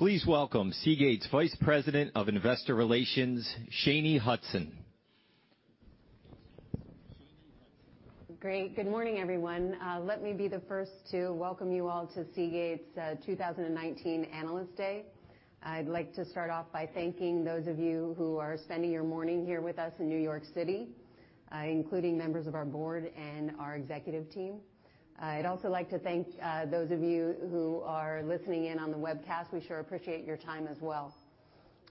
Please welcome Seagate's Vice President of Investor Relations, Shanye Hudson. Great. Good morning, everyone. Let me be the first to welcome you all to Seagate's 2019 Analyst Day. I'd like to start off by thanking those of you who are spending your morning here with us in New York City, including members of our board and our executive team. I'd also like to thank those of you who are listening in on the webcast. We sure appreciate your time as well.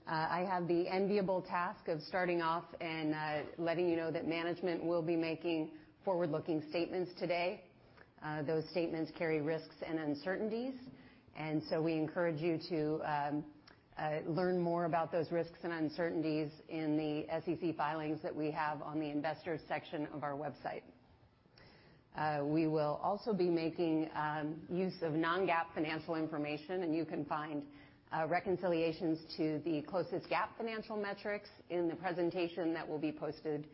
I have the enviable task of starting off and letting you know that management will be making forward-looking statements today. Those statements carry risks and uncertainties, and so we encourage you to learn more about those risks and uncertainties in the SEC filings that we have on the investors section of our website. We will also be making use of non-GAAP financial information, and you can find reconciliations to the closest GAAP financial metrics in the presentation that will be posted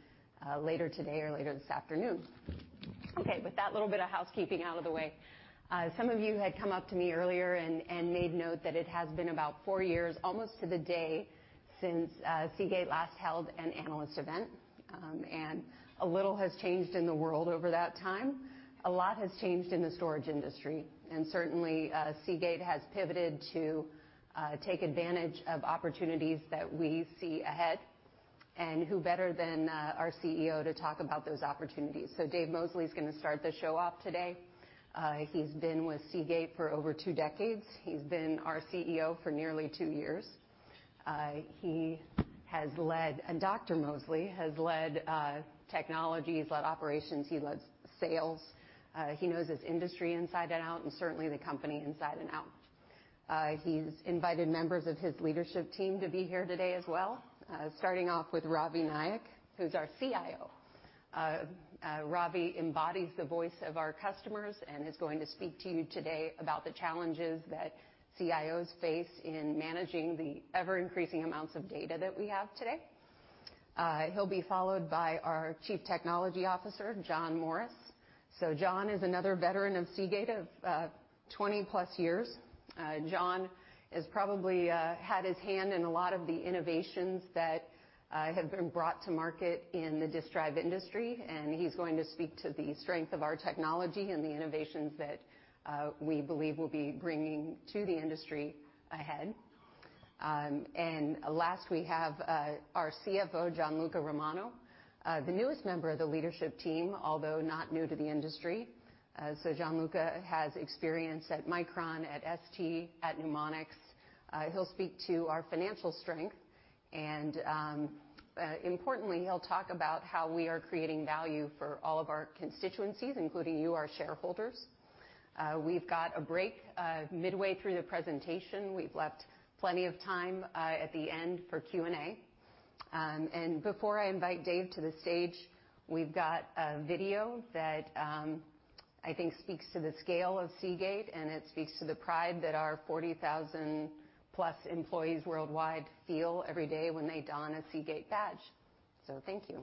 later today or later this afternoon. Okay, with that little bit of housekeeping out of the way, some of you had come up to me earlier and made note that it has been about four years, almost to the day, since Seagate last held an analyst event. A little has changed in the world over that time. A lot has changed in the storage industry. Certainly, Seagate has pivoted to take advantage of opportunities that we see ahead. Who better than our CEO to talk about those opportunities? Dave Mosley is going to start the show off today. He's been with Seagate for over two decades. He's been our CEO for nearly two years. Dr. Mosley has led technologies, led operations, he leads sales. He knows his industry inside and out, and certainly the company inside and out. He's invited members of his leadership team to be here today as well, starting off with Ravi Naik, who's our CIO. Ravi embodies the voice of our customers and is going to speak to you today about the challenges that CIOs face in managing the ever-increasing amounts of data that we have today. He'll be followed by our Chief Technology Officer, John Morris. John is another veteran of Seagate Technology of 20-plus years. John has probably had his hand in a lot of the innovations that have been brought to market in the disk drive industry, and he's going to speak to the strength of our technology and the innovations that we believe we'll be bringing to the industry ahead. Last, we have our CFO, Gianluca Romano, the newest member of the leadership team, although not new to the industry. Gianluca has experience at Micron, at ST, at Numonyx. He'll speak to our financial strength, importantly, he'll talk about how we are creating value for all of our constituencies, including you, our shareholders. We've got a break midway through the presentation. We've left plenty of time at the end for Q&A. Before I invite Dave to the stage, we've got a video that I think speaks to the scale of Seagate, and it speaks to the pride that our 40,000-plus employees worldwide feel every day when they don a Seagate badge. Thank you.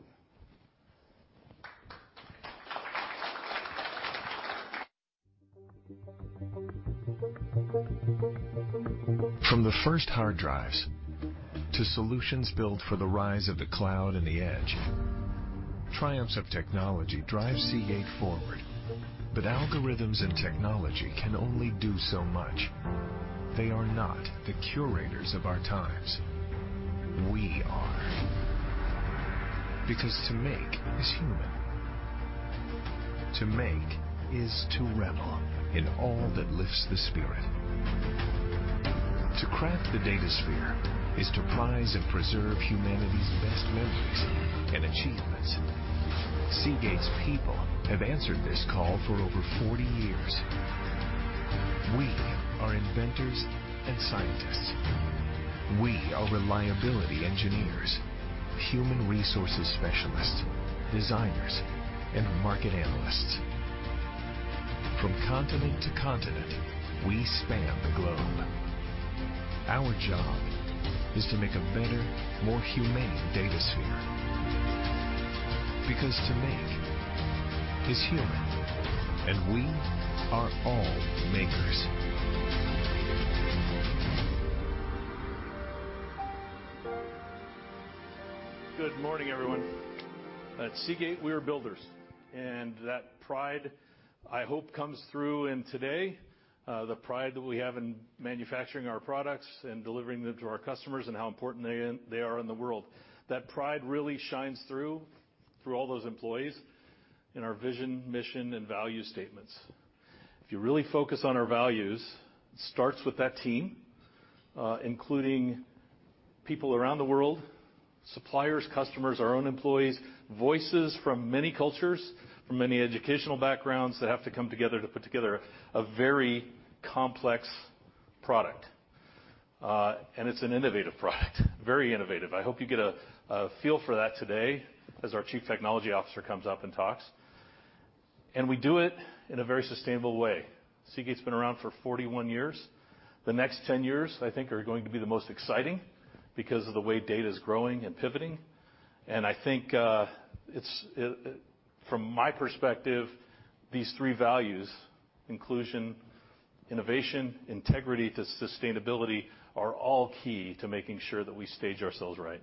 From the first hard drives to solutions built for the rise of the cloud and the edge, triumphs of technology drive Seagate forward. Algorithms and technology can only do so much. They are not the curators of our times. We are. Because to make is human. To make is to revel in all that lifts the spirit. To craft the DataSphere is to prize and preserve humanity's best memories and achievements. Seagate's people have answered this call for over 40 years. We are inventors and scientists. We are reliability engineers, human resources specialists, designers, and market analysts. From continent to continent, we span the globe. Our job is to make a better, more humane DataSphere. Because to make is human, and we are all makers. Good morning, everyone. At Seagate, we are builders, and that pride, I hope, comes through in today, the pride that we have in manufacturing our products and delivering them to our customers and how important they are in the world. That pride really shines through all those employees in our vision, mission, and value statements. If you really focus on our values, it starts with that team, including people around the world, suppliers, customers, our own employees, voices from many cultures, from many educational backgrounds that have to come together to put together a very complex product. It's an innovative product, very innovative. I hope you get a feel for that today as our Chief Technology Officer comes up and talks. We do it in a very sustainable way. Seagate's been around for 41 years. The next 10 years, I think, are going to be the most exciting because of the way data is growing and pivoting. I think from my perspective, these three values, inclusion, innovation, integrity to sustainability, are all key to making sure that we stage ourselves right.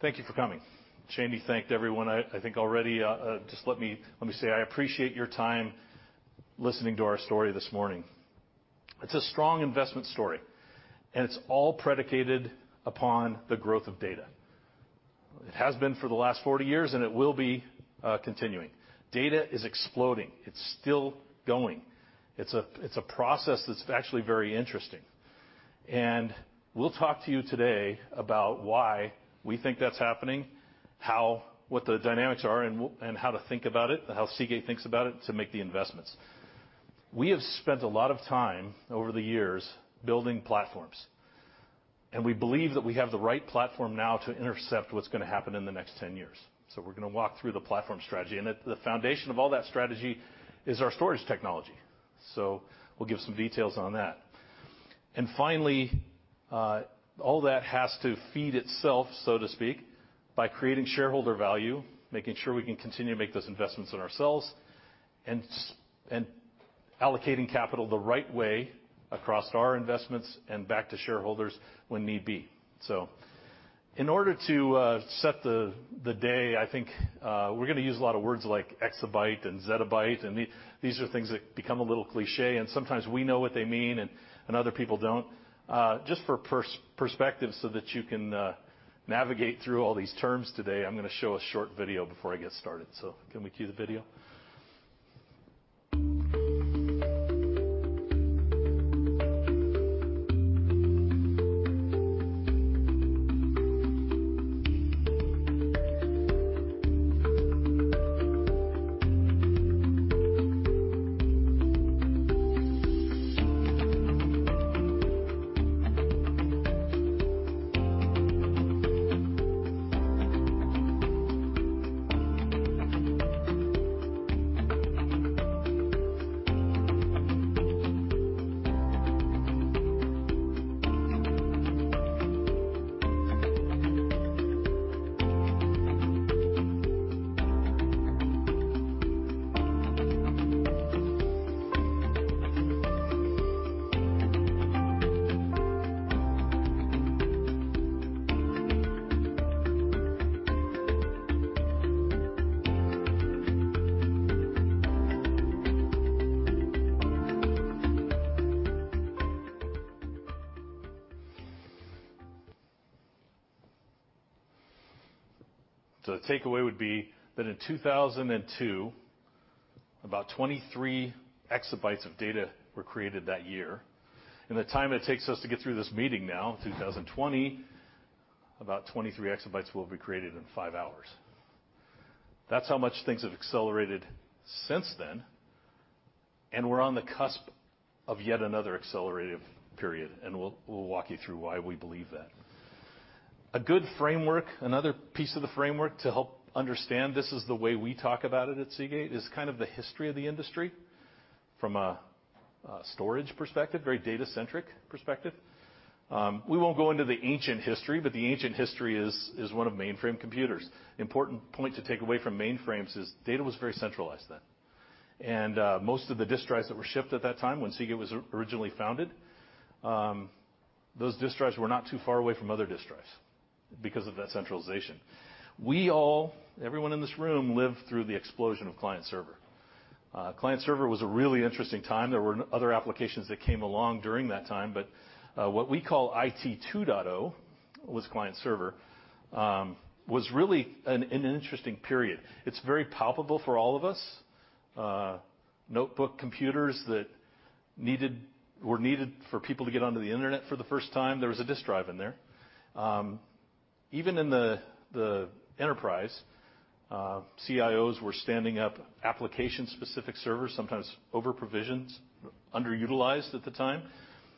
Thank you for coming. Shanye thanked everyone, I think already. Just let me say, I appreciate your time listening to our story this morning. It's a strong investment story, and it's all predicated upon the growth of data. It has been for the last 40 years, and it will be continuing. Data is exploding. It's still going. It's a process that's actually very interesting. We'll talk to you today about why we think that's happening, what the dynamics are, and how to think about it, how Seagate thinks about it to make the investments. We have spent a lot of time over the years building platforms, and we believe that we have the right platform now to intercept what's going to happen in the next 10 years. We're going to walk through the platform strategy. And the foundation of all that strategy is our storage technology. We'll give some details on that. Finally, all that has to feed itself, so to speak, by creating shareholder value, making sure we can continue to make those investments in ourselves, and allocating capital the right way across our investments and back to shareholders when need be. In order to set the day, I think we're going to use a lot of words like exabyte and zettabyte, and these are things that become a little cliche, and sometimes we know what they mean and other people don't. Just for perspective, so that you can navigate through all these terms today, I'm going to show a short video before I get started. Can we cue the video? The takeaway would be that in 2002, about 23 exabytes of data were created that year. In the time it takes us to get through this meeting now, 2020, about 23 exabytes will be created in five hours. That's how much things have accelerated since then, and we're on the cusp of yet another accelerative period, and we'll walk you through why we believe that. A good framework, another piece of the framework to help understand this is the way we talk about it at Seagate, is kind of the history of the industry from a storage perspective, very data-centric perspective. We won't go into the ancient history, the ancient history is one of mainframe computers. Important point to take away from mainframes is data was very centralized then. Most of the disk drives that were shipped at that time when Seagate was originally founded, those disk drives were not too far away from other disk drives because of that centralization. We all, everyone in this room, lived through the explosion of client server. Client server was a really interesting time. There were other applications that came along during that time, but what we call IT 2.0 was client server, was really an interesting period. It's very palpable for all of us. Notebook computers that were needed for people to get onto the internet for the first time, there was a disk drive in there. Even in the enterprise, CIOs were standing up application-specific servers, sometimes over-provisioned, underutilized at the time,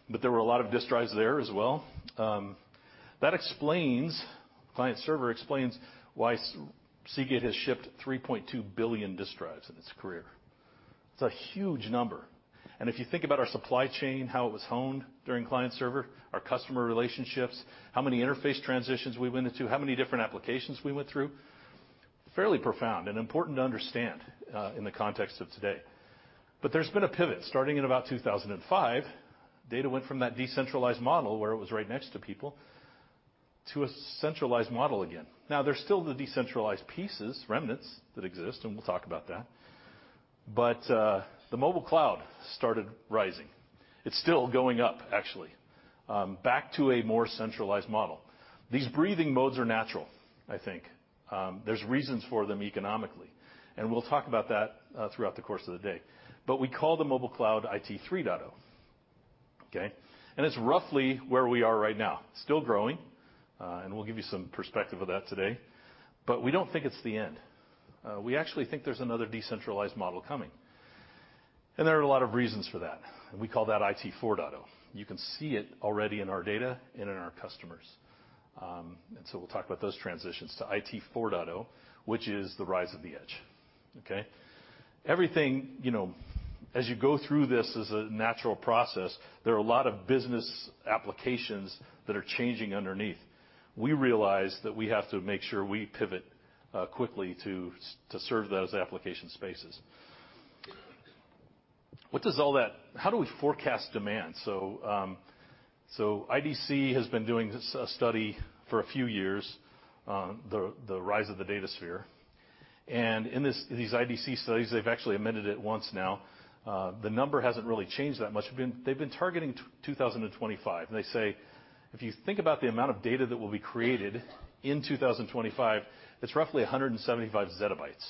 but there were a lot of disk drives there as well. Client server explains why Seagate has shipped 3.2 billion disk drives in its career. It's a huge number. If you think about our supply chain, how it was honed during client server, our customer relationships, how many interface transitions we went into, how many different applications we went through, fairly profound and important to understand in the context of today. There's been a pivot. Starting in about 2005, data went from that decentralized model, where it was right next to people, to a centralized model again. There's still the decentralized pieces, remnants that exist, and we'll talk about that. The mobile cloud started rising. It's still going up, actually, back to a more centralized model. These breathing modes are natural, I think. There's reasons for them economically, and we'll talk about that throughout the course of the day. We call the mobile cloud IT 3.0. Okay. It's roughly where we are right now, still growing, and we'll give you some perspective of that today. We don't think it's the end. We actually think there's another decentralized model coming, and there are a lot of reasons for that, and we call that IT 4.0. You can see it already in our data and in our customers. We'll talk about those transitions to IT 4.0, which is the rise of the edge. Okay. Everything, as you go through this as a natural process, there are a lot of business applications that are changing underneath. We realize that we have to make sure we pivot quickly to serve those application spaces. How do we forecast demand? IDC has been doing this study for a few years, the rise of the DataSphere. In these IDC studies, they've actually amended it once now, the number hasn't really changed that much. They've been targeting 2025, and they say, if you think about the amount of data that will be created in 2025, it's roughly 175 zettabytes.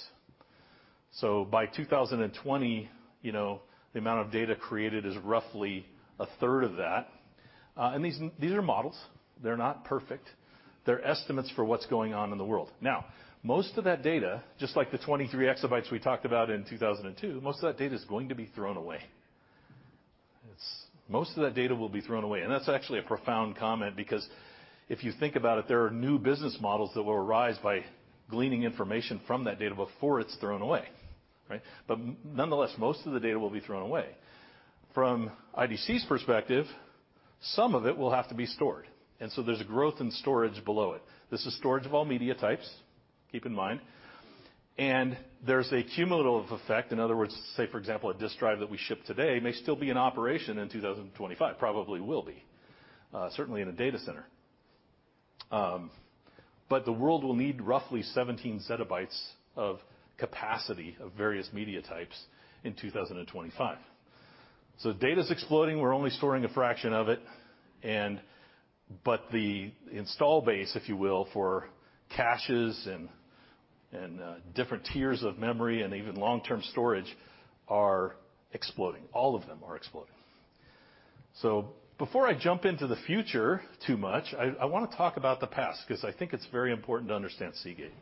By 2020, the amount of data created is roughly a third of that. These are models. They're not perfect. They're estimates for what's going on in the world. Now, most of that data, just like the 23 exabytes we talked about in 2002, most of that data is going to be thrown away. Most of that data will be thrown away, and that's actually a profound comment because if you think about it, there are new business models that will arise by gleaning information from that data before it's thrown away, right? Nonetheless, most of the data will be thrown away. From IDC's perspective, some of it will have to be stored, there's a growth in storage below it. This is storage of all media types, keep in mind. There's a cumulative effect, in other words, say, for example, a disk drive that we ship today may still be in operation in 2025, probably will be, certainly in a data center. The world will need roughly 17 zettabytes of capacity of various media types in 2025. Data's exploding. We're only storing a fraction of it. The install base, if you will, for caches and different tiers of memory and even long-term storage are exploding. All of them are exploding. Before I jump into the future too much, I want to talk about the past because I think it's very important to understand Seagate.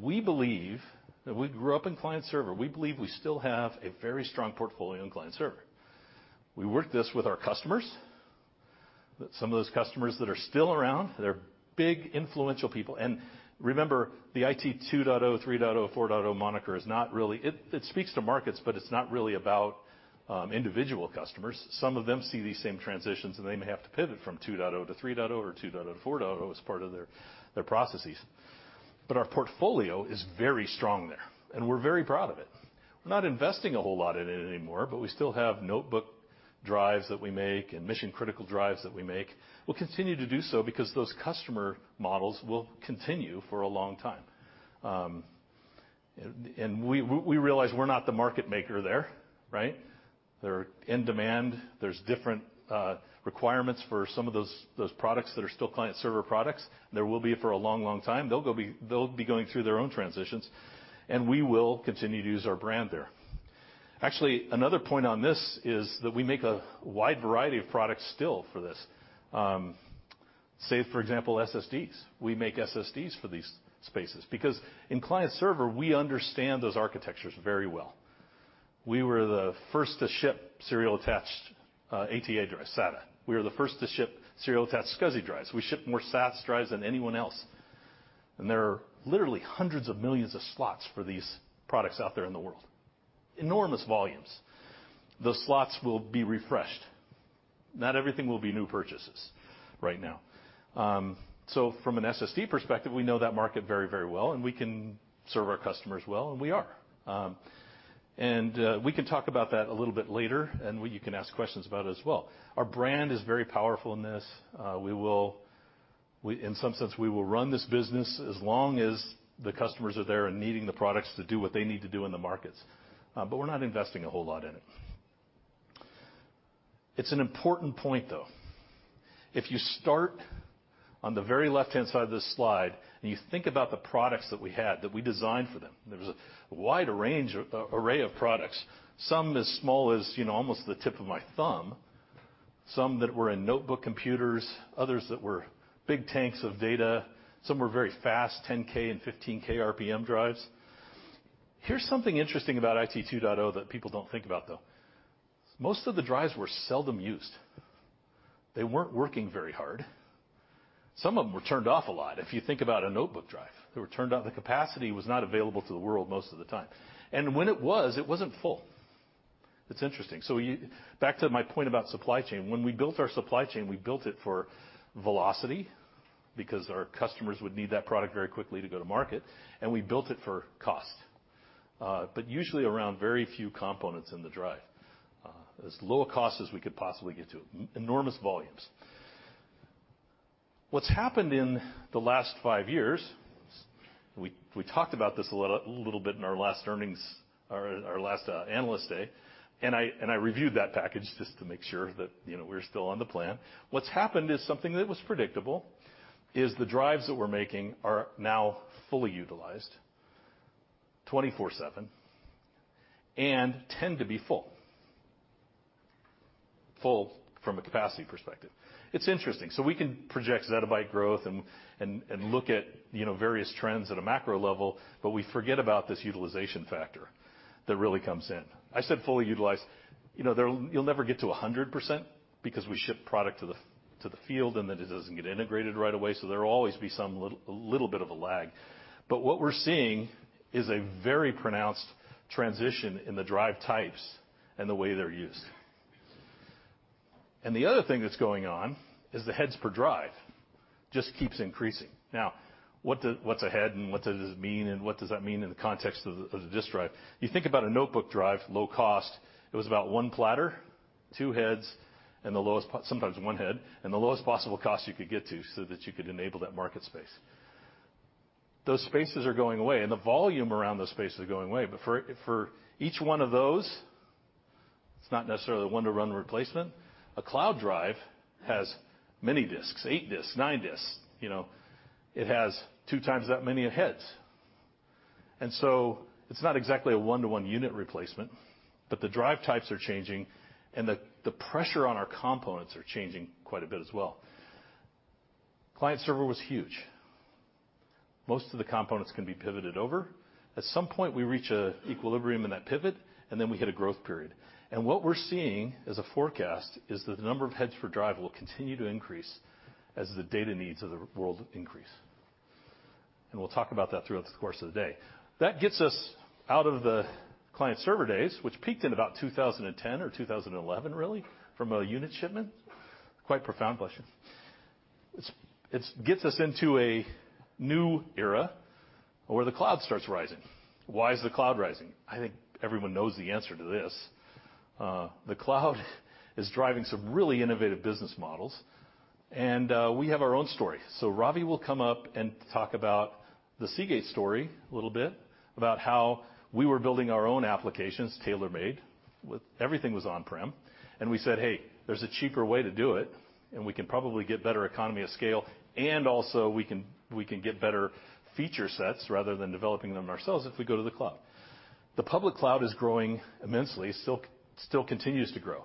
We believe that we grew up in client server. We believe we still have a very strong portfolio in client server. We work this with our customers, some of those customers that are still around, they're big, influential people. Remember, the IT 2.0, 3.0, 4.0 moniker is not really it speaks to markets, but it's not really about individual customers. Some of them see these same transitions, they may have to pivot from 2.0 to 3.0 or 2.0 to 4.0 as part of their processes. Our portfolio is very strong there, and we're very proud of it. We're not investing a whole lot in it anymore, but we still have notebook drives that we make and mission-critical drives that we make. We'll continue to do so because those customer models will continue for a long time. We realize we're not the market maker there, right? They're in demand. There's different requirements for some of those products that are still client server products. There will be for a long, long time. They'll be going through their own transitions, and we will continue to use our brand there. Actually, another point on this is that we make a wide variety of products still for this. Say, for example, SSDs. We make SSDs for these spaces because in client server, we understand those architectures very well. We were the first to ship serial attached ATA drive, SATA. We were the first to ship serial attached SCSI drives. We ship more SAS drives than anyone else, and there are literally hundreds of millions of slots for these products out there in the world. Enormous volumes. Those slots will be refreshed. Not everything will be new purchases right now. From an SSD perspective, we know that market very, very well, and we can serve our customers well, and we are. We can talk about that a little bit later and you can ask questions about it as well. Our brand is very powerful in this. In some sense, we will run this business as long as the customers are there and needing the products to do what they need to do in the markets. We're not investing a whole lot in it. It's an important point, though. If you start on the very left-hand side of this slide and you think about the products that we had, that we designed for them, there was a wide array of products, some as small as almost the tip of my thumb, some that were in notebook computers, others that were big tanks of data, some were very fast, 10K and 15K RPM drives. Here's something interesting about IT 2.0 that people don't think about, though. Most of the drives were seldom used. They weren't working very hard. Some of them were turned off a lot. If you think about a notebook drive, they were turned off, the capacity was not available to the world most of the time. When it was, it wasn't full. It's interesting. Back to my point about supply chain. When we built our supply chain, we built it for velocity because our customers would need that product very quickly to go to market, and we built it for cost. Usually around very few components in the drive. As low a cost as we could possibly get to. Enormous volumes. What's happened in the last 5 years, we talked about this a little bit in our last earnings or our last analyst day, and I reviewed that package just to make sure that we're still on the plan. What's happened is something that was predictable, is the drives that we're making are now fully utilized, 24/7, and tend to be full. Full from a capacity perspective. It's interesting. We can project zettabyte growth and look at various trends at a macro level, but we forget about this utilization factor that really comes in. I said fully utilized. You'll never get to 100% because we ship product to the field, and then it doesn't get integrated right away, so there will always be a little bit of a lag. What we're seeing is a very pronounced transition in the drive types and the way they're used. The other thing that's going on is the heads per drive just keeps increasing. Now, what's a head, and what does it mean, and what does that mean in the context of the disk drive? You think about a notebook drive, low cost, it was about one platter, two heads, sometimes one head, and the lowest possible cost you could get to so that you could enable that market space. Those spaces are going away, and the volume around those spaces are going away. For each one of those, it's not necessarily a one-to-one replacement. A cloud drive has many disks, eight disks, nine disks. It has two times that many of heads. It's not exactly a one-to-one unit replacement, but the drive types are changing, and the pressure on our components are changing quite a bit as well. Client server was huge. Most of the components can be pivoted over. At some point, we reach an equilibrium in that pivot, and then we hit a growth period. What we're seeing as a forecast is that the number of heads per drive will continue to increase as the data needs of the world increase. We'll talk about that throughout the course of the day. That gets us out of the client server days, which peaked in about 2010 or 2011, really, from a unit shipment. Quite profound question. It gets us into a new era where the cloud starts rising. Why is the cloud rising? I think everyone knows the answer to this. The cloud is driving some really innovative business models. We have our own story. Ravi will come up and talk about the Seagate story a little bit, about how we were building our own applications, tailor-made, everything was on-prem. We said, "Hey, there's a cheaper way to do it, and we can probably get better economy of scale, and also we can get better feature sets rather than developing them ourselves if we go to the cloud." The public cloud is growing immensely, still continues to grow.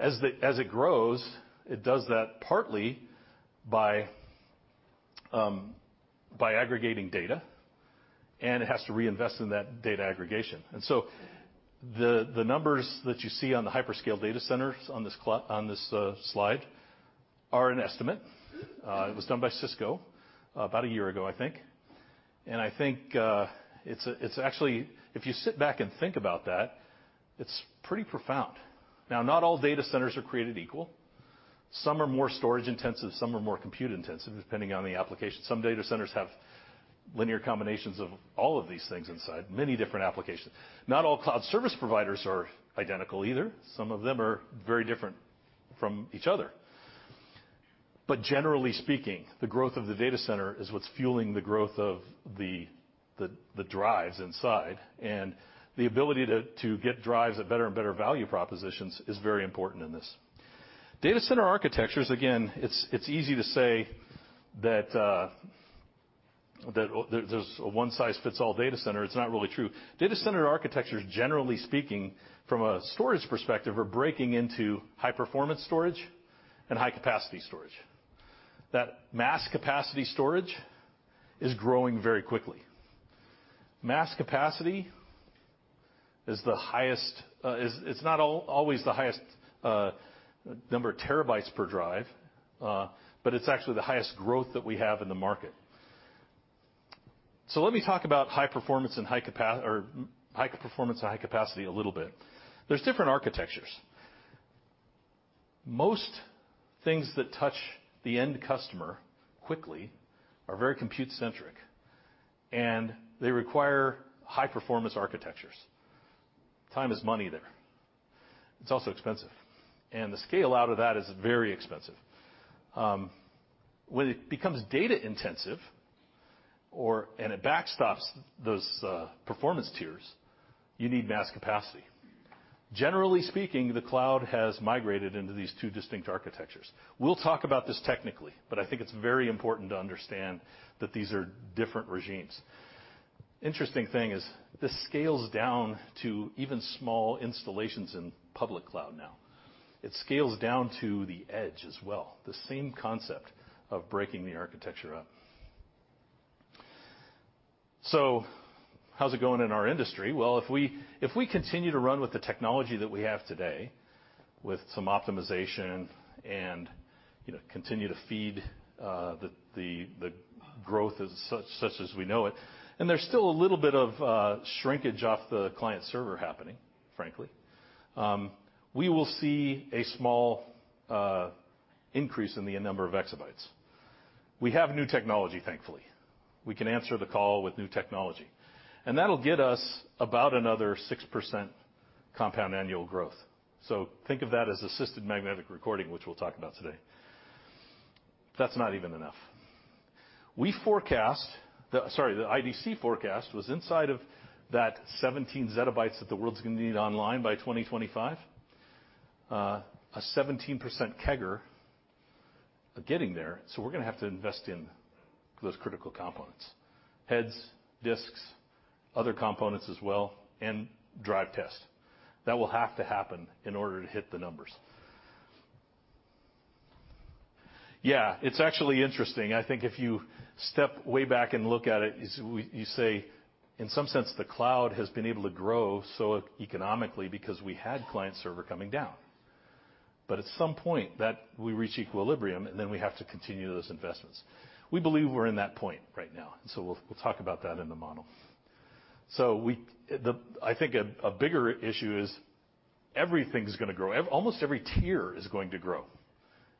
As it grows, it does that partly by aggregating data. It has to reinvest in that data aggregation. The numbers that you see on the hyperscale data centers on this slide are an estimate. It was done by Cisco about a year ago, I think. I think it's actually, if you sit back and think about that, it's pretty profound. Now, not all data centers are created equal. Some are more storage-intensive, some are more compute-intensive, depending on the application. Some data centers have linear combinations of all of these things inside, many different applications. Not all cloud service providers are identical either. Some of them are very different from each other. Generally speaking, the growth of the data center is what's fueling the growth of the drives inside. The ability to get drives at better and better value propositions is very important in this. Data center architectures, again, it's easy to say that there's a one-size-fits-all data center. It's not really true. Data center architectures, generally speaking, from a storage perspective, are breaking into high-performance storage and high-capacity storage. That mass capacity storage is growing very quickly. Mass capacity is not always the highest number of terabytes per drive, but it's actually the highest growth that we have in the market. Let me talk about high performance and high capacity a little bit. There's different architectures. Most things that touch the end customer quickly are very compute-centric, and they require high-performance architectures. Time is money there. It's also expensive. The scale out of that is very expensive. When it becomes data-intensive and it backstops those performance tiers, you need mass capacity. Generally speaking, the cloud has migrated into these two distinct architectures. We'll talk about this technically, but I think it's very important to understand that these are different regimes. Interesting thing is this scales down to even small installations in public cloud now. It scales down to the edge as well, the same concept of breaking the architecture up. How's it going in our industry? Well, if we continue to run with the technology that we have today, with some optimization and continue to feed the growth such as we know it, and there's still a little bit of shrinkage off the client server happening, frankly, we will see a small increase in the number of exabytes. We have new technology, thankfully. We can answer the call with new technology. That'll get us about another 6% compound annual growth. Think of that as Assisted Magnetic Recording, which we'll talk about today. That's not even enough. The IDC forecast was inside of that 17 zettabytes that the world's going to need online by 2025, a 17% CAGR getting there. We're going to have to invest in those critical components, heads, disks, other components as well, and drive test. That will have to happen in order to hit the numbers. It's actually interesting. I think if you step way back and look at it, you say, in some sense the cloud has been able to grow so economically because we had client server coming down. At some point that we reach equilibrium, we have to continue those investments. We believe we're in that point right now. We'll talk about that in the model. I think a bigger issue is everything's going to grow. Almost every tier is going to grow.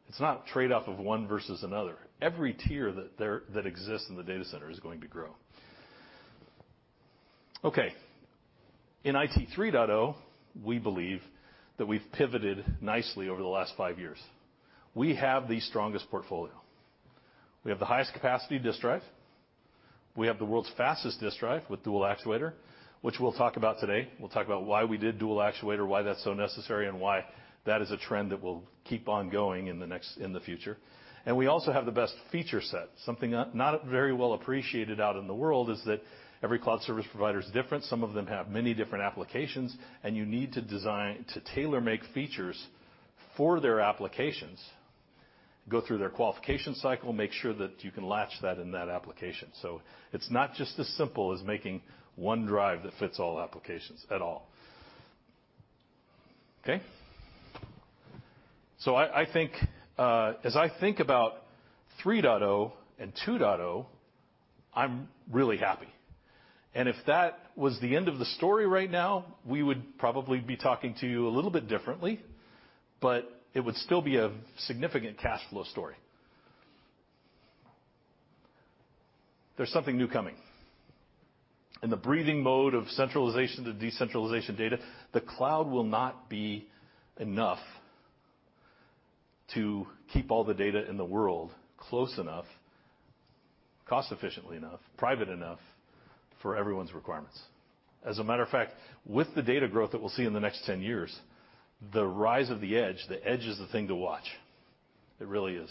It's not trade-off of one versus another. Every tier that exists in the data center is going to grow. Okay. In IT 3.0, we believe that we've pivoted nicely over the last five years. We have the strongest portfolio. We have the highest capacity disk drive. We have the world's fastest disk drive with dual actuator, which we'll talk about today. We'll talk about why we did dual actuator, why that's so necessary, and why that is a trend that will keep on going in the future. We also have the best feature set. Something not very well appreciated out in the world is that every cloud service provider is different. Some of them have many different applications, and you need to tailor-make features for their applications, go through their qualification cycle, make sure that you can latch that in that application. It's not just as simple as making one drive that fits all applications at all. Okay. As I think about 3.0 and 2.0, I'm really happy. If that was the end of the story right now, we would probably be talking to you a little bit differently, but it would still be a significant cash flow story. There's something new coming. In the breathing mode of centralization to decentralization data, the cloud will not be enough to keep all the data in the world close enough, cost efficiently enough, private enough for everyone's requirements. As a matter of fact, with the data growth that we'll see in the next 10 years, the rise of the edge, the edge is the thing to watch. It really is.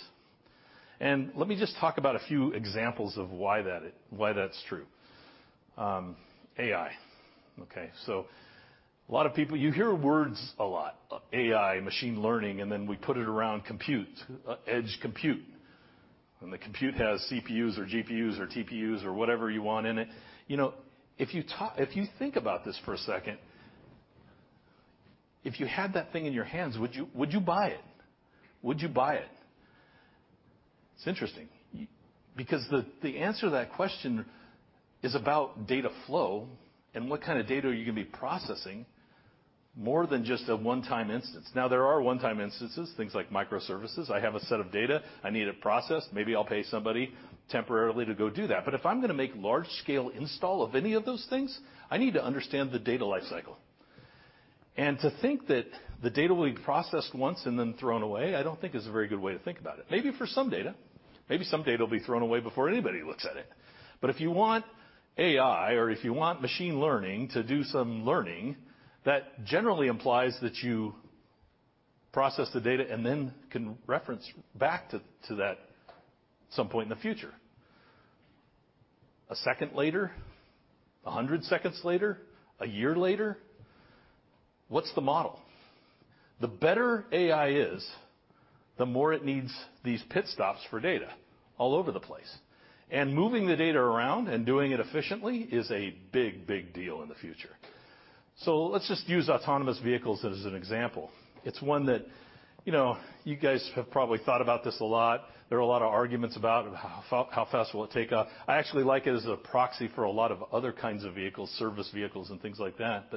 Let me just talk about a few examples of why that's true. AI. Okay. You hear words a lot, AI, machine learning, and then we put it around compute, edge compute. The compute has CPUs or GPUs or TPUs or whatever you want in it. If you think about this for a second, if you had that thing in your hands, would you buy it? It's interesting, because the answer to that question is about data flow and what kind of data are you going to be processing more than just a one-time instance. There are one-time instances, things like microservices. I have a set of data. I need it processed. Maybe I'll pay somebody temporarily to go do that. If I'm going to make large-scale install of any of those things, I need to understand the data life cycle. To think that the data will be processed once and then thrown away, I don't think is a very good way to think about it. Maybe for some data. Maybe some data will be thrown away before anybody looks at it. If you want AI or if you want machine learning to do some learning, that generally implies that you process the data and then can reference back to that at some point in the future. A second later? A hundred seconds later? A year later? What's the model? The better AI is, the more it needs these pit stops for data all over the place. Moving the data around and doing it efficiently is a big deal in the future. Let's just use autonomous vehicles as an example. It's one that you guys have probably thought about this a lot. There are a lot of arguments about how fast will it take off. I actually like it as a proxy for a lot of other kinds of vehicles, service vehicles and things like that.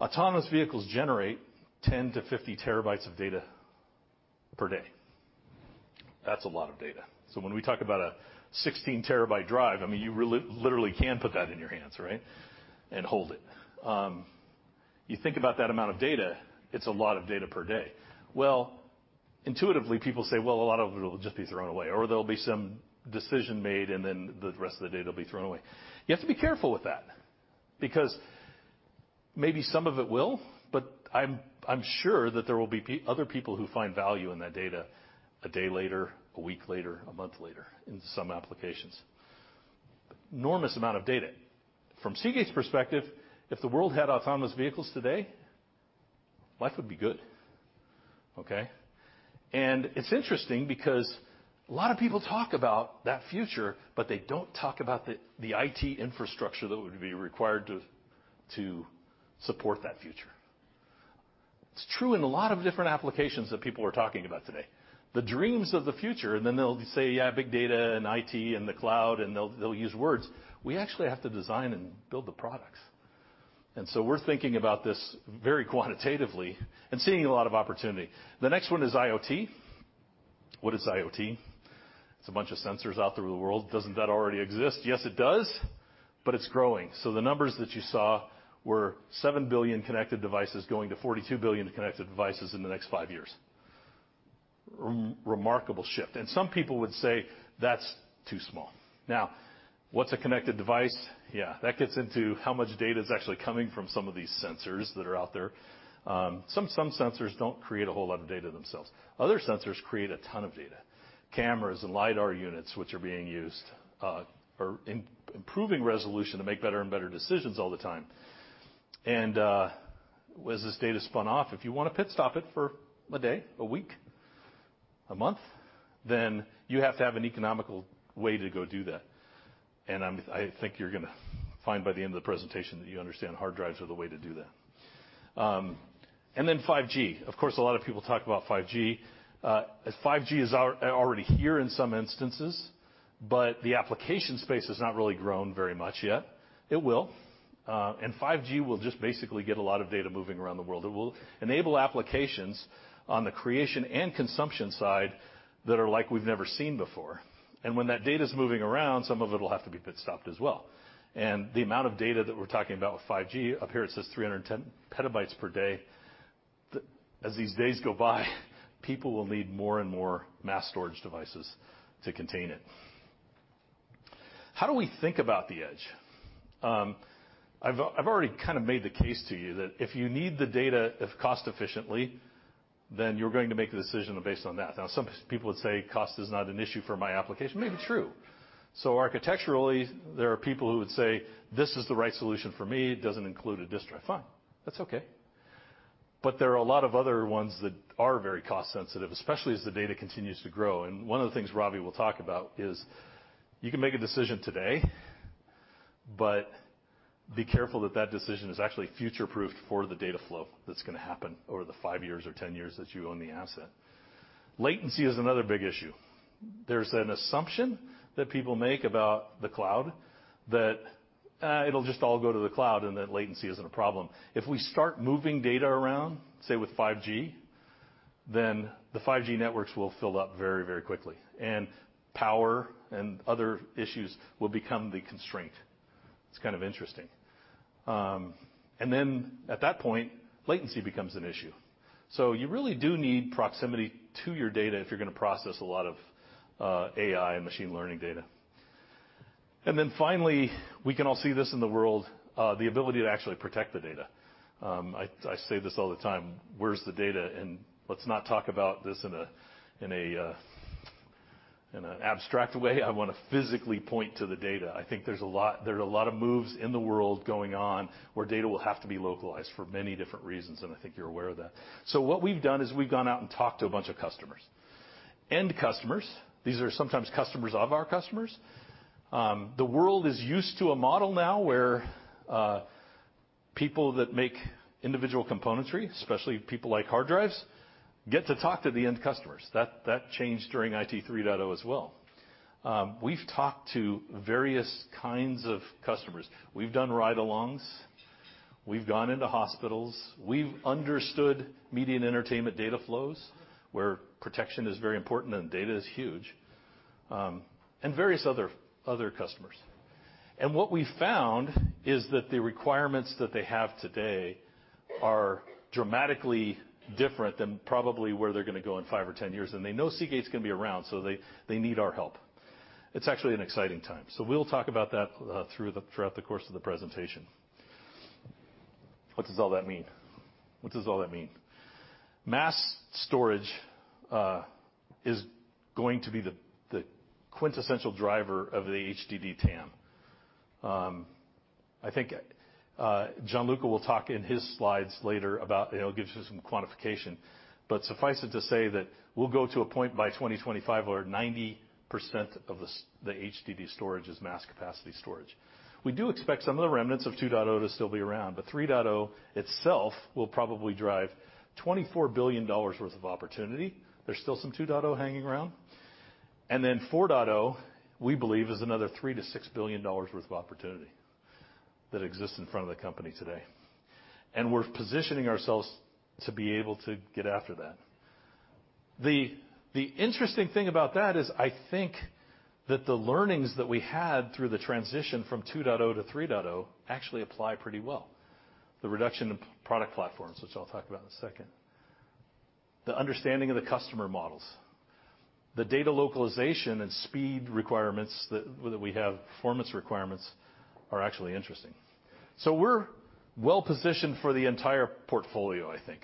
Autonomous vehicles generate 10 to 50 terabytes of data per day. That's a lot of data. When we talk about a 16 terabyte drive, you literally can put that in your hands, right? Hold it. You think about that amount of data, it's a lot of data per day. Well, intuitively people say, well, a lot of it will just be thrown away, or there'll be some decision made, and then the rest of the data will be thrown away. You have to be careful with that because maybe some of it will, but I'm sure that there will be other people who find value in that data a day later, a week later, a month later in some applications. Enormous amount of data. From Seagate's perspective, if the world had autonomous vehicles today, life would be good. Okay. It's interesting because a lot of people talk about that future, but they don't talk about the IT infrastructure that would be required to support that future. It's true in a lot of different applications that people are talking about today. The dreams of the future, they'll say, yeah, big data and IT and the cloud and they'll use words. We actually have to design and build the products. We're thinking about this very quantitatively and seeing a lot of opportunity. The next one is IoT. What is IoT? It's a bunch of sensors out through the world. Doesn't that already exist? Yes, it does. It's growing. The numbers that you saw were 7 billion connected devices going to 42 billion connected devices in the next five years. Remarkable shift. Some people would say that's too small. Now, what's a connected device? Yeah, that gets into how much data is actually coming from some of these sensors that are out there. Some sensors don't create a whole lot of data themselves. Other sensors create a ton of data. Cameras and lidar units, which are being used, are improving resolution to make better and better decisions all the time. Was this data spun off? If you want to pit stop it for a day, a week, a month, then you have to have an economical way to go do that. I think you're going to find by the end of the presentation that you understand hard drives are the way to do that. Then 5G. Of course, a lot of people talk about 5G. As 5G is already here in some instances, but the application space has not really grown very much yet. It will. 5G will just basically get a lot of data moving around the world. It will enable applications on the creation and consumption side that are like we've never seen before. When that data's moving around, some of it'll have to be pit stopped as well. The amount of data that we're talking about with 5G, up here it says 310 petabytes per day. As these days go by, people will need more and more mass storage devices to contain it. How do we think about the edge? I've already kind of made the case to you that if you need the data cost efficiently, then you're going to make the decision based on that. Now, some people would say cost is not an issue for my application. Maybe true. Architecturally, there are people who would say, "This is the right solution for me. It doesn't include a disk drive." Fine. That's okay. There are a lot of other ones that are very cost-sensitive, especially as the data continues to grow. One of the things Ravi will talk about is you can make a decision today, but be careful that that decision is actually future-proofed for the data flow that's going to happen over the five years or 10 years that you own the asset. Latency is another big issue. There's an assumption that people make about the cloud that, "Eh, it'll just all go to the cloud, and that latency isn't a problem." If we start moving data around, say, with 5G, then the 5G networks will fill up very quickly, and power and other issues will become the constraint. It's kind of interesting. At that point, latency becomes an issue. You really do need proximity to your data if you're going to process a lot of AI and machine learning data. Finally, we can all see this in the world, the ability to actually protect the data. I say this all the time, where's the data? Let's not talk about this in an abstract way. I want to physically point to the data. I think there's a lot of moves in the world going on, where data will have to be localized for many different reasons, and I think you're aware of that. What we've done is we've gone out and talked to a bunch of customers. End customers, these are sometimes customers of our customers. The world is used to a model now where people that make individual componentry, especially people like hard drives, get to talk to the end customers. That changed during IT 3.0 as well. We've talked to various kinds of customers. We've done ride-alongs. We've gone into hospitals. We've understood media and entertainment data flows, where protection is very important and data is huge, and various other customers. What we found is that the requirements that they have today are dramatically different than probably where they're going to go in five or 10 years. They know Seagate's going to be around, so they need our help. It's actually an exciting time. We'll talk about that throughout the course of the presentation. What does all that mean? Mass storage is going to be the quintessential driver of the HDD TAM. I think Gianluca will talk in his slides later about, it'll give you some quantification. Suffice it to say that we'll go to a point by 2025 where 90% of the HDD storage is mass capacity storage. We do expect some of the remnants of 2.0 to still be around, but 3.0 itself will probably drive $24 billion worth of opportunity. There's still some 2.0 hanging around. Then 4.0, we believe, is another $3 billion-$6 billion worth of opportunity that exists in front of the company today. We're positioning ourselves to be able to get after that. The interesting thing about that is I think that the learnings that we had through the transition from 2.0 to 3.0 actually apply pretty well. The reduction in product platforms, which I'll talk about in a second. The understanding of the customer models. The data localization and speed requirements that we have, performance requirements, are actually interesting. We're well-positioned for the entire portfolio, I think.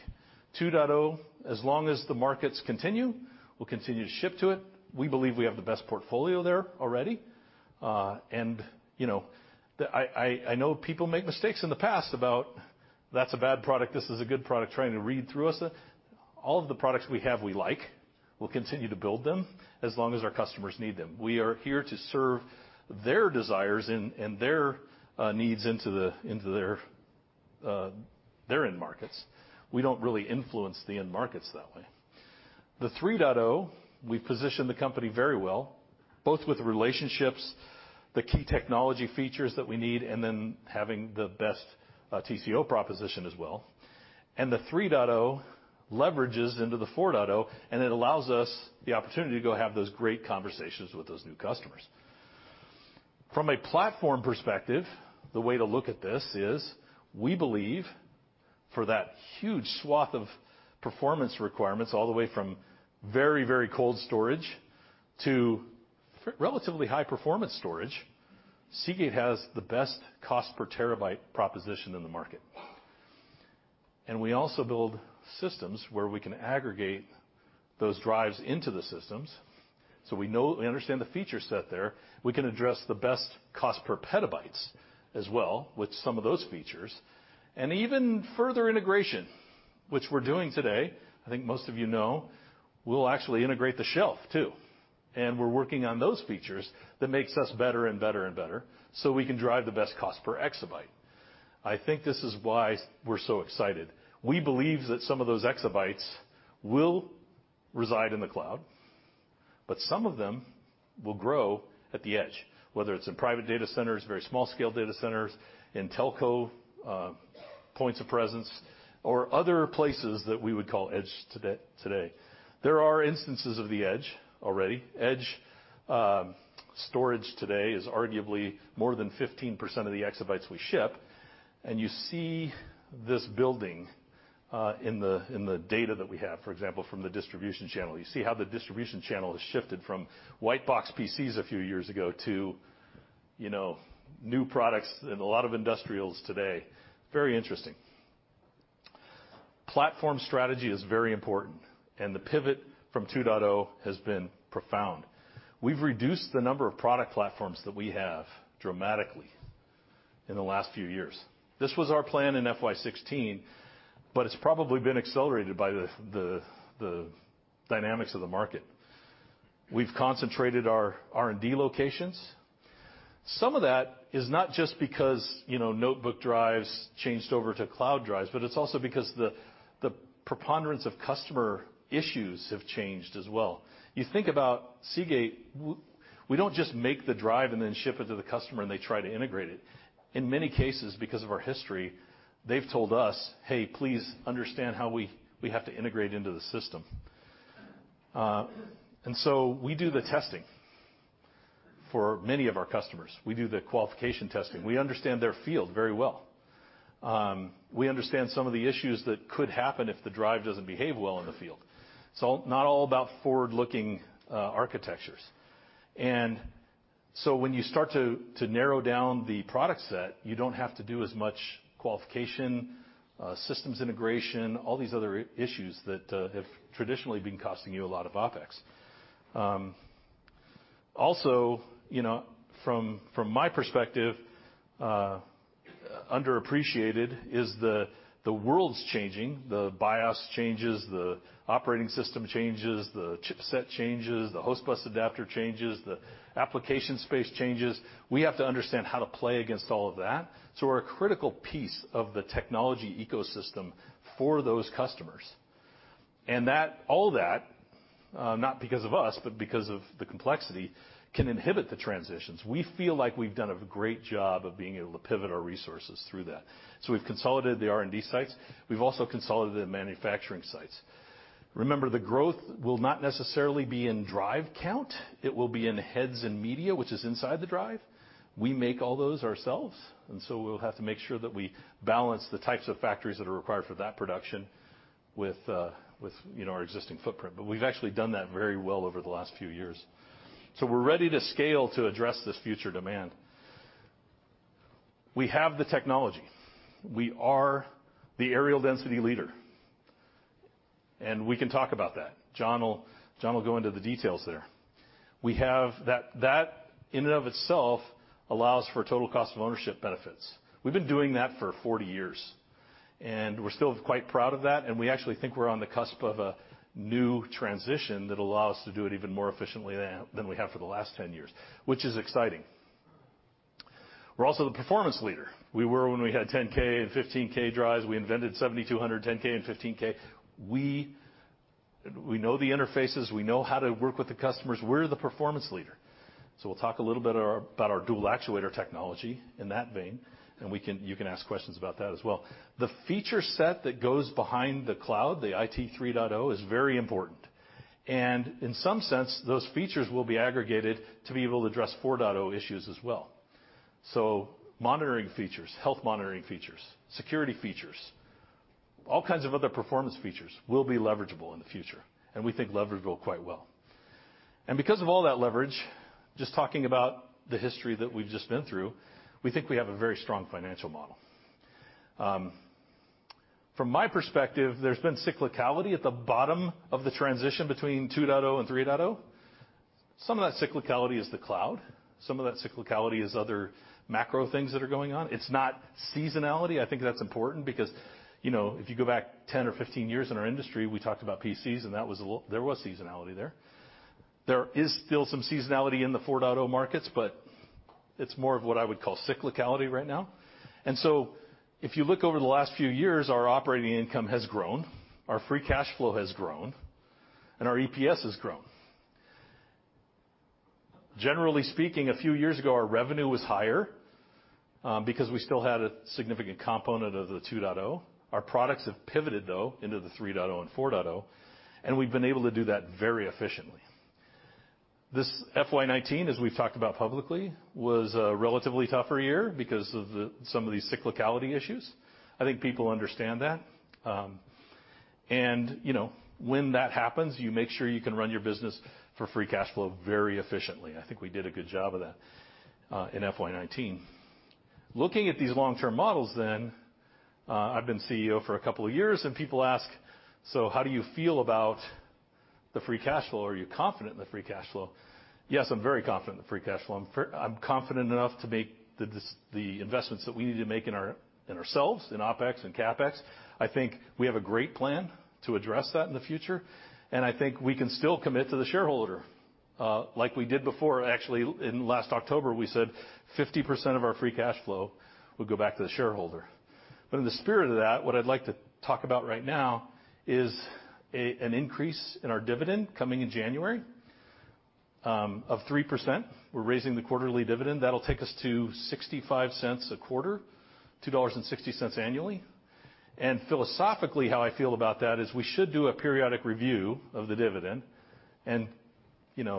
2.0, as long as the markets continue, we'll continue to ship to it. We believe we have the best portfolio there already. I know people make mistakes in the past about, "That's a bad product, this is a good product," trying to read through us. All of the products we have we like. We'll continue to build them as long as our customers need them. We are here to serve their desires and their needs into their end markets. We don't really influence the end markets that way. The 3.0, we've positioned the company very well, both with the relationships, the key technology features that we need, then having the best TCO proposition as well. The 3.0 leverages into the 4.0, and it allows us the opportunity to go have those great conversations with those new customers. From a platform perspective, the way to look at this is we believe for that huge swath of performance requirements, all the way from very cold storage to relatively high-performance storage, Seagate has the best cost per terabyte proposition in the market. We also build systems where we can aggregate those drives into the systems. We understand the feature set there. We can address the best cost per petabytes as well with some of those features. Even further integration, which we're doing today, I think most of you know, we'll actually integrate the shelf too. We're working on those features that makes us better and better and better so we can drive the best cost per exabyte. I think this is why we're so excited. We believe that some of those exabytes will reside in the cloud, but some of them will grow at the edge, whether it's in private data centers, very small-scale data centers, in telco points of presence, or other places that we would call edge today. There are instances of the edge already. Edge storage today is arguably more than 15% of the exabytes we ship, and you see this building in the data that we have, for example, from the distribution channel. You see how the distribution channel has shifted from white box PCs a few years ago to new products and a lot of industrials today. Very interesting. Platform strategy is very important, and the pivot from 2.0 has been profound. We've reduced the number of product platforms that we have dramatically in the last few years. This was our plan in FY 2016, but it's probably been accelerated by the dynamics of the market. We've concentrated our R&D locations. Some of that is not just because notebook drives changed over to cloud drives, but it's also because the preponderance of customer issues have changed as well. You think about Seagate, we don't just make the drive and then ship it to the customer, and they try to integrate it. In many cases, because of our history, they've told us, "Hey, please understand how we have to integrate into the system." We do the testing for many of our customers. We do the qualification testing. We understand their field very well. We understand some of the issues that could happen if the drive doesn't behave well in the field. It's not all about forward-looking architectures. When you start to narrow down the product set, you don't have to do as much qualification, systems integration, all these other issues that have traditionally been costing you a lot of OpEx. Also, from my perspective, underappreciated is the world's changing, the BIOS changes, the operating system changes, the chipset changes, the host bus adapter changes, the application space changes. We have to understand how to play against all of that. We're a critical piece of the technology ecosystem for those customers. All that, not because of us, but because of the complexity, can inhibit the transitions. We feel like we've done a great job of being able to pivot our resources through that. We've consolidated the R&D sites. We've also consolidated the manufacturing sites. Remember, the growth will not necessarily be in drive count. It will be in heads and media, which is inside the drive. We make all those ourselves, we'll have to make sure that we balance the types of factories that are required for that production with our existing footprint. We've actually done that very well over the last few years. We're ready to scale to address this future demand. We have the technology. We are the areal density leader, we can talk about that. John will go into the details there. That in and of itself allows for total cost of ownership benefits. We've been doing that for 40 years, and we're still quite proud of that, and we actually think we're on the cusp of a new transition that'll allow us to do it even more efficiently than we have for the last 10 years, which is exciting. We're also the performance leader. We were when we had 10K and 15K drives. We invented 7200, 10K, and 15K. We know the interfaces. We know how to work with the customers. We're the performance leader. We'll talk a little bit about our dual actuator technology in that vein, and you can ask questions about that as well. The feature set that goes behind the cloud, the IT 3.0, is very important. In some sense, those features will be aggregated to be able to address 4.0 issues as well. Monitoring features, health monitoring features, security features, all kinds of other performance features will be leverageable in the future, and we think leverageable quite well. Because of all that leverage, just talking about the history that we've just been through, we think we have a very strong financial model. From my perspective, there's been cyclicality at the bottom of the transition between 2.0 and 3.0. Some of that cyclicality is the cloud. Some of that cyclicality is other macro things that are going on. It's not seasonality. I think that's important because, if you go back 10 or 15 years in our industry, we talked about PCs, and there was seasonality there. There is still some seasonality in the 4.0 markets, but it's more of what I would call cyclicality right now. If you look over the last few years, our operating income has grown, our free cash flow has grown, and our EPS has grown. Generally speaking, a few years ago, our revenue was higher, because we still had a significant component of the 2.0. Our products have pivoted, though, into the 3.0 and 4.0, and we've been able to do that very efficiently. This FY 2019, as we've talked about publicly, was a relatively tougher year because of some of the cyclicality issues. I think people understand that. When that happens, you make sure you can run your business for free cash flow very efficiently. I think we did a good job of that, in FY 2019. Looking at these long-term models, I've been CEO for a couple of years, and people ask, "How do you feel about the free cash flow? Are you confident in the free cash flow?" Yes, I'm very confident in the free cash flow. I'm confident enough to make the investments that we need to make in ourselves, in OpEx and CapEx. I think we have a great plan to address that in the future, and I think we can still commit to the shareholder. Like we did before, actually, in last October, we said 50% of our free cash flow would go back to the shareholder. In the spirit of that, what I'd like to talk about right now is an increase in our dividend coming in January, of 3%. We're raising the quarterly dividend. That'll take us to $0.65 a quarter, $2.60 annually. Philosophically, how I feel about that is we should do a periodic review of the dividend and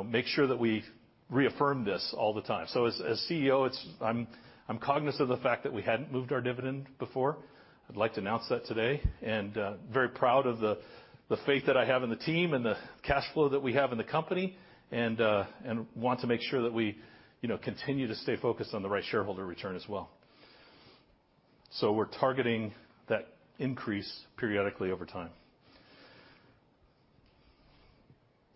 make sure that we reaffirm this all the time. As CEO, I'm cognizant of the fact that we hadn't moved our dividend before. I'd like to announce that today, and very proud of the faith that I have in the team and the cash flow that we have in the company, and want to make sure that we continue to stay focused on the right shareholder return as well. We're targeting that increase periodically over time.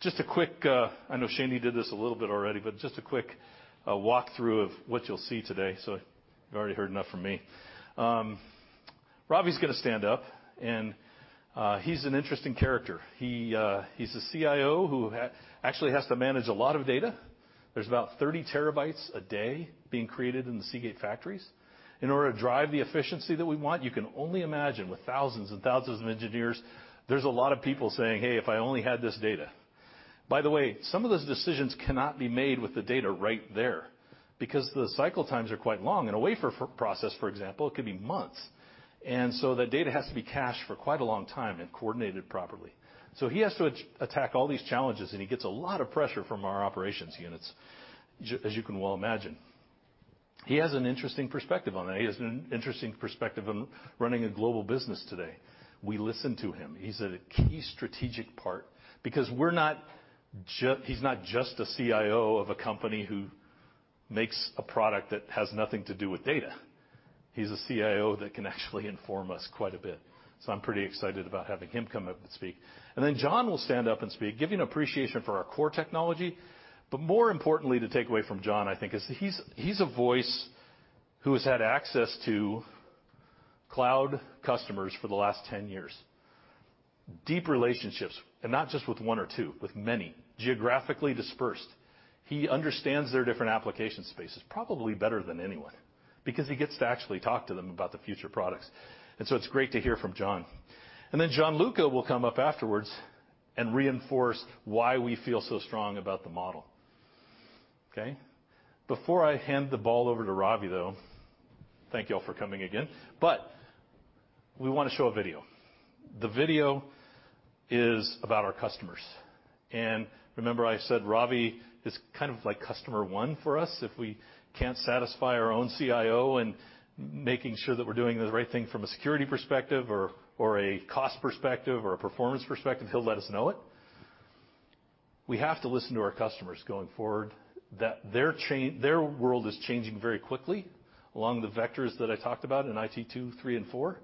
I know Shanye did this a little bit already, but just a quick walkthrough of what you'll see today, so you've already heard enough from me. Ravi's going to stand up, and he's an interesting character. He's the CIO who actually has to manage a lot of data. There's about 30 terabytes a day being created in the Seagate factories. In order to drive the efficiency that we want, you can only imagine with thousands and thousands of engineers, there's a lot of people saying, "Hey, if I only had this data." By the way, some of those decisions cannot be made with the data right there, because the cycle times are quite long. In a wafer process, for example, it could be months, and so that data has to be cached for quite a long time and coordinated properly. He has to attack all these challenges, and he gets a lot of pressure from our operations units, as you can well imagine. He has an interesting perspective on that. He has an interesting perspective on running a global business today. We listen to him. He's a key strategic part, because he's not just a CIO of a company who makes a product that has nothing to do with data. He's a CIO that can actually inform us quite a bit. I'm pretty excited about having him come up and speak. John will stand up and speak, give you an appreciation for our core technology. More importantly to take away from John, I think, is he's a voice who has had access to cloud customers for the last 10 years. Deep relationships, and not just with one or two, with many, geographically dispersed. He understands their different application spaces probably better than anyone, because he gets to actually talk to them about the future products. It's great to hear from John. Gianluca will come up afterwards and reinforce why we feel so strong about the model. Okay? Before I hand the ball over to Ravi, though, thank you all for coming again, but we want to show a video. The video is about our customers. Remember I said Ravi is kind of like customer one for us. If we can't satisfy our own CIO in making sure that we're doing the right thing from a security perspective or a cost perspective or a performance perspective, he'll let us know it. We have to listen to our customers going forward, that their world is changing very quickly along the vectors that I talked about in IT2, 3, and 4.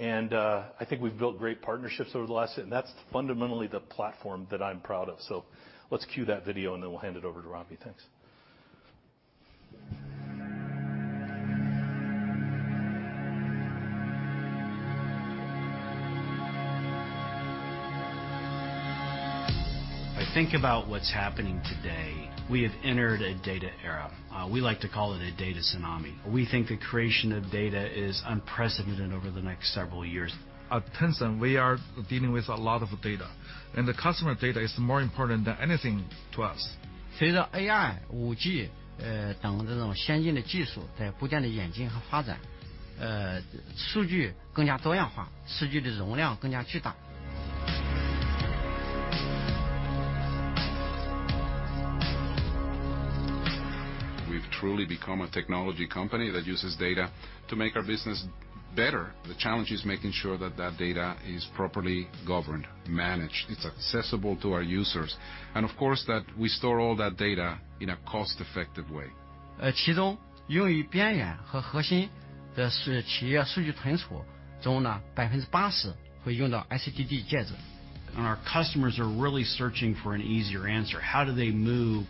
I think we've built great partnerships. That's fundamentally the platform that I'm proud of. Let's cue that video. We'll hand it over to Ravi. Thanks. If I think about what's happening today, we have entered a data era. We like to call it a data tsunami. We think the creation of data is unprecedented over the next several years. At Tencent, we are dealing with a lot of data. The customer data is more important than anything to us. We've truly become a technology company that uses data to make our business better. The challenge is making sure that that data is properly governed, managed, it's accessible to our users. Of course, that we store all that data in a cost-effective way. Our customers are really searching for an easier answer. How do they move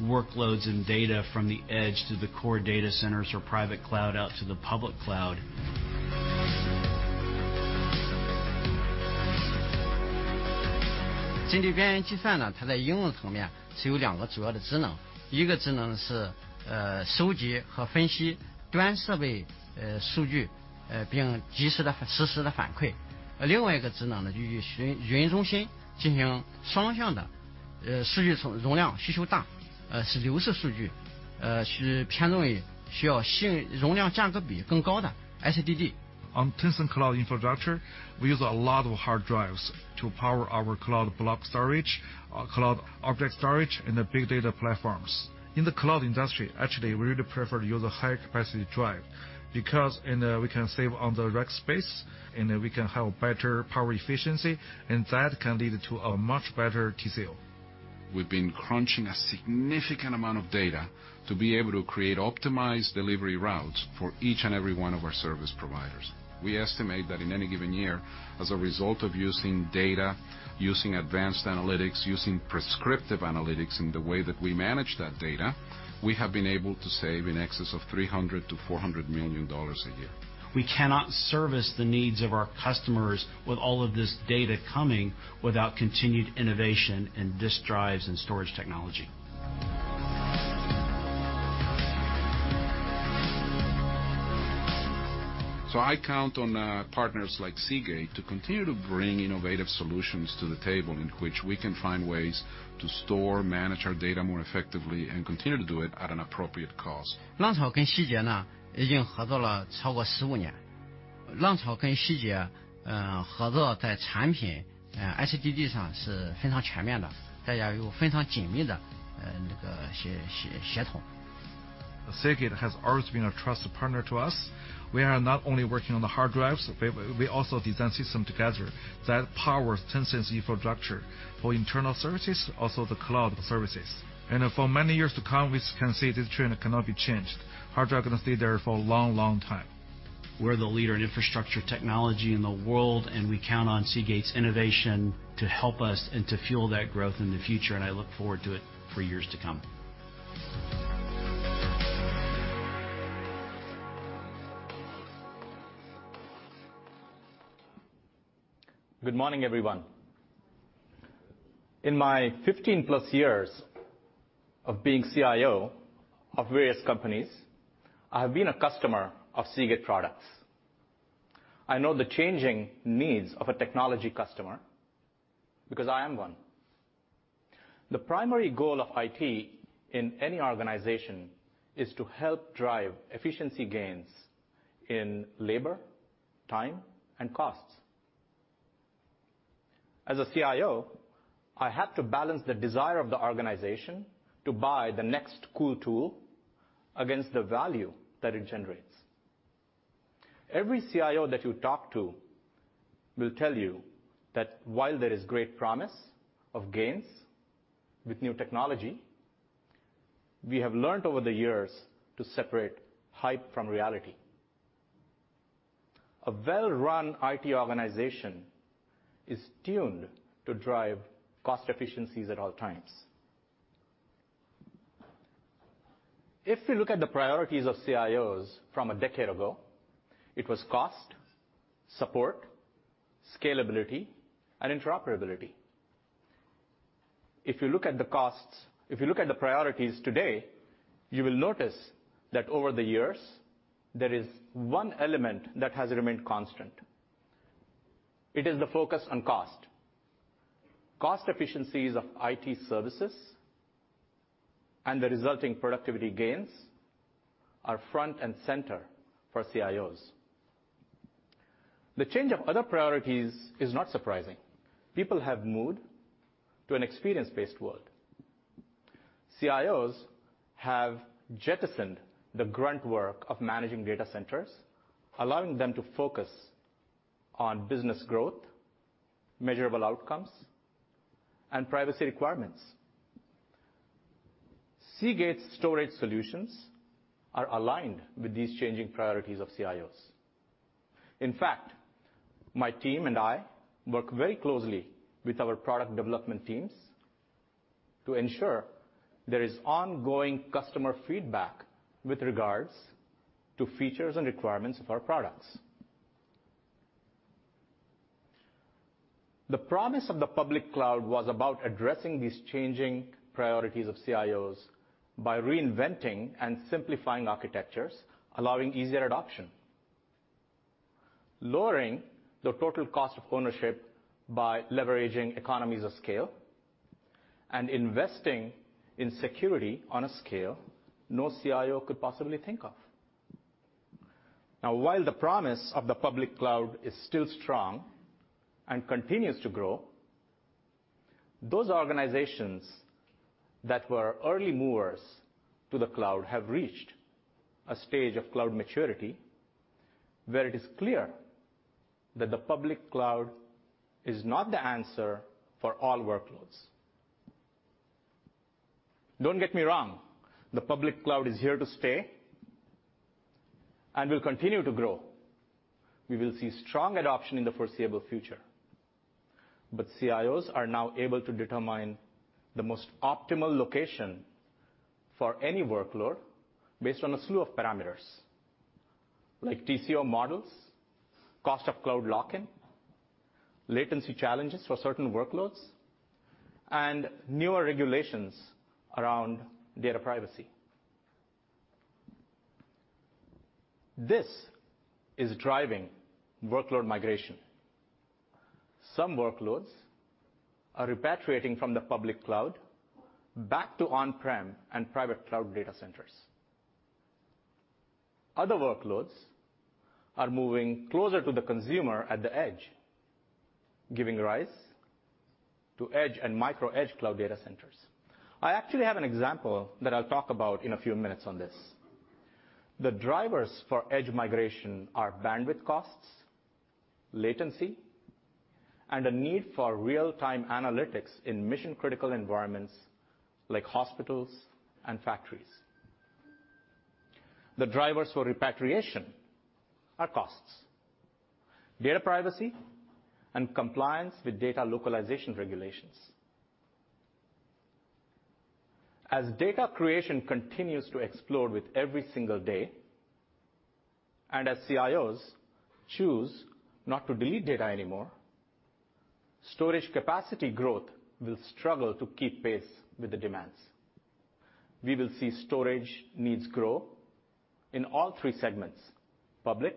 workloads and data from the edge to the core data centers or private cloud out to the public cloud? On Tencent Cloud infrastructure, we use a lot of hard drives to power our cloud block storage, our cloud object storage, and the big data platforms. In the cloud industry, actually, we really prefer to use a higher capacity drive because we can save on the rack space, and we can have better power efficiency, and that can lead to a much better TCO. We've been crunching a significant amount of data to be able to create optimized delivery routes for each and every one of our service providers. We estimate that in any given year, as a result of using data, using advanced analytics, using prescriptive analytics in the way that we manage that data, we have been able to save in excess of $300 million to $400 million a year. We cannot service the needs of our customers with all of this data coming without continued innovation in disk drives and storage technology. I count on partners like Seagate to continue to bring innovative solutions to the table in which we can find ways to store, manage our data more effectively, and continue to do it at an appropriate cost. Langchao and Seagate have been working together for over 15 years. Langchao and Seagate have very comprehensive cooperation in product HDD, with very close cooperation. Seagate has always been a trusted partner to us. We are not only working on the hard drives, but we also design system together that powers Tencent's infrastructure for internal services, also the cloud services. For many years to come, we can see this trend cannot be changed. Hard drive going to stay there for a long, long time. We're the leader in infrastructure technology in the world, and we count on Seagate's innovation to help us and to fuel that growth in the future, and I look forward to it for years to come. Good morning, everyone. In my 15+ years of being CIO of various companies, I have been a customer of Seagate products. I know the changing needs of a technology customer because I am one. The primary goal of IT in any organization is to help drive efficiency gains in labor, time, and costs. As a CIO, I have to balance the desire of the organization to buy the next cool tool against the value that it generates. Every CIO that you talk to will tell you that while there is great promise of gains with new technology, we have learned over the years to separate hype from reality. A well-run IT organization is tuned to drive cost efficiencies at all times. If we look at the priorities of CIOs from a decade ago, it was cost, support, scalability, and interoperability. If you look at the priorities today, you will notice that over the years, there is one element that has remained constant. It is the focus on cost. Cost efficiencies of IT services and the resulting productivity gains are front and center for CIOs. The change of other priorities is not surprising. People have moved to an experience based world. CIOs have jettisoned the grunt work of managing data centers, allowing them to focus on business growth, measurable outcomes, and privacy requirements. Seagate storage solutions are aligned with these changing priorities of CIOs. In fact, my team and I work very closely with our product development teams to ensure there is ongoing customer feedback with regards to features and requirements of our products. The promise of the public cloud was about addressing these changing priorities of CIOs by reinventing and simplifying architectures, allowing easier adoption, lowering the total cost of ownership by leveraging economies of scale, and investing in security on a scale no CIO could possibly think of. Now, while the promise of the public cloud is still strong and continues to grow, those organizations that were early movers to the cloud have reached a stage of cloud maturity where it is clear that the public cloud is not the answer for all workloads. Don't get me wrong, the public cloud is here to stay and will continue to grow. We will see strong adoption in the foreseeable future. CIOs are now able to determine the most optimal location for any workload based on a slew of parameters like TCO models, cost of cloud lock-in, latency challenges for certain workloads, and newer regulations around data privacy. This is driving workload migration. Some workloads are repatriating from the public cloud back to on-prem and private cloud data centers. Other workloads are moving closer to the consumer at the edge, giving rise to edge and micro edge cloud data centers. I actually have an example that I'll talk about in a few minutes on this. The drivers for edge migration are bandwidth costs, latency, and a need for real-time analytics in mission-critical environments like hospitals and factories. The drivers for repatriation are costs, data privacy, and compliance with data localization regulations. As CIOs choose not to delete data anymore, storage capacity growth will struggle to keep pace with the demands. We will see storage needs grow in all three segments: public,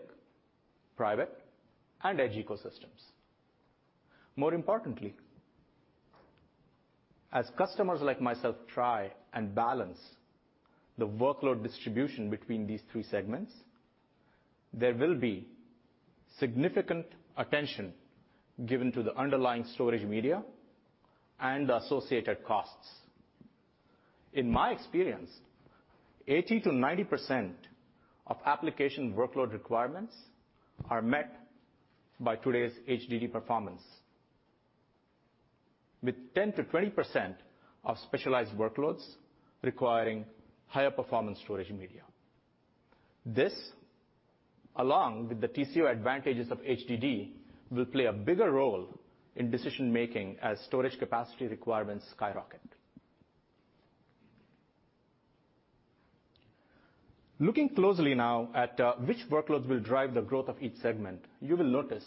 private, and edge ecosystems. More importantly, as customers like myself try and balance the workload distribution between these three segments, there will be significant attention given to the underlying storage media and the associated costs. In my experience, 80%-90% of application workload requirements are met by today's HDD performance, with 10%-20% of specialized workloads requiring higher performance storage media. This, along with the TCO advantages of HDD, will play a bigger role in decision-making as storage capacity requirements skyrocket. Looking closely now at which workloads will drive the growth of each segment, you will notice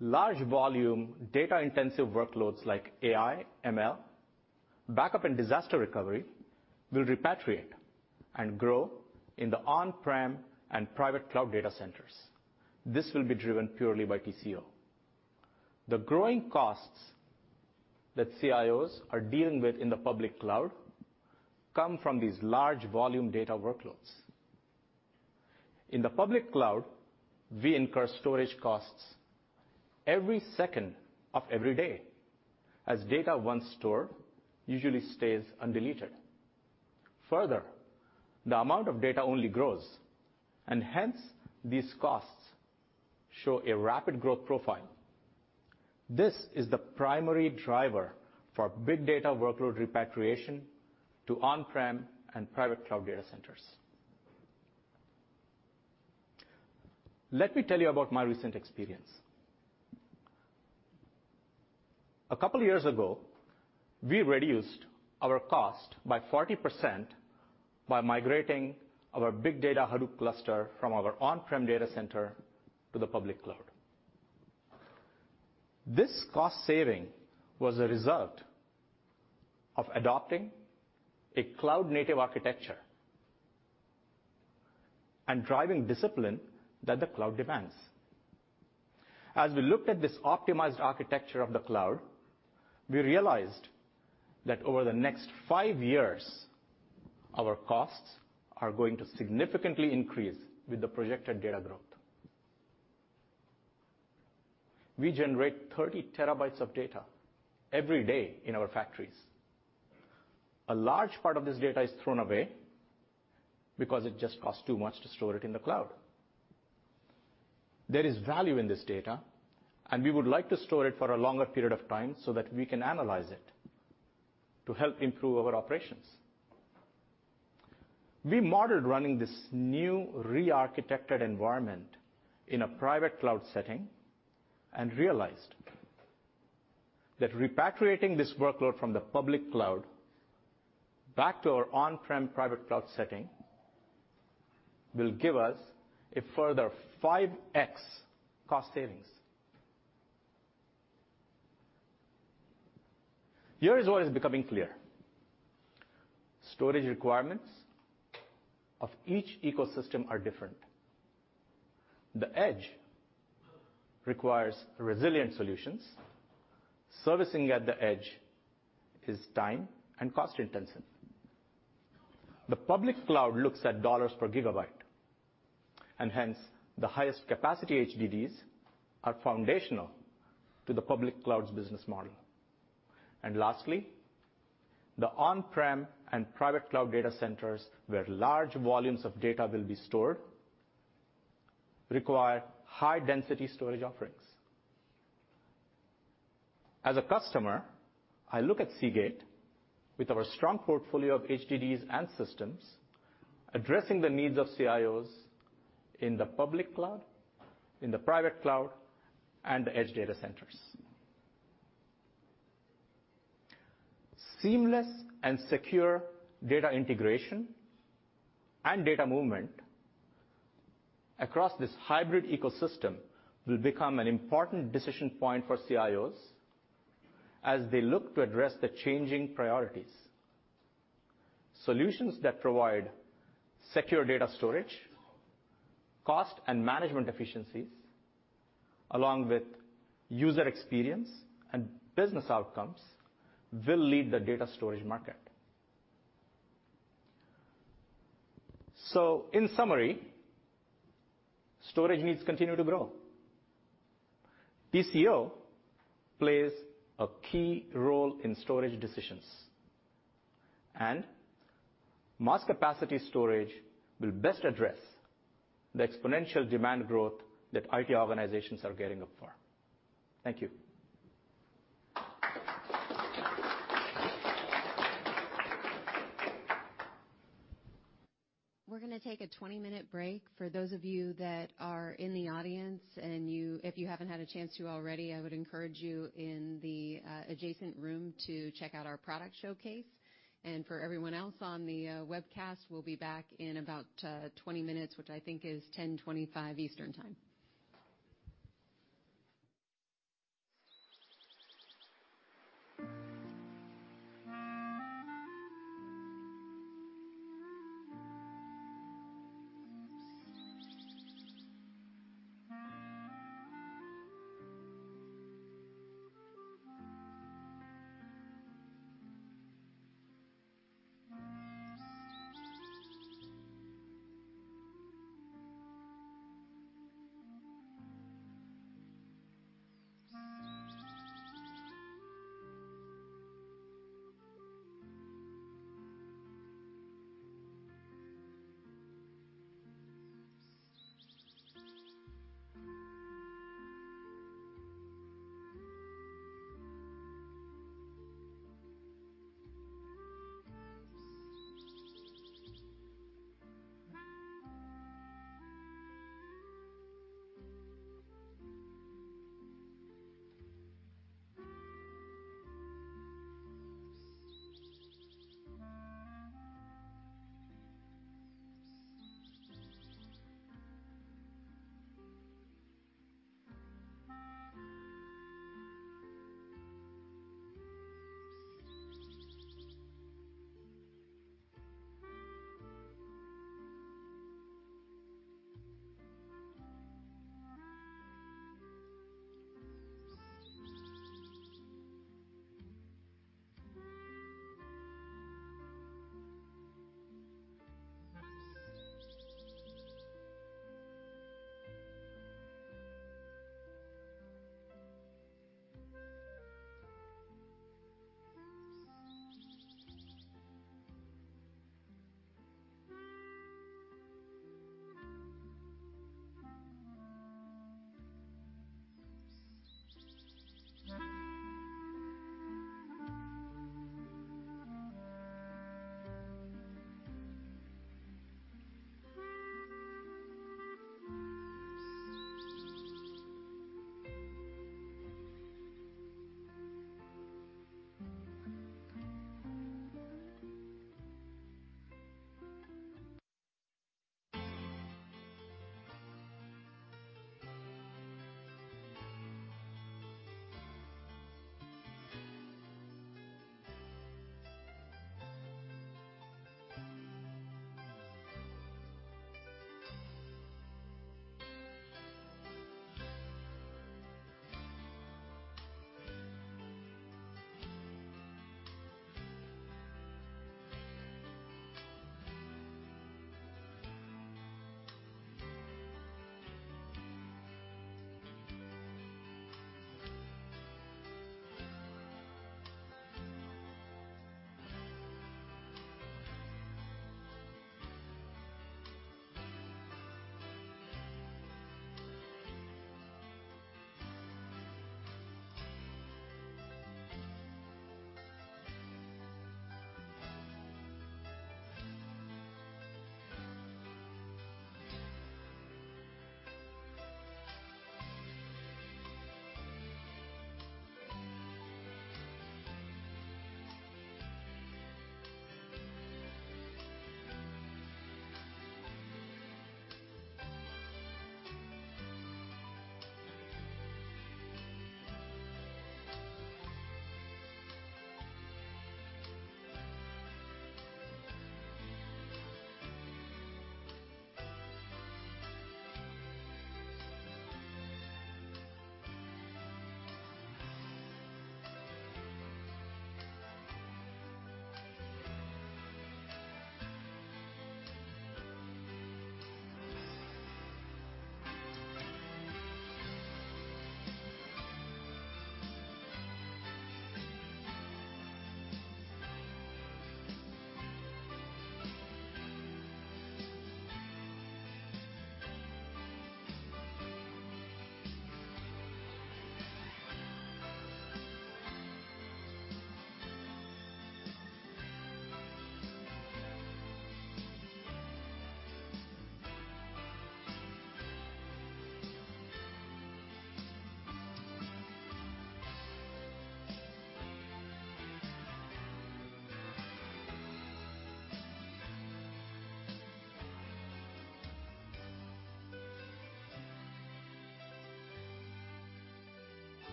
large volume data-intensive workloads like AI, ML, backup and disaster recovery will repatriate and grow in the on-prem and private cloud data centers. This will be driven purely by TCO. The growing costs that CIOs are dealing with in the public cloud come from these large volume data workloads. In the public cloud, we incur storage costs every second of every day, as data, once stored, usually stays undeleted. Further, the amount of data only grows, and hence, these costs show a rapid growth profile. This is the primary driver for big data workload repatriation to on-prem and private cloud data centers. Let me tell you about my recent experience. A couple years ago, we reduced our cost by 40% by migrating our big data Hadoop cluster from our on-prem data center to the public cloud. This cost saving was a result of adopting a cloud-native architecture and driving discipline that the cloud demands. As we looked at this optimized architecture of the cloud, we realized that over the next five years, our costs are going to significantly increase with the projected data growth. We generate 30 terabytes of data every day in our factories. A large part of this data is thrown away because it just costs too much to store it in the cloud. There is value in this data, we would like to store it for a longer period of time so that we can analyze it to help improve our operations. We modeled running this new re-architected environment in a private cloud setting and realized that repatriating this workload from the public cloud back to our on-prem private cloud setting will give us a further 5X cost savings. Here is what is becoming clear. Storage requirements of each ecosystem are different. The edge requires resilient solutions. Servicing at the edge is time and cost-intensive. The public cloud looks at $ per gigabyte, hence, the highest capacity HDDs are foundational to the public cloud's business model. Lastly, the on-prem and private cloud data centers, where large volumes of data will be stored, require high-density storage offerings. As a customer, I look at Seagate, with our strong portfolio of HDDs and systems, addressing the needs of CIOs in the public cloud, in the private cloud, and the edge data centers. Seamless and secure data integration and data movement across this hybrid ecosystem will become an important decision point for CIOs as they look to address the changing priorities. Solutions that provide secure data storage, cost and management efficiencies, along with user experience and business outcomes, will lead the data storage market. In summary, storage needs continue to grow. TCO plays a key role in storage decisions, and mass capacity storage will best address the exponential demand growth that IT organizations are gearing up for. Thank you. We're going to take a 20-minute break. If you haven't had a chance to already, I would encourage you in the adjacent room to check out our product showcase. For everyone else on the webcast, we'll be back in about 20 minutes, which I think is 10:25 Eastern Time.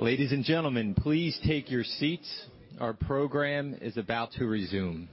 Ladies and gentlemen, please take your seats. Our program is about to resume.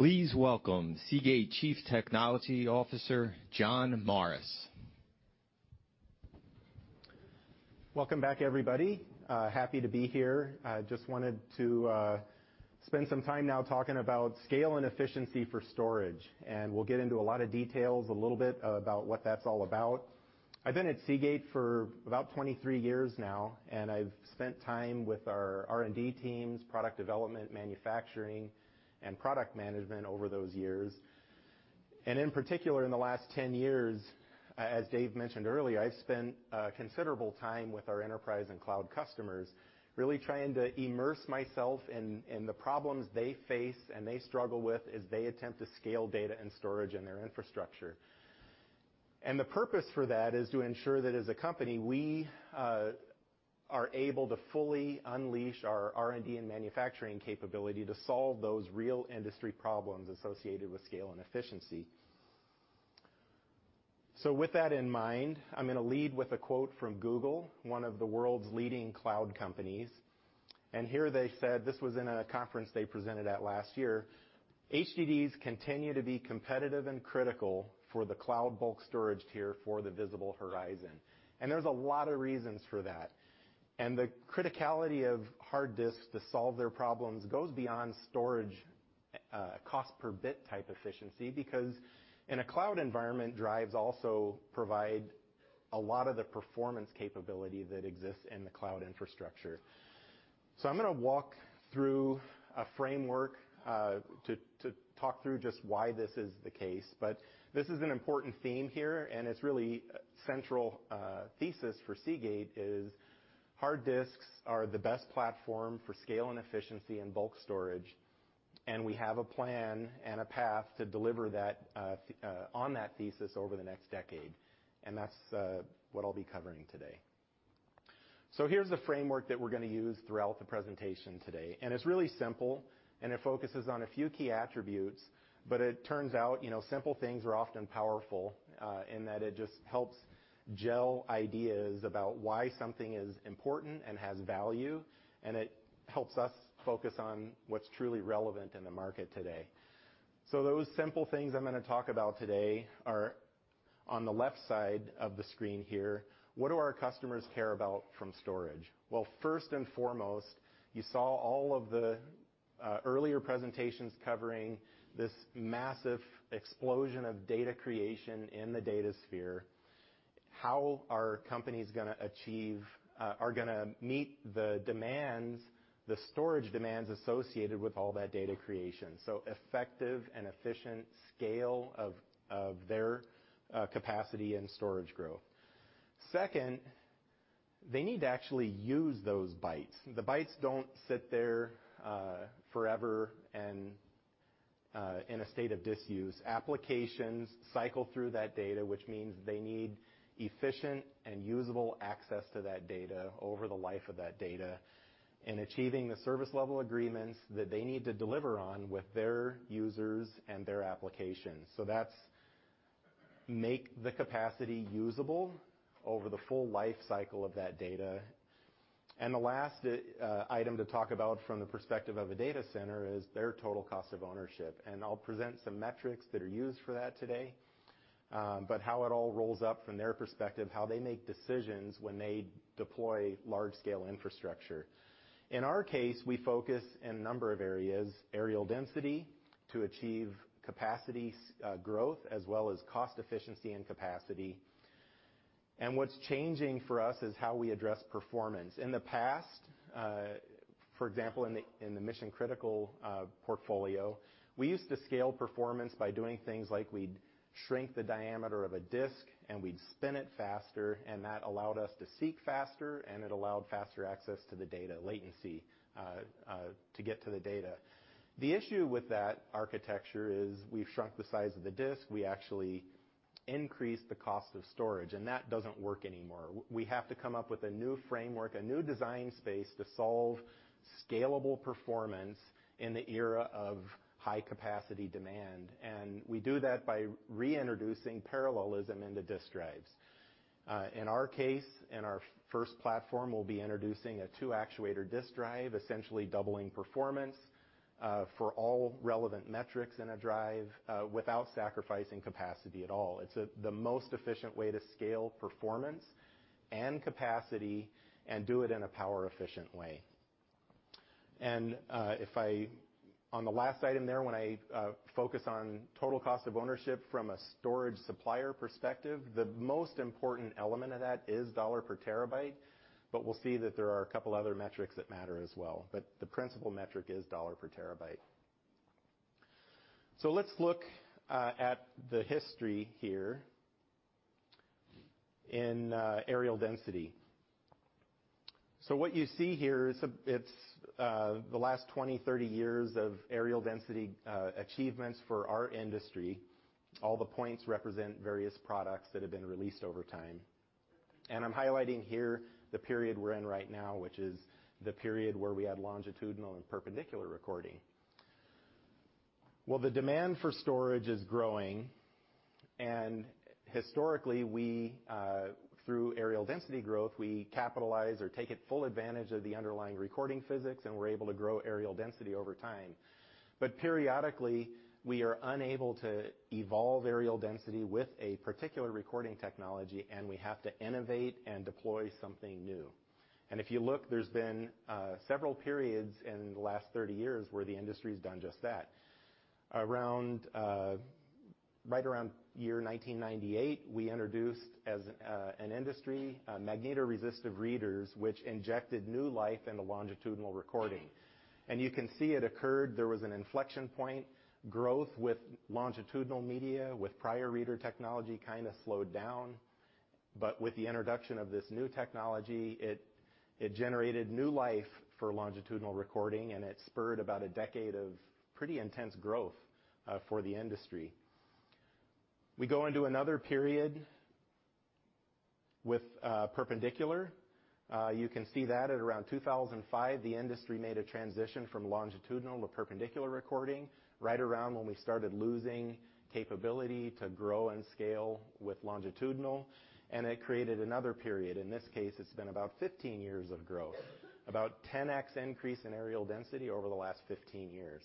Please welcome Seagate Chief Technology Officer, John Morris. Welcome back, everybody. Happy to be here. Just wanted to spend some time now talking about scale and efficiency for storage, and we'll get into a lot of details, a little bit about what that's all about. I've been at Seagate for about 23 years now, and I've spent time with our R&D teams, product development, manufacturing, and product management over those years. In particular, in the last 10 years, as Dave mentioned earlier, I've spent considerable time with our enterprise and cloud customers, really trying to immerse myself in the problems they face and they struggle with as they attempt to scale data and storage in their infrastructure. The purpose for that is to ensure that as a company, we are able to fully unleash our R&D and manufacturing capability to solve those real industry problems associated with scale and efficiency. With that in mind, I'm going to lead with a quote from Google, one of the world's leading cloud companies. Here they said, this was in a conference they presented at last year, "HDDs continue to be competitive and critical for the cloud bulk storage tier for the visible horizon." There's a lot of reasons for that. The criticality of hard disks to solve their problems goes beyond storage a cost per bit type efficiency, because in a cloud environment, drives also provide a lot of the performance capability that exists in the cloud infrastructure. I'm going to walk through a framework to talk through just why this is the case. This is an important theme here, and it's really central thesis for Seagate is hard disks are the best platform for scale and efficiency and bulk storage, and we have a plan and a path to deliver that on that thesis over the next decade. That's what I'll be covering today. Here's the framework that we're going to use throughout the presentation today, and it's really simple, and it focuses on a few key attributes, but it turns out, simple things are often powerful in that it just helps gel ideas about why something is important and has value, and it helps us focus on what's truly relevant in the market today. Those simple things I'm going to talk about today are on the left side of the screen here. What do our customers care about from storage? Well, first and foremost, you saw all of the earlier presentations covering this massive explosion of data creation in the DataSphere. How are companies going to meet the storage demands associated with all that data creation? Effective and efficient scale of their capacity and storage growth. Second, they need to actually use those bytes. The bytes don't sit there forever and in a state of disuse. Applications cycle through that data, which means they need efficient and usable access to that data over the life of that data, and achieving the service level agreements that they need to deliver on with their users and their applications. That's make the capacity usable over the full life cycle of that data. The last item to talk about from the perspective of a data center is their total cost of ownership, and I'll present some metrics that are used for that today. How it all rolls up from their perspective, how they make decisions when they deploy large scale infrastructure. In our case, we focus in a number of areas, areal density to achieve capacity growth as well as cost efficiency and capacity. What's changing for us is how we address performance. In the past, for example, in the mission-critical portfolio, we used to scale performance by doing things like we'd shrink the diameter of a disk, and we'd spin it faster, and that allowed us to seek faster, and it allowed faster access to the data latency to get to the data. The issue with that architecture is we've shrunk the size of the disk. We actually increased the cost of storage. That doesn't work anymore. We have to come up with a new framework, a new design space to solve scalable performance in the era of high-capacity demand. We do that by reintroducing parallelism into disk drives. In our case, in our first platform, we'll be introducing a two-actuator disk drive, essentially doubling performance, for all relevant metrics in a drive, without sacrificing capacity at all. It's the most efficient way to scale performance and capacity and do it in a power efficient way. On the last item there, when I focus on total cost of ownership from a storage supplier perspective, the most important element of that is dollar per terabyte, but we'll see that there are a couple other metrics that matter as well. The principal metric is dollar per terabyte. Let's look at the history here in areal density. What you see here, it's the last 20, 30 years of areal density achievements for our industry. All the points represent various products that have been released over time. I'm highlighting here the period we're in right now, which is the period where we had longitudinal and perpendicular recording. The demand for storage is growing, and historically, through areal density growth, we capitalize or take it full advantage of the underlying recording physics, and we're able to grow areal density over time. Periodically, we are unable to evolve areal density with a particular recording technology, and we have to innovate and deploy something new. If you look, there's been several periods in the last 30 years where the industry's done just that. Right around year 1998, we introduced, as an industry, magnetoresistive readers, which injected new life into longitudinal recording. You can see it occurred, there was an inflection point, growth with longitudinal media, with prior reader technology, kind of slowed down. With the introduction of this new technology, it generated new life for longitudinal recording, and it spurred about a decade of pretty intense growth for the industry. We go into another period with perpendicular. You can see that at around 2005, the industry made a transition from longitudinal to perpendicular recording, right around when we started losing capability to grow and scale with longitudinal. It created another period. In this case, it's been about 15 years of growth. About 10X increase in areal density over the last 15 years.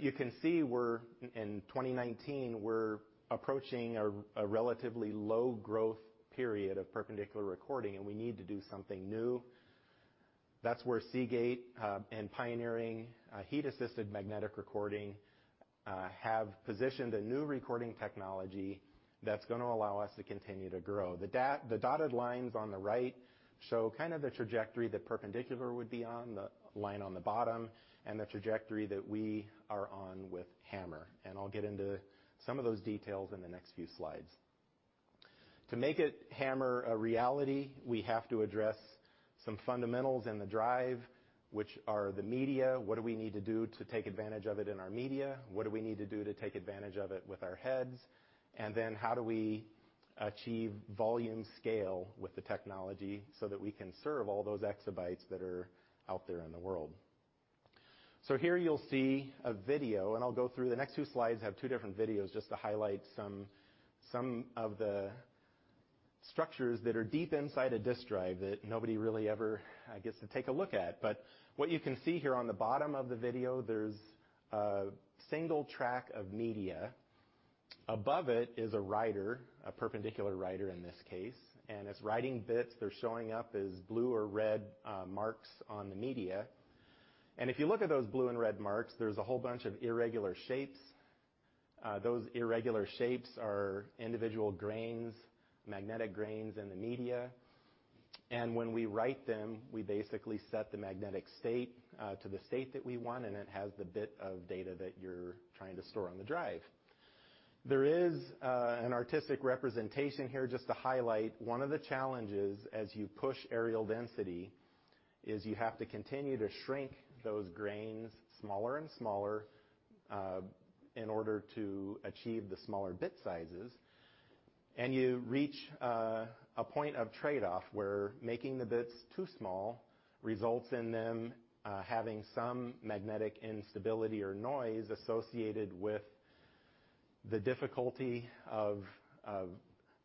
You can see in 2019, we're approaching a relatively low growth period of perpendicular recording, and we need to do something new. That's where Seagate, and pioneering Heat-Assisted Magnetic Recording, have positioned a new recording technology that's going to allow us to continue to grow. The dotted lines on the right show kind of the trajectory that perpendicular would be on, the line on the bottom, and the trajectory that we are on with HAMR. I'll get into some of those details in the next few slides. To make HAMR a reality, we have to address some fundamentals in the drive, which are the media, what do we need to do to take advantage of it in our media? What do we need to do to take advantage of it with our heads? How do we achieve volume scale with the technology so that we can serve all those exabytes that are out there in the world? Here you'll see a video, and I'll go through the next two slides, have two different videos just to highlight some of the structures that are deep inside a disk drive that nobody really ever gets to take a look at. What you can see here on the bottom of the video, there's a single track of media. Above it is a writer, a perpendicular writer in this case, and it's writing bits. They're showing up as blue or red marks on the media. If you look at those blue and red marks, there's a whole bunch of irregular shapes. Those irregular shapes are individual grains, magnetic grains in the media. When we write them, we basically set the magnetic state to the state that we want, and it has the bit of data that you're trying to store on the drive. There is an artistic representation here just to highlight one of the challenges as you push areal density is you have to continue to shrink those grains smaller and smaller, in order to achieve the smaller bit sizes. You reach a point of trade-off where making the bits too small results in them having some magnetic instability or noise associated with the difficulty of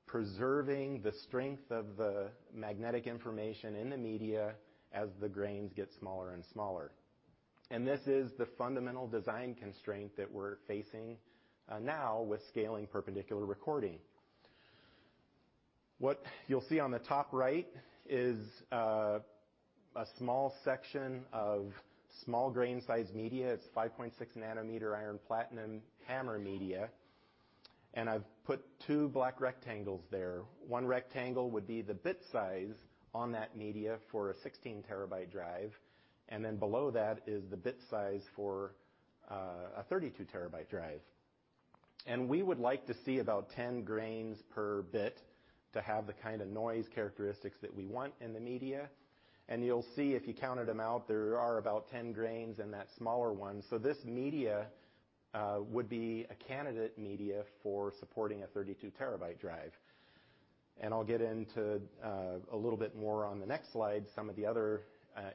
preserving the strength of the magnetic information in the media as the grains get smaller and smaller. This is the fundamental design constraint that we're facing now with scaling perpendicular recording. What you'll see on the top right is a small section of small grain size media. It's 5.6 nanometer iron platinum HAMR media. I've put two black rectangles there. One rectangle would be the bit size on that media for a 16 terabyte drive. Below that is the bit size for a 32 terabyte drive. We would like to see about 10 grains per bit to have the kind of noise characteristics that we want in the media. You'll see if you counted them out, there are about 10 grains in that smaller one. This media would be a candidate media for supporting a 32 terabyte drive. I'll get into a little bit more on the next slide, some of the other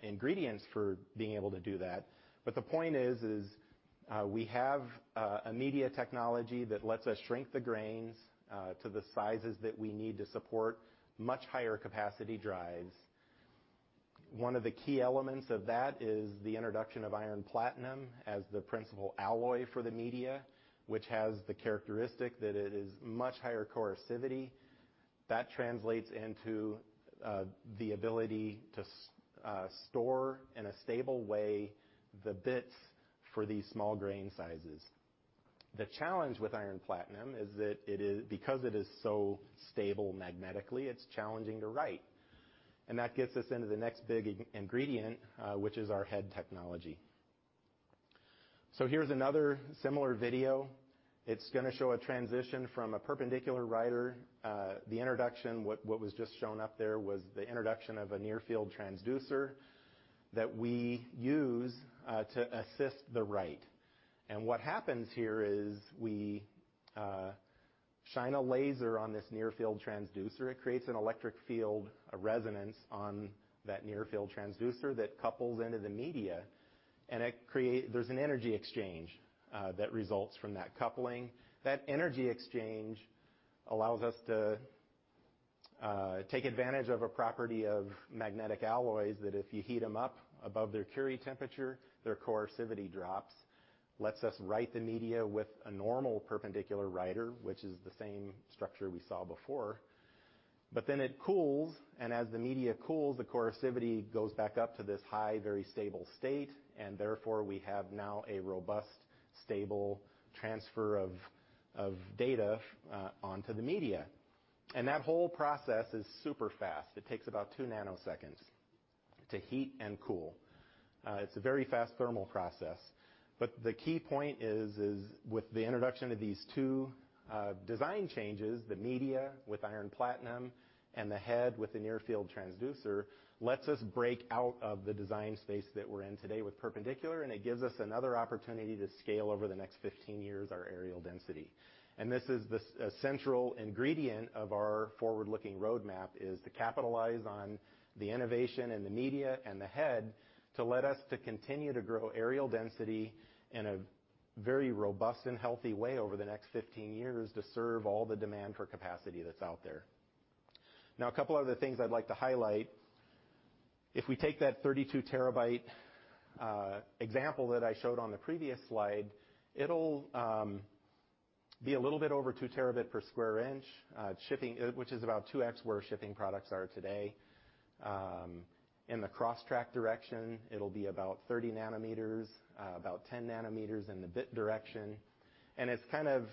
ingredients for being able to do that. The point is we have a media technology that lets us shrink the grains to the sizes that we need to support much higher capacity drives. One of the key elements of that is the introduction of iron platinum as the principal alloy for the media, which has the characteristic that it is much higher coercivity. That translates into the ability to store, in a stable way, the bits for these small grain sizes. The challenge with iron platinum is that because it is so stable magnetically, it's challenging to write. That gets us into the next big ingredient, which is our head technology. Here's another similar video. It's going to show a transition from a perpendicular writer. The introduction, what was just shown up there was the introduction of a near field transducer that we use to assist the write. What happens here is we shine a laser on this near field transducer. It creates an electric field, a resonance on that near field transducer that couples into the media. There's an energy exchange that results from that coupling. That energy exchange allows us to take advantage of a property of magnetic alloys that if you heat them up above their Curie temperature, their coercivity drops, lets us write the media with a normal perpendicular writer, which is the same structure we saw before. Then it cools. As the media cools, the coercivity goes back up to this high, very stable state. Therefore, we have now a robust, stable transfer of data onto the media. That whole process is super fast. It takes about two nanoseconds to heat and cool. It's a very fast thermal process. The key point is with the introduction of these two design changes, the media with iron platinum and the head with the near field transducer, lets us break out of the design space that we're in today with perpendicular. It gives us another opportunity to scale over the next 15 years our areal density. This is the central ingredient of our forward-looking roadmap is to capitalize on the innovation in the media and the head to let us continue to grow areal density in a very robust and healthy way over the next 15 years to serve all the demand for capacity that's out there. A couple other things I'd like to highlight. If we take that 32 terabyte example that I showed on the previous slide, it'll be a little bit over 2 terabit per square inch, which is about 2x where shipping products are today. In the cross-track direction, it'll be about 30 nanometers, about 10 nanometers in the bit direction. It's kind of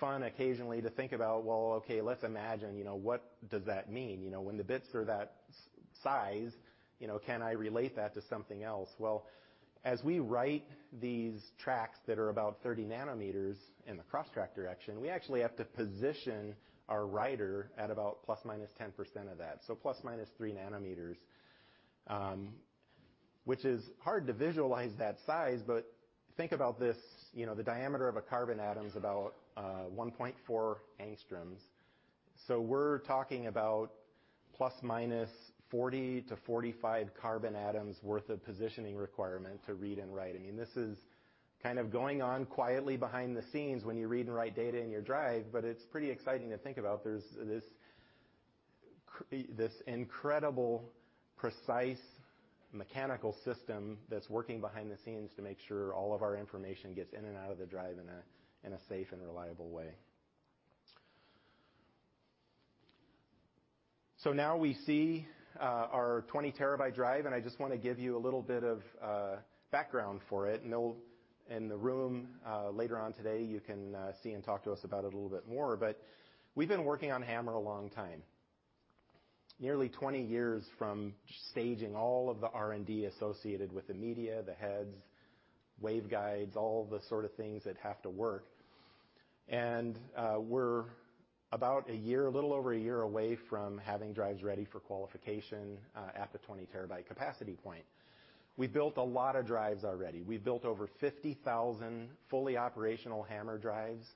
fun occasionally to think about, well, okay, let's imagine, what does that mean? When the bits are that size, can I relate that to something else? Well, as we write these tracks that are about 30 nanometers in the cross-track direction, we actually have to position our writer at about plus or minus 10% of that, so plus or minus 3 nanometers, which is hard to visualize that size, but think about this, the diameter of a carbon atom is about 1.4 angstroms. We're talking about ±40-45 carbon atoms worth of positioning requirement to read and write. This is kind of going on quietly behind the scenes when you read and write data in your drive, but it's pretty exciting to think about there's this incredible, precise mechanical system that's working behind the scenes to make sure all of our information gets in and out of the drive in a safe and reliable way. Now we see our 20 terabyte drive, and I just want to give you a little bit of background for it, and in the room later on today, you can see and talk to us about it a little bit more, but we've been working on HAMR a long time. Nearly 20 years from staging all of the R&D associated with the media, the heads, waveguides, all the sort of things that have to work. We're about a year, a little over a year away from having drives ready for qualification at the 20 terabyte capacity point. We built a lot of drives already. We've built over 50,000 fully operational HAMR drives,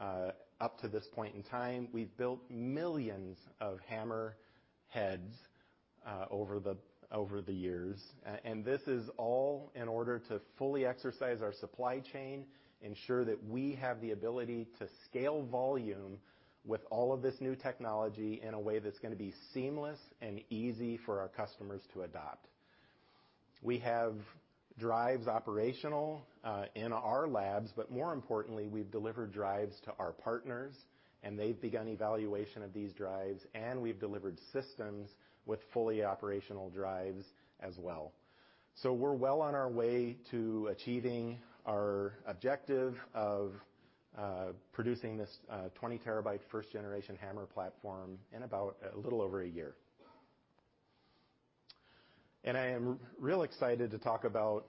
up to this point in time. We've built millions of HAMR heads over the years. This is all in order to fully exercise our supply chain, ensure that we have the ability to scale volume with all of this new technology in a way that's going to be seamless and easy for our customers to adopt. We have drives operational, in our labs, but more importantly, we've delivered drives to our partners, and they've begun evaluation of these drives, and we've delivered systems with fully operational drives as well. We're well on our way to achieving our objective of producing this 20 terabyte first generation HAMR platform in about a little over a year. I am real excited to talk about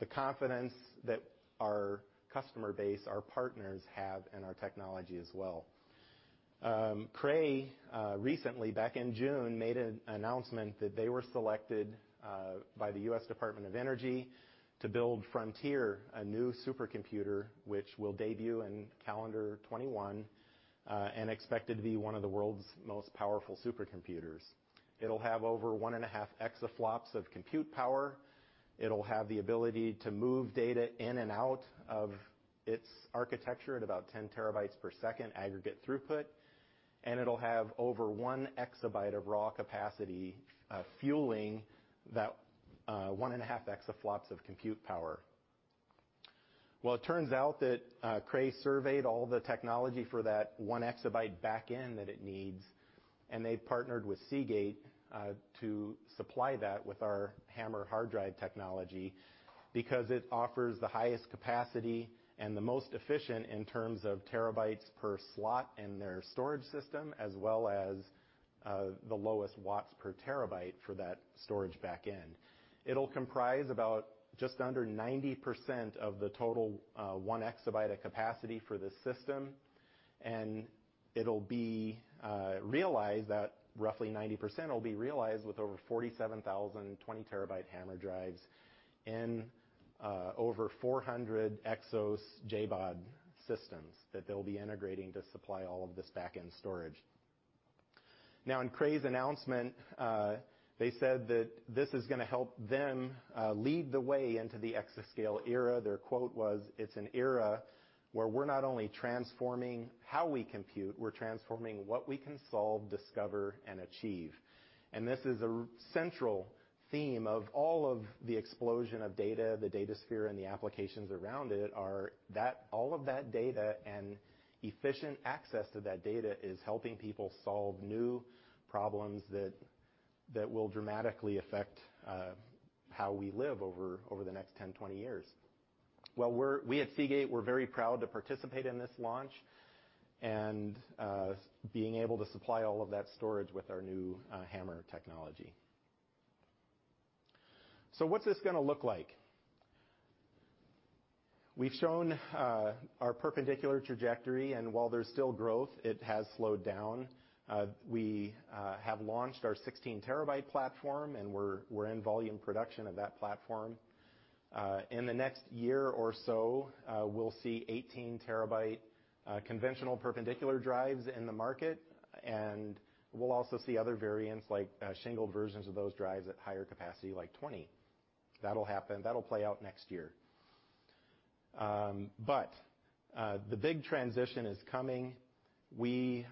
the confidence that our customer base, our partners have in our technology as well. Cray, recently, back in June, made an announcement that they were selected by the U.S. Department of Energy to build Frontier, a new supercomputer, which will debut in calendar 2021, and expected to be one of the world's most powerful supercomputers. It'll have over one and a half exaFLOPS of compute power. It'll have the ability to move data in and out of its architecture at about 10 terabytes per second aggregate throughput. It'll have over one exabyte of raw capacity, fueling that one and a half exaFLOPS of compute power. Well, it turns out that Cray surveyed all the technology for that one exabyte back end that it needs, and they've partnered with Seagate to supply that with our HAMR hard drive technology because it offers the highest capacity and the most efficient in terms of terabytes per slot in their storage system, as well as the lowest watts per terabyte for that storage back end. It'll comprise about just under 90% of the total one exabyte of capacity for the system, and roughly 90% will be realized with over 47,020 terabyte HAMR drives in over 400 Exos JBOD systems that they'll be integrating to supply all of this backend storage. In Cray's announcement, they said that this is going to help them lead the way into the exascale era. Their quote was, "It's an era where we're not only transforming how we compute, we're transforming what we can solve, discover, and achieve." This is a central theme of all of the explosion of data, the DataSphere, and the applications around it, are that all of that data and efficient access to that data is helping people solve new problems that will dramatically affect how we live over the next 10, 20 years. We at Seagate, we're very proud to participate in this launch and being able to supply all of that storage with our new HAMR technology. What's this going to look like? We've shown our perpendicular trajectory, and while there's still growth, it has slowed down. We have launched our 16 terabyte platform, and we're in volume production of that platform. In the next year or so, we'll see 18 terabyte conventional perpendicular drives in the market, and we'll also see other variants like shingled versions of those drives at higher capacity, like 20. That'll play out next year. The big transition is coming. We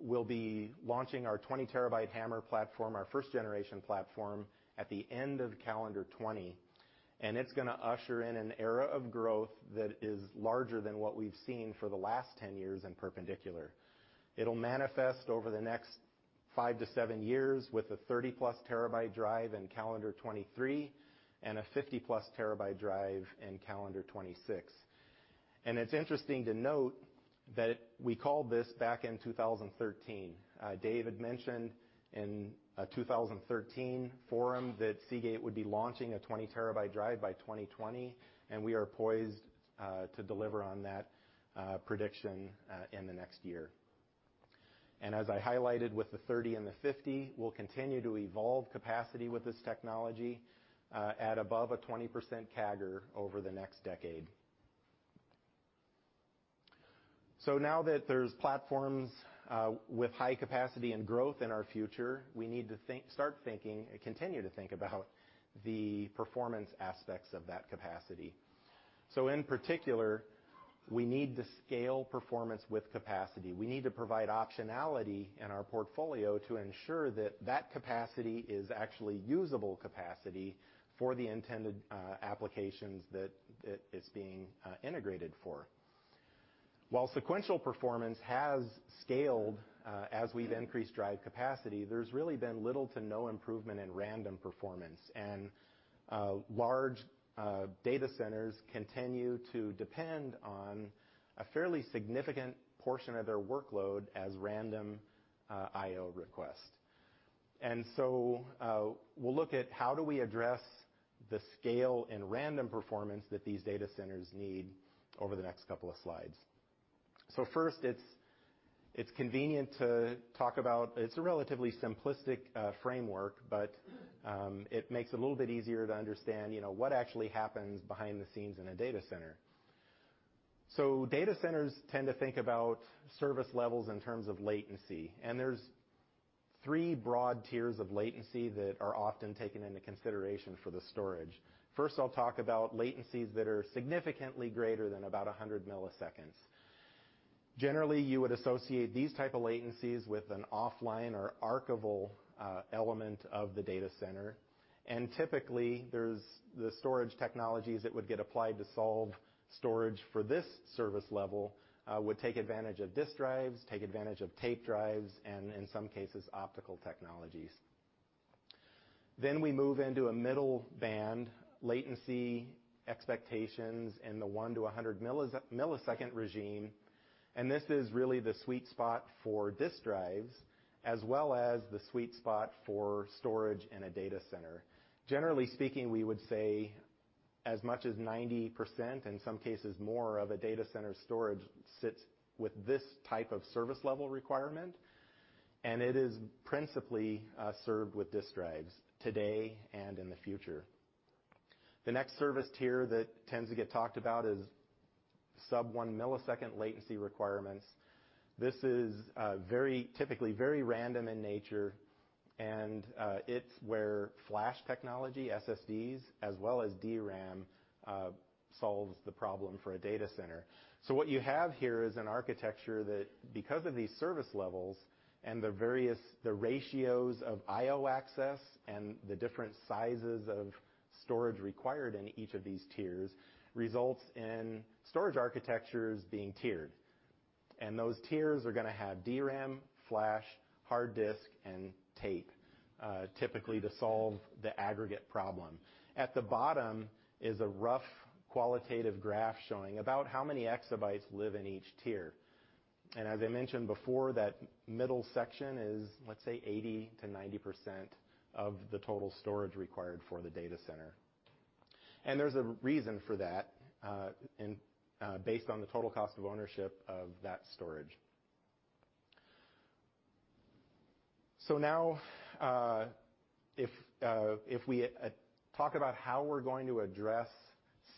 will be launching our 20 terabyte HAMR platform, our first-generation platform, at the end of calendar 2020, and it's going to usher in an era of growth that is larger than what we've seen for the last 10 years in perpendicular. It'll manifest over the next five to seven years with a 30-plus terabyte drive in calendar 2023, and a 50-plus terabyte drive in calendar 2026. It's interesting to note that we called this back in 2013. Dave had mentioned in a 2013 forum that Seagate would be launching a 20 terabyte drive by 2020, and we are poised to deliver on that prediction in the next year. As I highlighted with the 30 and the 50, we'll continue to evolve capacity with this technology, at above a 20% CAGR over the next decade. Now that there's platforms with high capacity and growth in our future, we need to continue to think about the performance aspects of that capacity. In particular, we need to scale performance with capacity. We need to provide optionality in our portfolio to ensure that that capacity is actually usable capacity for the intended applications that it's being integrated for. While sequential performance has scaled as we've increased drive capacity, there's really been little to no improvement in random performance. Large data centers continue to depend on a fairly significant portion of their workload as random IO requests. We'll look at how do we address the scale and random performance that these data centers need over the next couple of slides. First, it's convenient to talk about. It's a relatively simplistic framework, but it makes it a little bit easier to understand what actually happens behind the scenes in a data center. Data centers tend to think about service levels in terms of latency, and there's 3 broad tiers of latency that are often taken into consideration for the storage. First, I'll talk about latencies that are significantly greater than about 100 milliseconds. Generally, you would associate these type of latencies with an offline or archival element of the data center. Typically, the storage technologies that would get applied to solve storage for this service level would take advantage of disk drives, take advantage of tape drives, and in some cases, optical technologies. We move into a middle band latency expectations in the one to 100 millisecond regime, and this is really the sweet spot for disk drives as well as the sweet spot for storage in a data center. Generally speaking, we would say as much as 90%, in some cases more, of a data center storage sits with this type of service level requirement, and it is principally served with disk drives, today and in the future. The next service tier that tends to get talked about is sub-one millisecond latency requirements. This is typically very random in nature, and it's where flash technology, SSDs, as well as DRAM, solves the problem for a data center. What you have here is an architecture that because of these service levels and the ratios of IO access and the different sizes of storage required in each of these tiers, results in storage architectures being tiered. Those tiers are going to have DRAM, flash, hard disk, and tape, typically to solve the aggregate problem. At the bottom is a rough qualitative graph showing about how many exabytes live in each tier. As I mentioned before, that middle section is, let's say, 80%-90% of the total storage required for the data center. There's a reason for that, based on the total cost of ownership of that storage. Now, if we talk about how we're going to address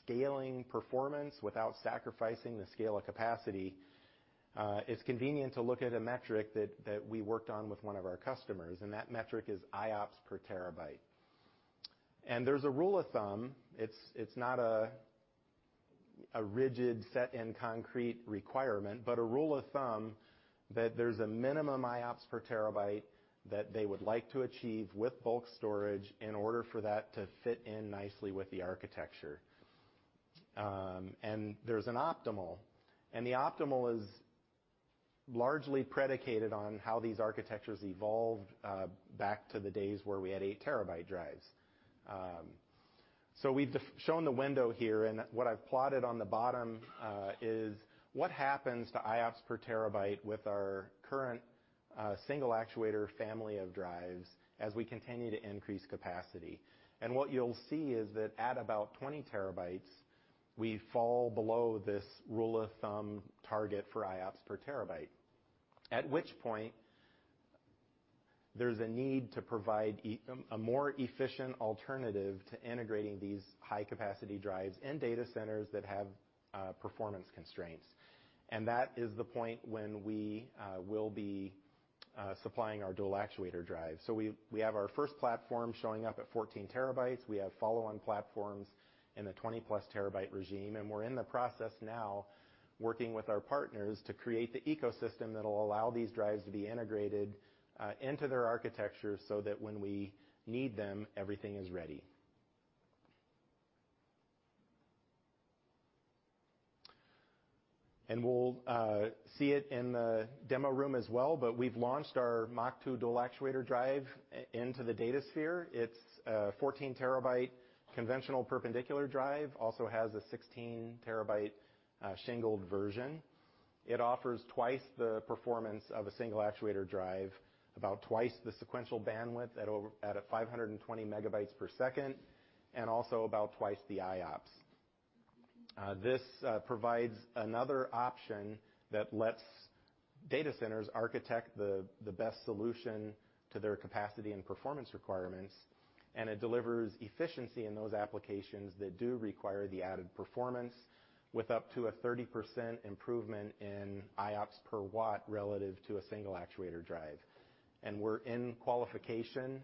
scaling performance without sacrificing the scale of capacity, it's convenient to look at a metric that we worked on with one of our customers. That metric is IOPS per terabyte. There's a rule of thumb, it's not a rigid set in concrete requirement, but a rule of thumb that there's a minimum IOPS per terabyte that they would like to achieve with bulk storage in order for that to fit in nicely with the architecture. There's an optimal, and the optimal is largely predicated on how these architectures evolved back to the days where we had eight terabyte drives. We've shown the window here, and what I've plotted on the bottom is what happens to IOPS per terabyte with our current single actuator family of drives as we continue to increase capacity. What you'll see is that at about 20 terabytes, we fall below this rule of thumb target for IOPS per terabyte. At which point, there's a need to provide a more efficient alternative to integrating these high capacity drives in data centers that have performance constraints. That is the point when we will be supplying our dual actuator drive. We have our first platform showing up at 14 terabytes. We have follow-on platforms in the 20-plus terabyte regime. We're in the process now working with our partners to create the ecosystem that'll allow these drives to be integrated into their architecture so that when we need them, everything is ready. We'll see it in the demo room as well. We've launched our Mach.2 dual actuator drive into the DataSphere. It's a 14-terabyte conventional perpendicular drive, also has a 16-terabyte shingled version. It offers twice the performance of a single actuator drive, about twice the sequential bandwidth at a 520 megabytes per second, and also about twice the IOPS. This provides another option that lets data centers architect the best solution to their capacity and performance requirements, and it delivers efficiency in those applications that do require the added performance with up to a 30% improvement in IOPS per watt relative to a single actuator drive. We're in qualification,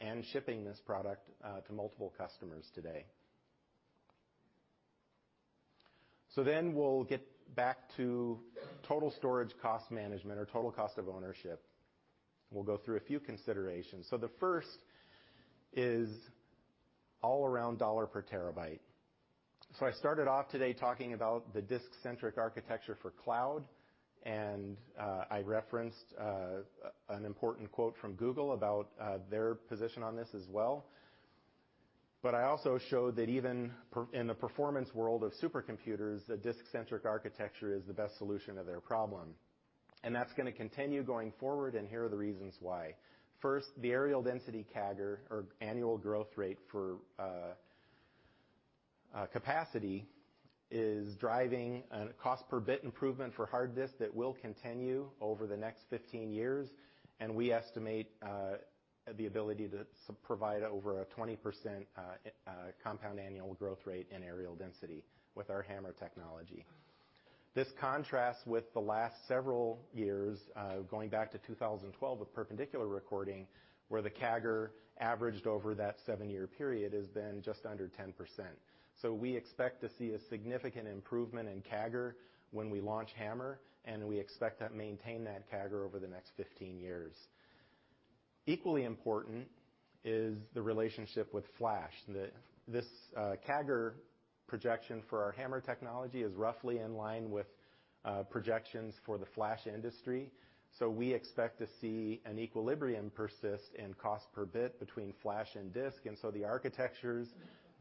and shipping this product to multiple customers today. Then we'll get back to total storage cost management or total cost of ownership, and we'll go through a few considerations. The first is all around dollar per terabyte. I started off today talking about the disk-centric architecture for cloud, and I referenced an important quote from Google about their position on this as well. I also showed that even in the performance world of supercomputers, the disk-centric architecture is the best solution to their problem, and that's going to continue going forward, and here are the reasons why. The annual growth rate for capacity is driving a cost per bit improvement for hard disk that will continue over the next 15 years, and we estimate the ability to provide over a 20% compound annual growth rate in areal density with our HAMR technology. This contrasts with the last several years, going back to 2012, with perpendicular recording, where the CAGR averaged over that seven-year period has been just under 10%. We expect to see a significant improvement in CAGR when we launch HAMR, and we expect to maintain that CAGR over the next 15 years. Equally important is the relationship with flash. This CAGR projection for our HAMR technology is roughly in line with projections for the flash industry. We expect to see an equilibrium persist in cost per bit between flash and disk. The architectures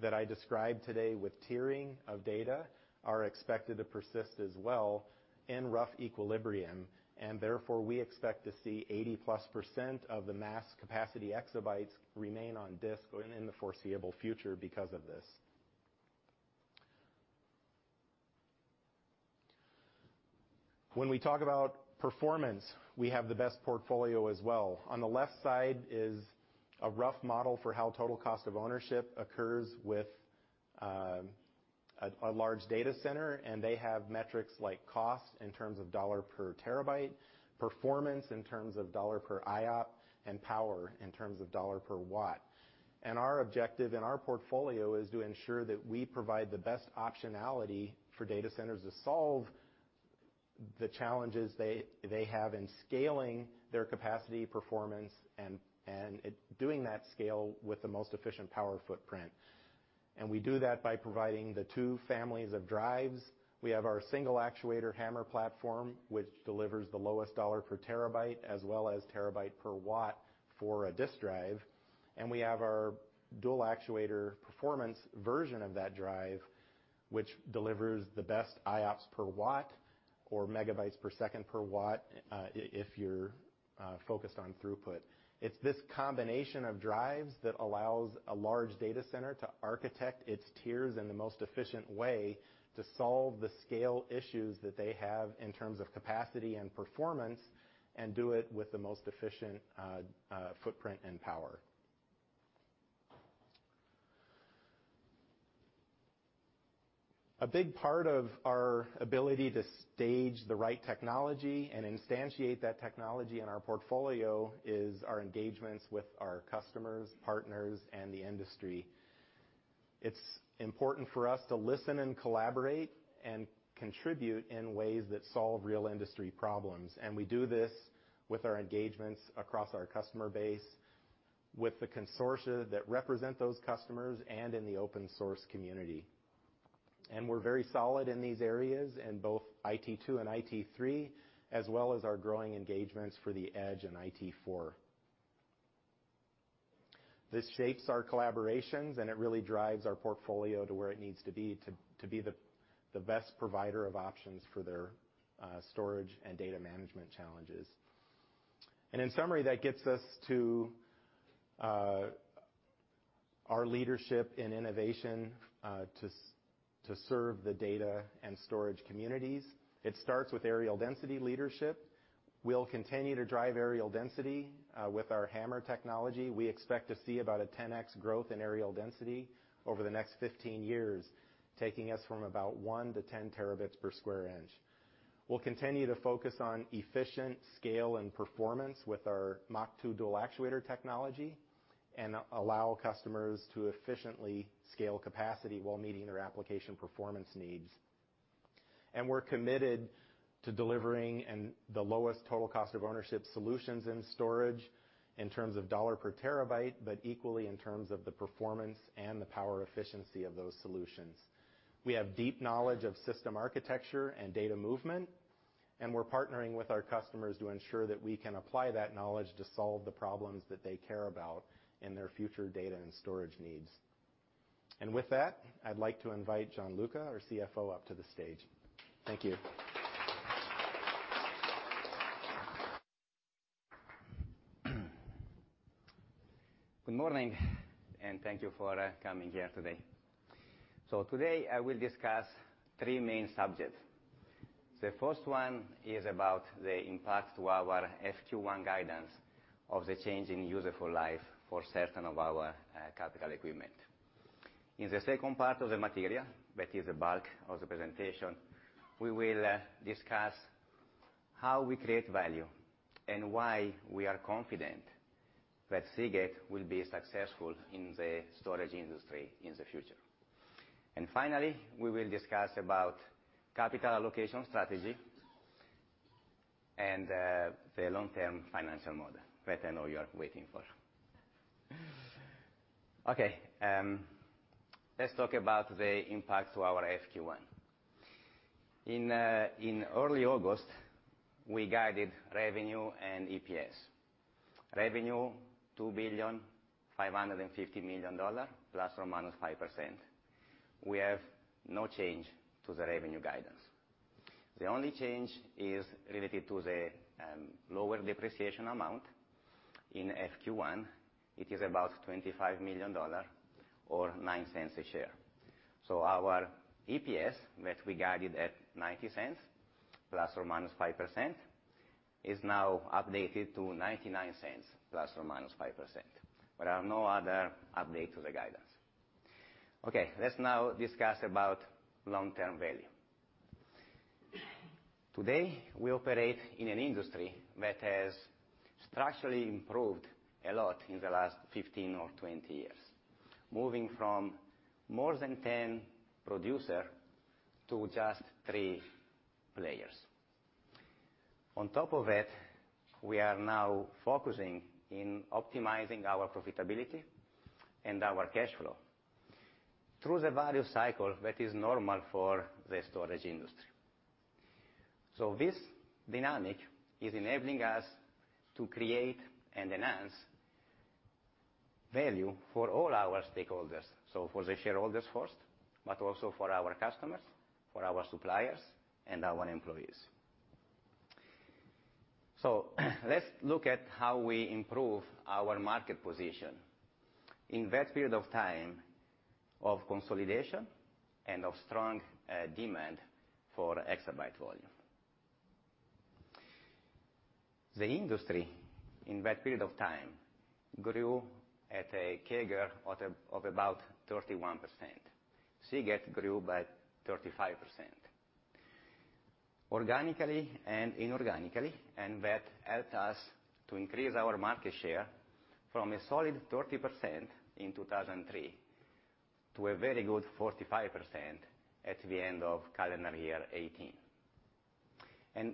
that I described today with tiering of data are expected to persist as well in rough equilibrium. Therefore, we expect to see 80-plus % of the mass capacity exabytes remain on disk in the foreseeable future because of this. When we talk about performance, we have the best portfolio as well. On the left side is a rough model for how total cost of ownership occurs with a large data center, and they have metrics like cost in terms of $ per terabyte, performance in terms of $ per IOP, and power in terms of $ per watt. Our objective in our portfolio is to ensure that we provide the best optionality for data centers to solve the challenges they have in scaling their capacity, performance, and doing that scale with the most efficient power footprint. We do that by providing the two families of drives. We have our single actuator HAMR platform, which delivers the lowest $ per terabyte, as well as terabyte per watt for a disk drive. We have our dual actuator performance version of that drive, which delivers the best IOPS per watt or megabytes per second per watt, if you're focused on throughput. It's this combination of drives that allows a large data center to architect its tiers in the most efficient way to solve the scale issues that they have in terms of capacity and performance, and do it with the most efficient footprint and power. A big part of our ability to stage the right technology and instantiate that technology in our portfolio is our engagements with our customers, partners, and the industry. It's important for us to listen and collaborate and contribute in ways that solve real industry problems. We do this with our engagements across our customer base, with the consortia that represent those customers, and in the open source community. We're very solid in these areas in both IT2 and IT3, as well as our growing engagements for the edge and IT4. This shapes our collaborations, and it really drives our portfolio to where it needs to be to be the best provider of options for their storage and data management challenges. In summary, that gets us to our leadership in innovation to serve the data and storage communities. It starts with areal density leadership. We'll continue to drive areal density with our HAMR technology. We expect to see about a 10x growth in areal density over the next 15 years, taking us from about one to 10 terabits per square inch. Allow customers to efficiently scale capacity while meeting their application performance needs. We'll continue to focus on efficient scale and performance with our Mach.2 dual actuator technology. We're committed to delivering the lowest total cost of ownership solutions in storage in terms of $ per terabyte, but equally in terms of the performance and the power efficiency of those solutions. We have deep knowledge of system architecture and data movement. We're partnering with our customers to ensure that we can apply that knowledge to solve the problems that they care about in their future data and storage needs. With that, I'd like to invite Gianluca, our CFO, up to the stage. Thank you. Good morning, and thank you for coming here today. Today, I will discuss three main subjects. The first one is about the impact to our FY 2021 guidance of the change in useful life for certain of our capital equipment. In the second part of the material, that is the bulk of the presentation, we will discuss how we create value and why we are confident that Seagate will be successful in the storage industry in the future. Finally, we will discuss about capital allocation strategy and the long-term financial model that I know you are waiting for. Let's talk about the impact to our FY 2021. In early August, we guided revenue and EPS. Revenue $2 billion, $550 million ±5%. We have no change to the revenue guidance. The only change is related to the lower depreciation amount in FY 2021. It is about $25 million or $0.09 a share. Our EPS, which we guided at $0.90 ±5%, is now updated to $0.99 ±5%, but no other update to the guidance. Okay. Let's now discuss about long-term value. Today, we operate in an industry that has structurally improved a lot in the last 15 or 20 years, moving from more than 10 producer to just three players. On top of that, we are now focusing in optimizing our profitability and our cash flow through the value cycle that is normal for the storage industry. This dynamic is enabling us to create and enhance value for all our stakeholders, so for the shareholders first, but also for our customers, for our suppliers, and our employees. Let's look at how we improve our market position in that period of time of consolidation and of strong demand for exabyte volume. The industry, in that period of time, grew at a CAGR of about 31%. Seagate grew by 35% organically and inorganically, and that helped us to increase our market share from a solid 30% in 2003 to a very good 45% at the end of calendar year 2018.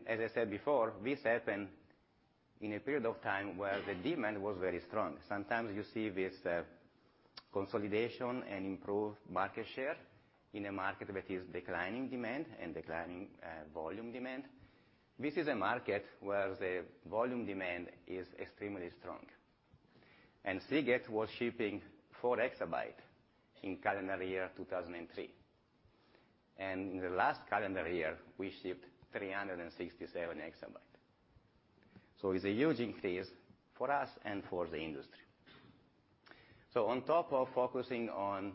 As I said before, this happened in a period of time where the demand was very strong. Sometimes you see this consolidation and improved market share in a market that is declining demand and declining volume demand. This is a market where the volume demand is extremely strong. Seagate was shipping four exabyte in calendar year 2003. In the last calendar year, we shipped 367 exabyte. It's a huge increase for us and for the industry. On top of focusing on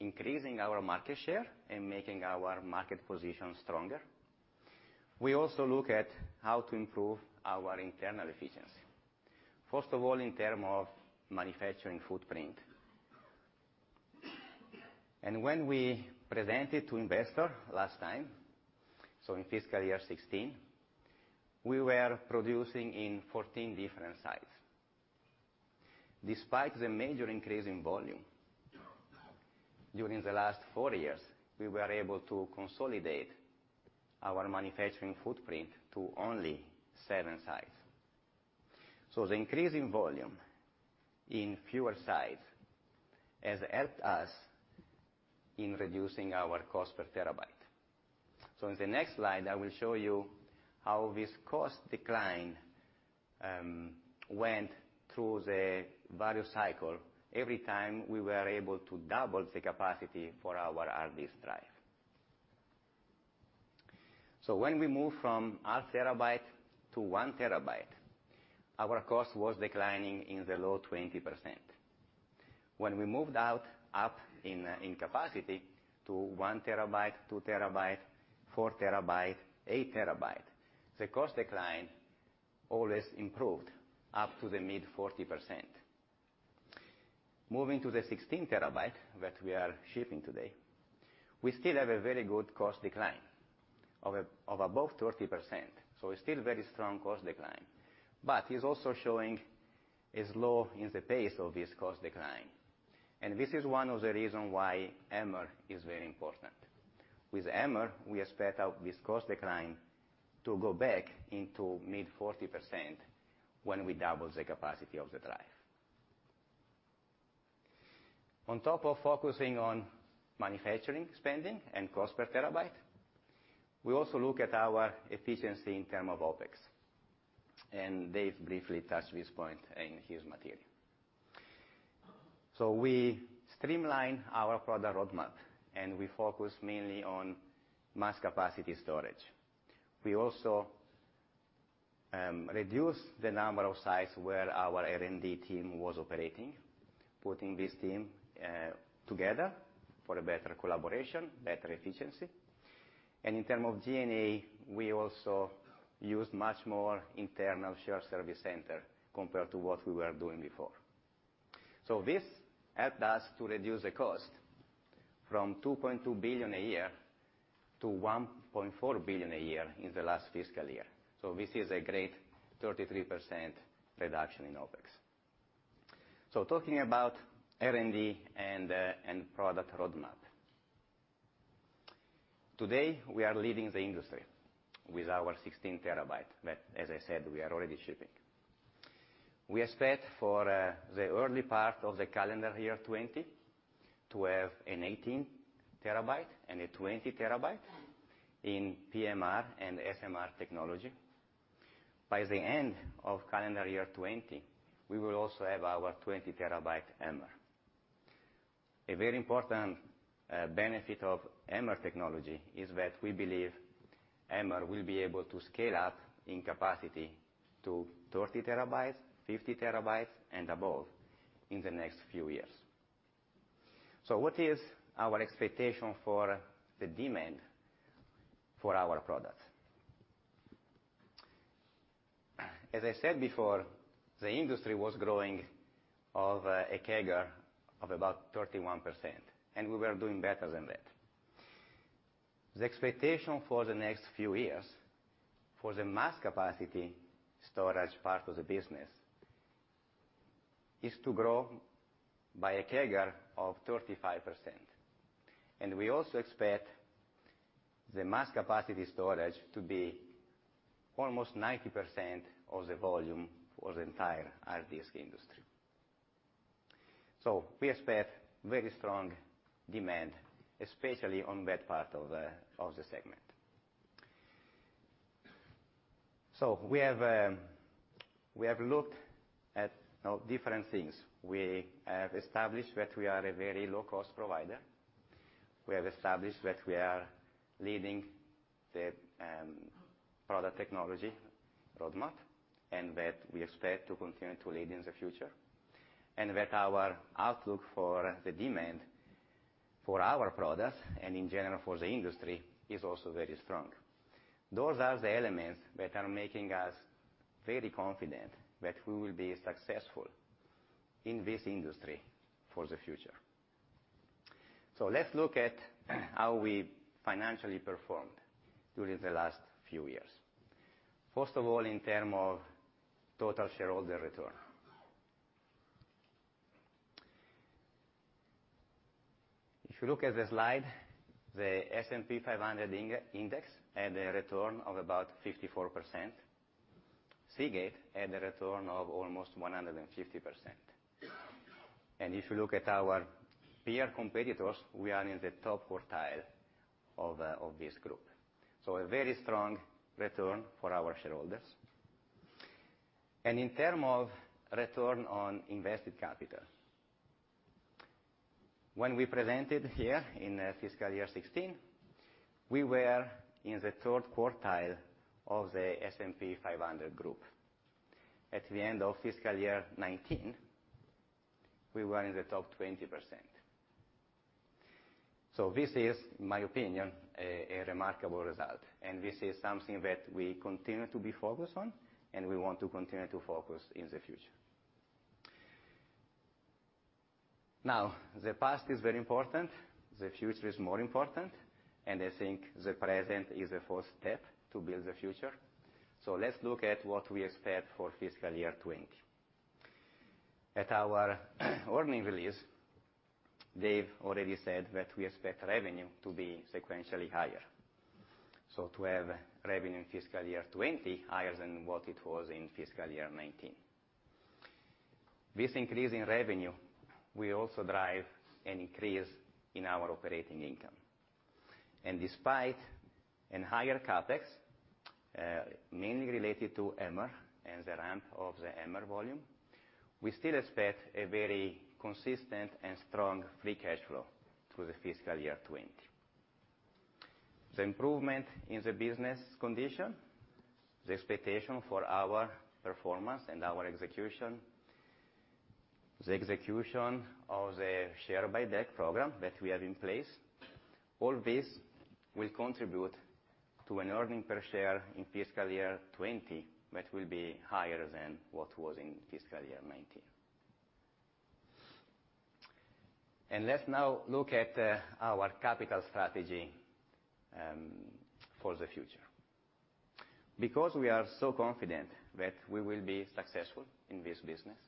increasing our market share and making our market position stronger, we also look at how to improve our internal efficiency, first of all, in term of manufacturing footprint. When we presented to investor last time, in fiscal year 2016, we were producing in 14 different sites. Despite the major increase in volume during the last four years, we were able to consolidate our manufacturing footprint to only seven sites. The increase in volume in fewer sites has helped us in reducing our cost per terabyte. In the next slide, I will show you how this cost decline went through the value cycle every time we were able to double the capacity for our HDD. When we moved from half terabyte to one terabyte, our cost was declining in the low 20%. When we moved out up in capacity to one terabyte, two terabyte, four terabyte, eight terabyte, the cost decline always improved up to the mid 40%. Moving to the 16 terabyte that we are shipping today, we still have a very good cost decline of above 30%. Still a very strong cost decline. It's also showing a slow in the pace of this cost decline. This is one of the reasons why HAMR is very important. With HAMR, we expect this cost decline to go back into mid 40% when we double the capacity of the drive. On top of focusing on manufacturing spending and cost per terabyte, we also look at our efficiency in term of OpEx. Dave briefly touched this point in his material. We streamlined our product roadmap, and we focused mainly on mass capacity storage. We also reduced the number of sites where our R&D team was operating, putting this team together for better collaboration, better efficiency. In term of G&A, we also used much more internal shared service center compared to what we were doing before. This helped us to reduce the cost from $2.2 billion a year to $1.4 billion a year in the last fiscal year. This is a great 33% reduction in OpEx. Talking about R&D and product roadmap. Today, we are leading the industry with our 16 terabyte, that, as I said, we are already shipping. We expect for the early part of the calendar year 2020 to have an 18 terabyte and a 20 terabyte in PMR and SMR technology. By the end of calendar year 2020, we will also have our 20-terabyte HAMR. A very important benefit of HAMR technology is that we believe HAMR will be able to scale up in capacity to 30 terabytes, 50 terabytes and above in the next few years. What is our expectation for the demand for our products? As I said before, the industry was growing of a CAGR of about 31%, and we were doing better than that. The expectation for the next few years, for the mass capacity storage part of the business, is to grow by a CAGR of 35%. We also expect the mass capacity storage to be almost 90% of the volume for the entire hard disk industry. We expect very strong demand, especially on that part of the segment. We have looked at different things. We have established that we are a very low-cost provider. We have established that we are leading the product technology roadmap, and that we expect to continue to lead in the future, and that our outlook for the demand for our products, and in general for the industry, is also very strong. Those are the elements that are making us very confident that we will be successful in this industry for the future. Let's look at how we financially performed during the last few years. First of all, in terms of total shareholder return. If you look at the slide, the S&P 500 index had a return of about 54%. Seagate had a return of almost 150%. If you look at our peer competitors, we are in the top quartile of this group. A very strong return for our shareholders. In terms of return on invested capital, when we presented here in fiscal year 2016, we were in the third quartile of the S&P 500 group. At the end of fiscal year 2019, we were in the top 20%. This is, in my opinion, a remarkable result, and this is something that we continue to be focused on, and we want to continue to focus in the future. Now, the past is very important, the future is more important, and I think the present is the first step to build the future. Let's look at what we expect for fiscal year 2020. At our earnings release, Dave already said that we expect revenue to be sequentially higher. To have revenue in fiscal year 2020 higher than what it was in fiscal year 2019. This increase in revenue will also drive an increase in our operating income. Despite a higher CapEx, mainly related to HAMR and the ramp of the HAMR volume, we still expect a very consistent and strong free cash flow through the fiscal year 2020. The improvement in the business condition, the expectation for our performance and our execution, the execution of the share buyback program that we have in place. All this will contribute to an earnings per share in fiscal year 2020 that will be higher than what was in fiscal year 2019. Let's now look at our capital strategy for the future. Because we are so confident that we will be successful in this business,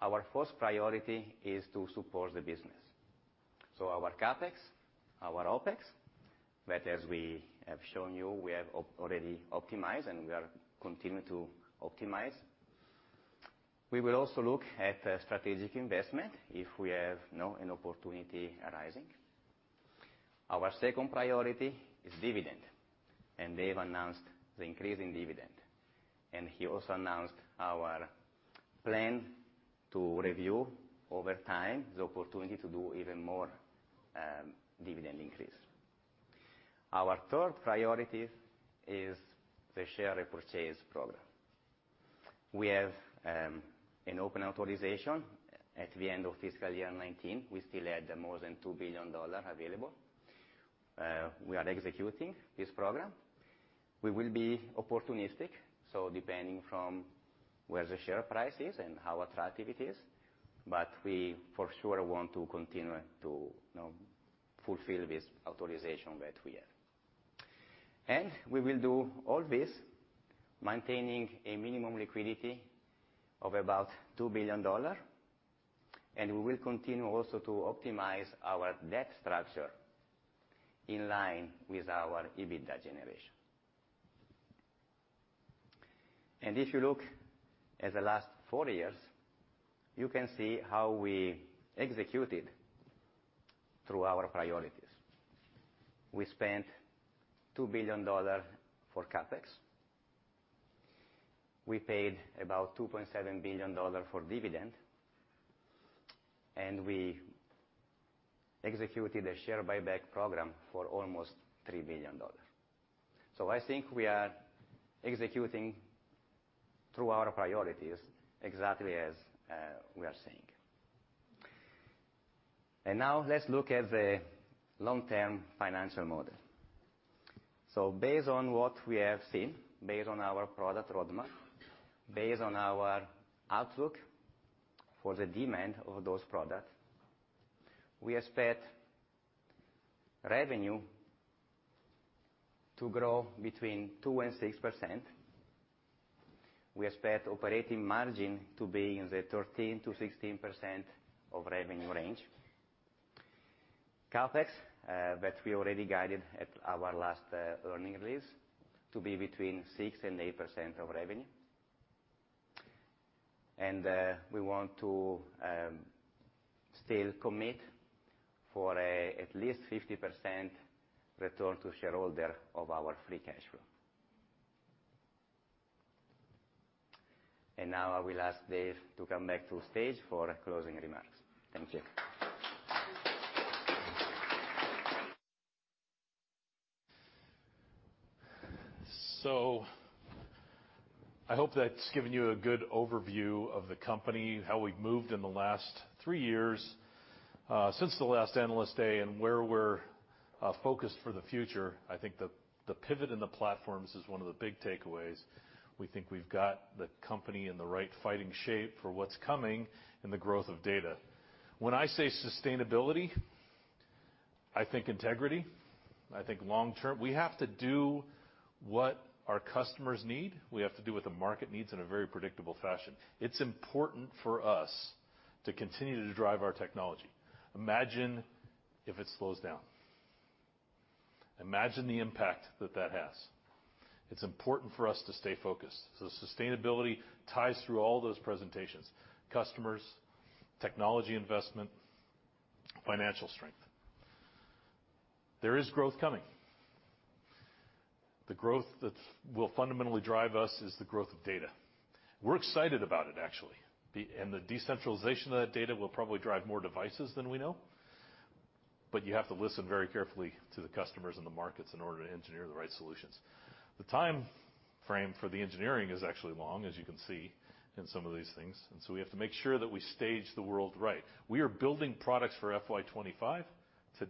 our first priority is to support the business. Our CapEx, our OpEx, that as we have shown you, we have already optimized, and we are continuing to optimize. We will also look at strategic investment if we have an opportunity arising. Our second priority is dividend. Dave announced the increase in dividend. He also announced our plan to review over time the opportunity to do even more dividend increase. Our third priority is the share repurchase program. We have an open authorization at the end of fiscal year 2019. We still had more than $2 billion available. We are executing this program. We will be opportunistic, depending from where the share price is and how attractive it is. We for sure want to continue to fulfill this authorization that we have. We will do all this maintaining a minimum liquidity of about $2 billion. We will continue also to optimize our debt structure in line with our EBITDA generation. If you look at the last four years, you can see how we executed through our priorities. We spent $2 billion for CapEx. We paid about $2.7 billion for dividend. We executed a share buyback program for almost $3 billion. I think we are executing through our priorities exactly as we are saying. Now let's look at the long-term financial model. Based on what we have seen, based on our product roadmap, based on our outlook for the demand of those products, we expect revenue to grow between 2% and 6%. We expect operating margin to be in the 13%-16% of revenue range. CapEx, that we already guided at our last earning release, to be between 6% and 8% of revenue. We want to still commit for at least 50% return to shareholder of our free cash flow. Now I will ask Dave to come back to stage for closing remarks. Thank you. I hope that's given you a good overview of the company, how we've moved in the last three years, since the last analyst day, and where we're focused for the future. I think the pivot in the platforms is one of the big takeaways. We think we've got the company in the right fighting shape for what's coming in the growth of data. When I say sustainability, I think integrity, I think long-term. We have to do what our customers need. We have to do what the market needs in a very predictable fashion. It's important for us to continue to drive our technology. Imagine if it slows down. Imagine the impact that that has. It's important for us to stay focused. Sustainability ties through all those presentations, customers, technology investment, financial strength. There is growth coming. The growth that will fundamentally drive us is the growth of data. We're excited about it, actually. The decentralization of that data will probably drive more devices than we know. You have to listen very carefully to the customers and the markets in order to engineer the right solutions. The timeframe for the engineering is actually long, as you can see in some of these things, we have to make sure that we stage the world right. We are building products for FY 2025 today. For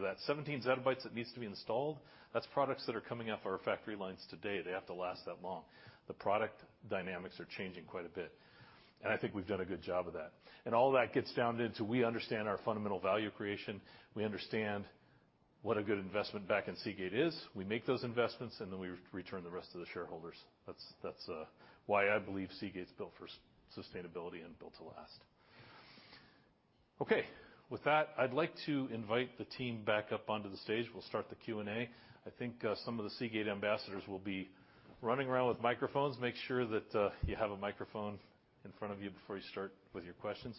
that 17 zettabytes that needs to be installed, that's products that are coming off our factory lines today. They have to last that long. The product dynamics are changing quite a bit, and I think we've done a good job of that. All that gets down into we understand our fundamental value creation. We understand what a good investment back in Seagate is. We make those investments, and then we return the rest to the shareholders. That's why I believe Seagate's built for sustainability and built to last. Okay. With that, I'd like to invite the team back up onto the stage. We'll start the Q&A. I think some of the Seagate ambassadors will be running around with microphones. Make sure that you have a microphone in front of you before you start with your questions.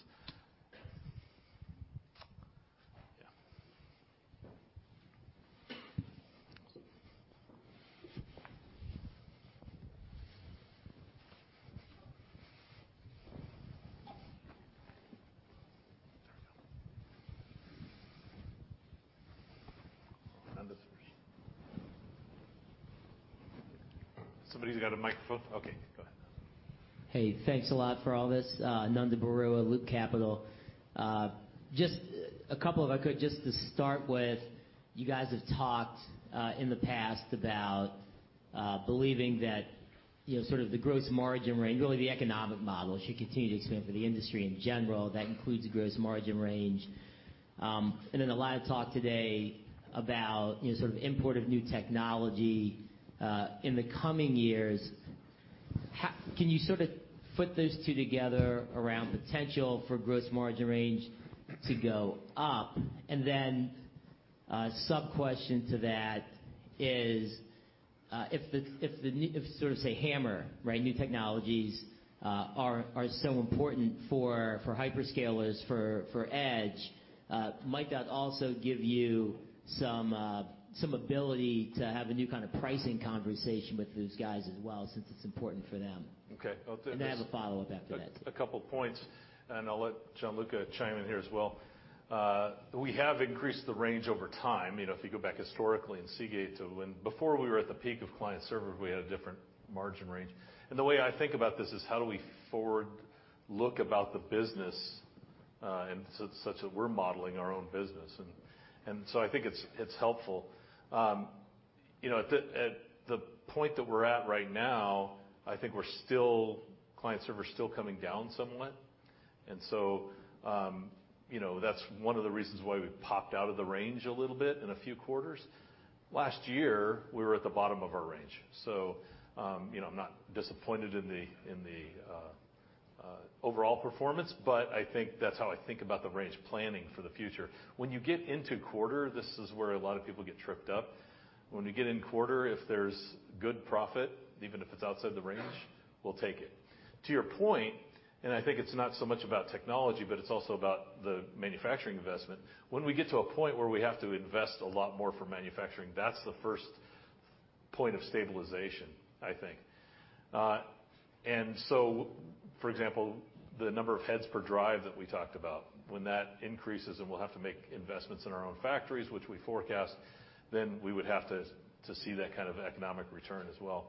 Yeah. There we go. Somebody's got a microphone? Okay, go ahead. Hey, thanks a lot for all this. Ananda Baruah, Loop Capital. Just a couple, if I could, just to start with, you guys have talked in the past about believing that the gross margin range, really the economic model, should continue to expand for the industry in general, that includes the gross margin range. A lot of talk today about import of new technology in the coming years. Can you put those two together around potential for gross margin range to go up? A sub-question to that is, if sort of say HAMR, right? New technologies are so important for hyperscalers for Edge, might that also give you some ability to have a new kind of pricing conversation with those guys as well, since it's important for them? Okay. I'll take this. I have a follow-up after that. a couple of points, I'll let Gianluca chime in here as well. We have increased the range over time. If you go back historically in Seagate to when before we were at the peak of client server, we had a different margin range. The way I think about this is how do we forward look about the business, such that we're modeling our own business. I think it's helpful. At the point that we're at right now, I think client server's still coming down somewhat. That's one of the reasons why we popped out of the range a little bit in a few quarters. Last year, we were at the bottom of our range. I'm not disappointed in the overall performance, but I think that's how I think about the range planning for the future. When you get into quarter, this is where a lot of people get tripped up. When we get in quarter, if there's good profit, even if it's outside the range, we'll take it. To your point, I think it's not so much about technology, but it's also about the manufacturing investment. When we get to a point where we have to invest a lot more for manufacturing, that's the first point of stabilization, I think. For example, the number of heads per drive that we talked about, when that increases, and we'll have to make investments in our own factories, which we forecast, then we would have to see that kind of economic return as well.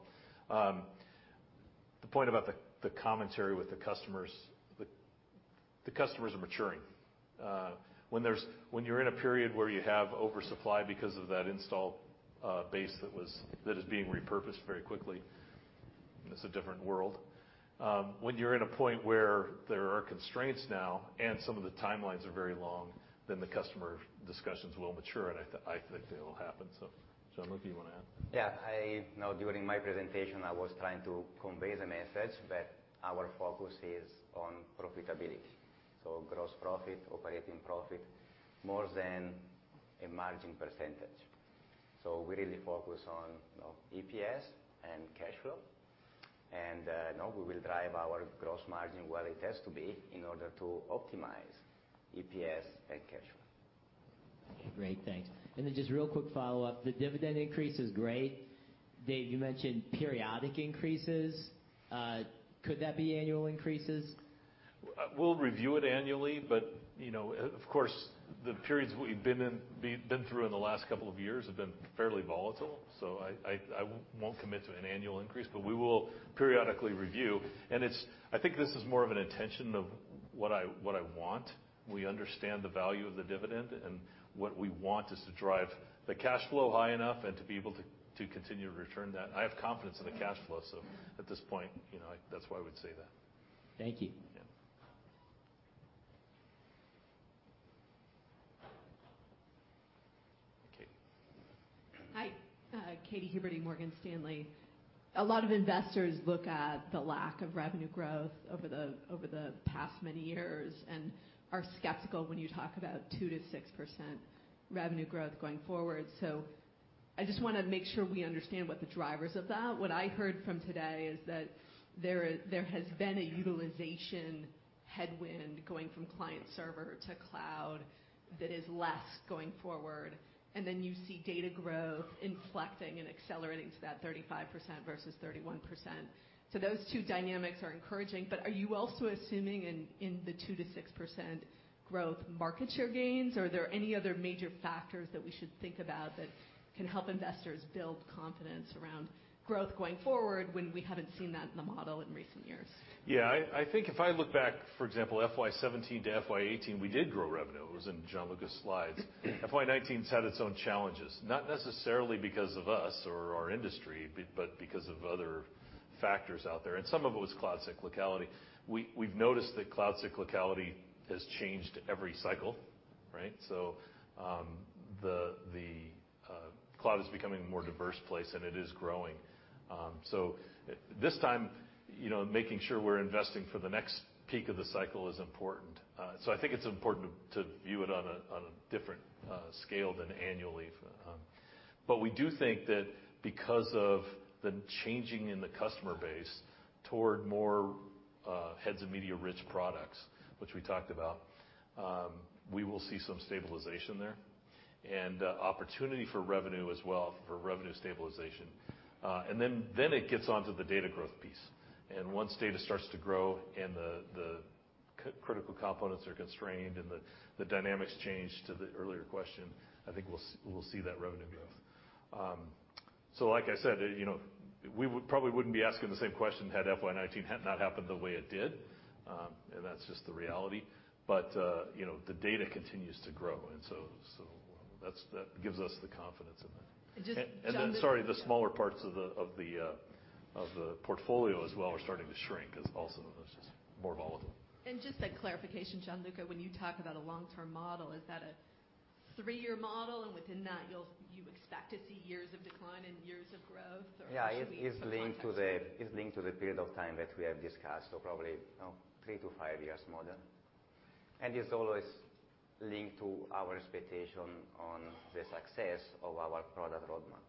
The point about the commentary with the customers, the customers are maturing. When you're in a period where you have oversupply because of that install base that is being repurposed very quickly, it's a different world. When you're at a point where there are constraints now and some of the timelines are very long, then the customer discussions will mature, and I think they will happen. Gianluca, you want to add? Yeah. During my presentation, I was trying to convey the message that our focus is on profitability. Gross profit, operating profit, more than a margin percentage. We really focus on EPS and cash flow. We will drive our gross margin where it has to be in order to optimize EPS and cash flow. Great. Thanks. Just real quick follow-up. The dividend increase is great. Dave, you mentioned periodic increases. Could that be annual increases? We'll review it annually, but of course, the periods we've been through in the last couple of years have been fairly volatile. I won't commit to an annual increase, but we will periodically review. I think this is more of an intention of what I want. We understand the value of the dividend, and what we want is to drive the cash flow high enough and to be able to continue to return that. I have confidence in the cash flow. At this point, that's why I would say that. Thank you. Yeah. Okay. Hi. Katy Huberty, Morgan Stanley. A lot of investors look at the lack of revenue growth over the past many years and are skeptical when you talk about 2%-6% revenue growth going forward. I just want to make sure we understand what the drivers of that. What I heard from today is that there has been a utilization headwind going from client server to cloud that is less going forward, and then you see data growth inflecting and accelerating to that 35% versus 31%. Those two dynamics are encouraging, but are you also assuming in the 2%-6% growth market share gains, or are there any other major factors that we should think about that can help investors build confidence around growth going forward when we haven't seen that in the model in recent years? Yeah. I think if I look back, for example, FY 2017 to FY 2018, we did grow revenue. It was in Gianluca's slides. FY 2019's had its own challenges, not necessarily because of us or our industry, but because of other factors out there. Some of it was cloud cyclicality. We've noticed that cloud cyclicality has changed every cycle, right? The cloud is becoming a more diverse place, and it is growing. This time, making sure we're investing for the next peak of the cycle is important. I think it's important to view it on a different scale than annually. We do think that because of the changing in the customer base toward more heads of media-rich products, which we talked about, we will see some stabilization there and opportunity for revenue as well, for revenue stabilization. It gets onto the data growth piece. Once data starts to grow and critical components are constrained, and the dynamics change to the earlier question, I think we'll see that revenue growth. Like I said, we would probably wouldn't be asking the same question had FY 2019 had not happened the way it did, and that's just the reality. The data continues to grow, and so that gives us the confidence in that. And just, Gianluca- Sorry, the smaller parts of the portfolio as well are starting to shrink as also that's just more volatile. Just a clarification, Gianluca, when you talk about a long-term model, is that a three-year model and within that you expect to see years of decline and years of growth, or what should we- Yeah, it's linked to the period of time that we have discussed, so probably three to five years model. It's always linked to our expectation on the success of our product roadmap.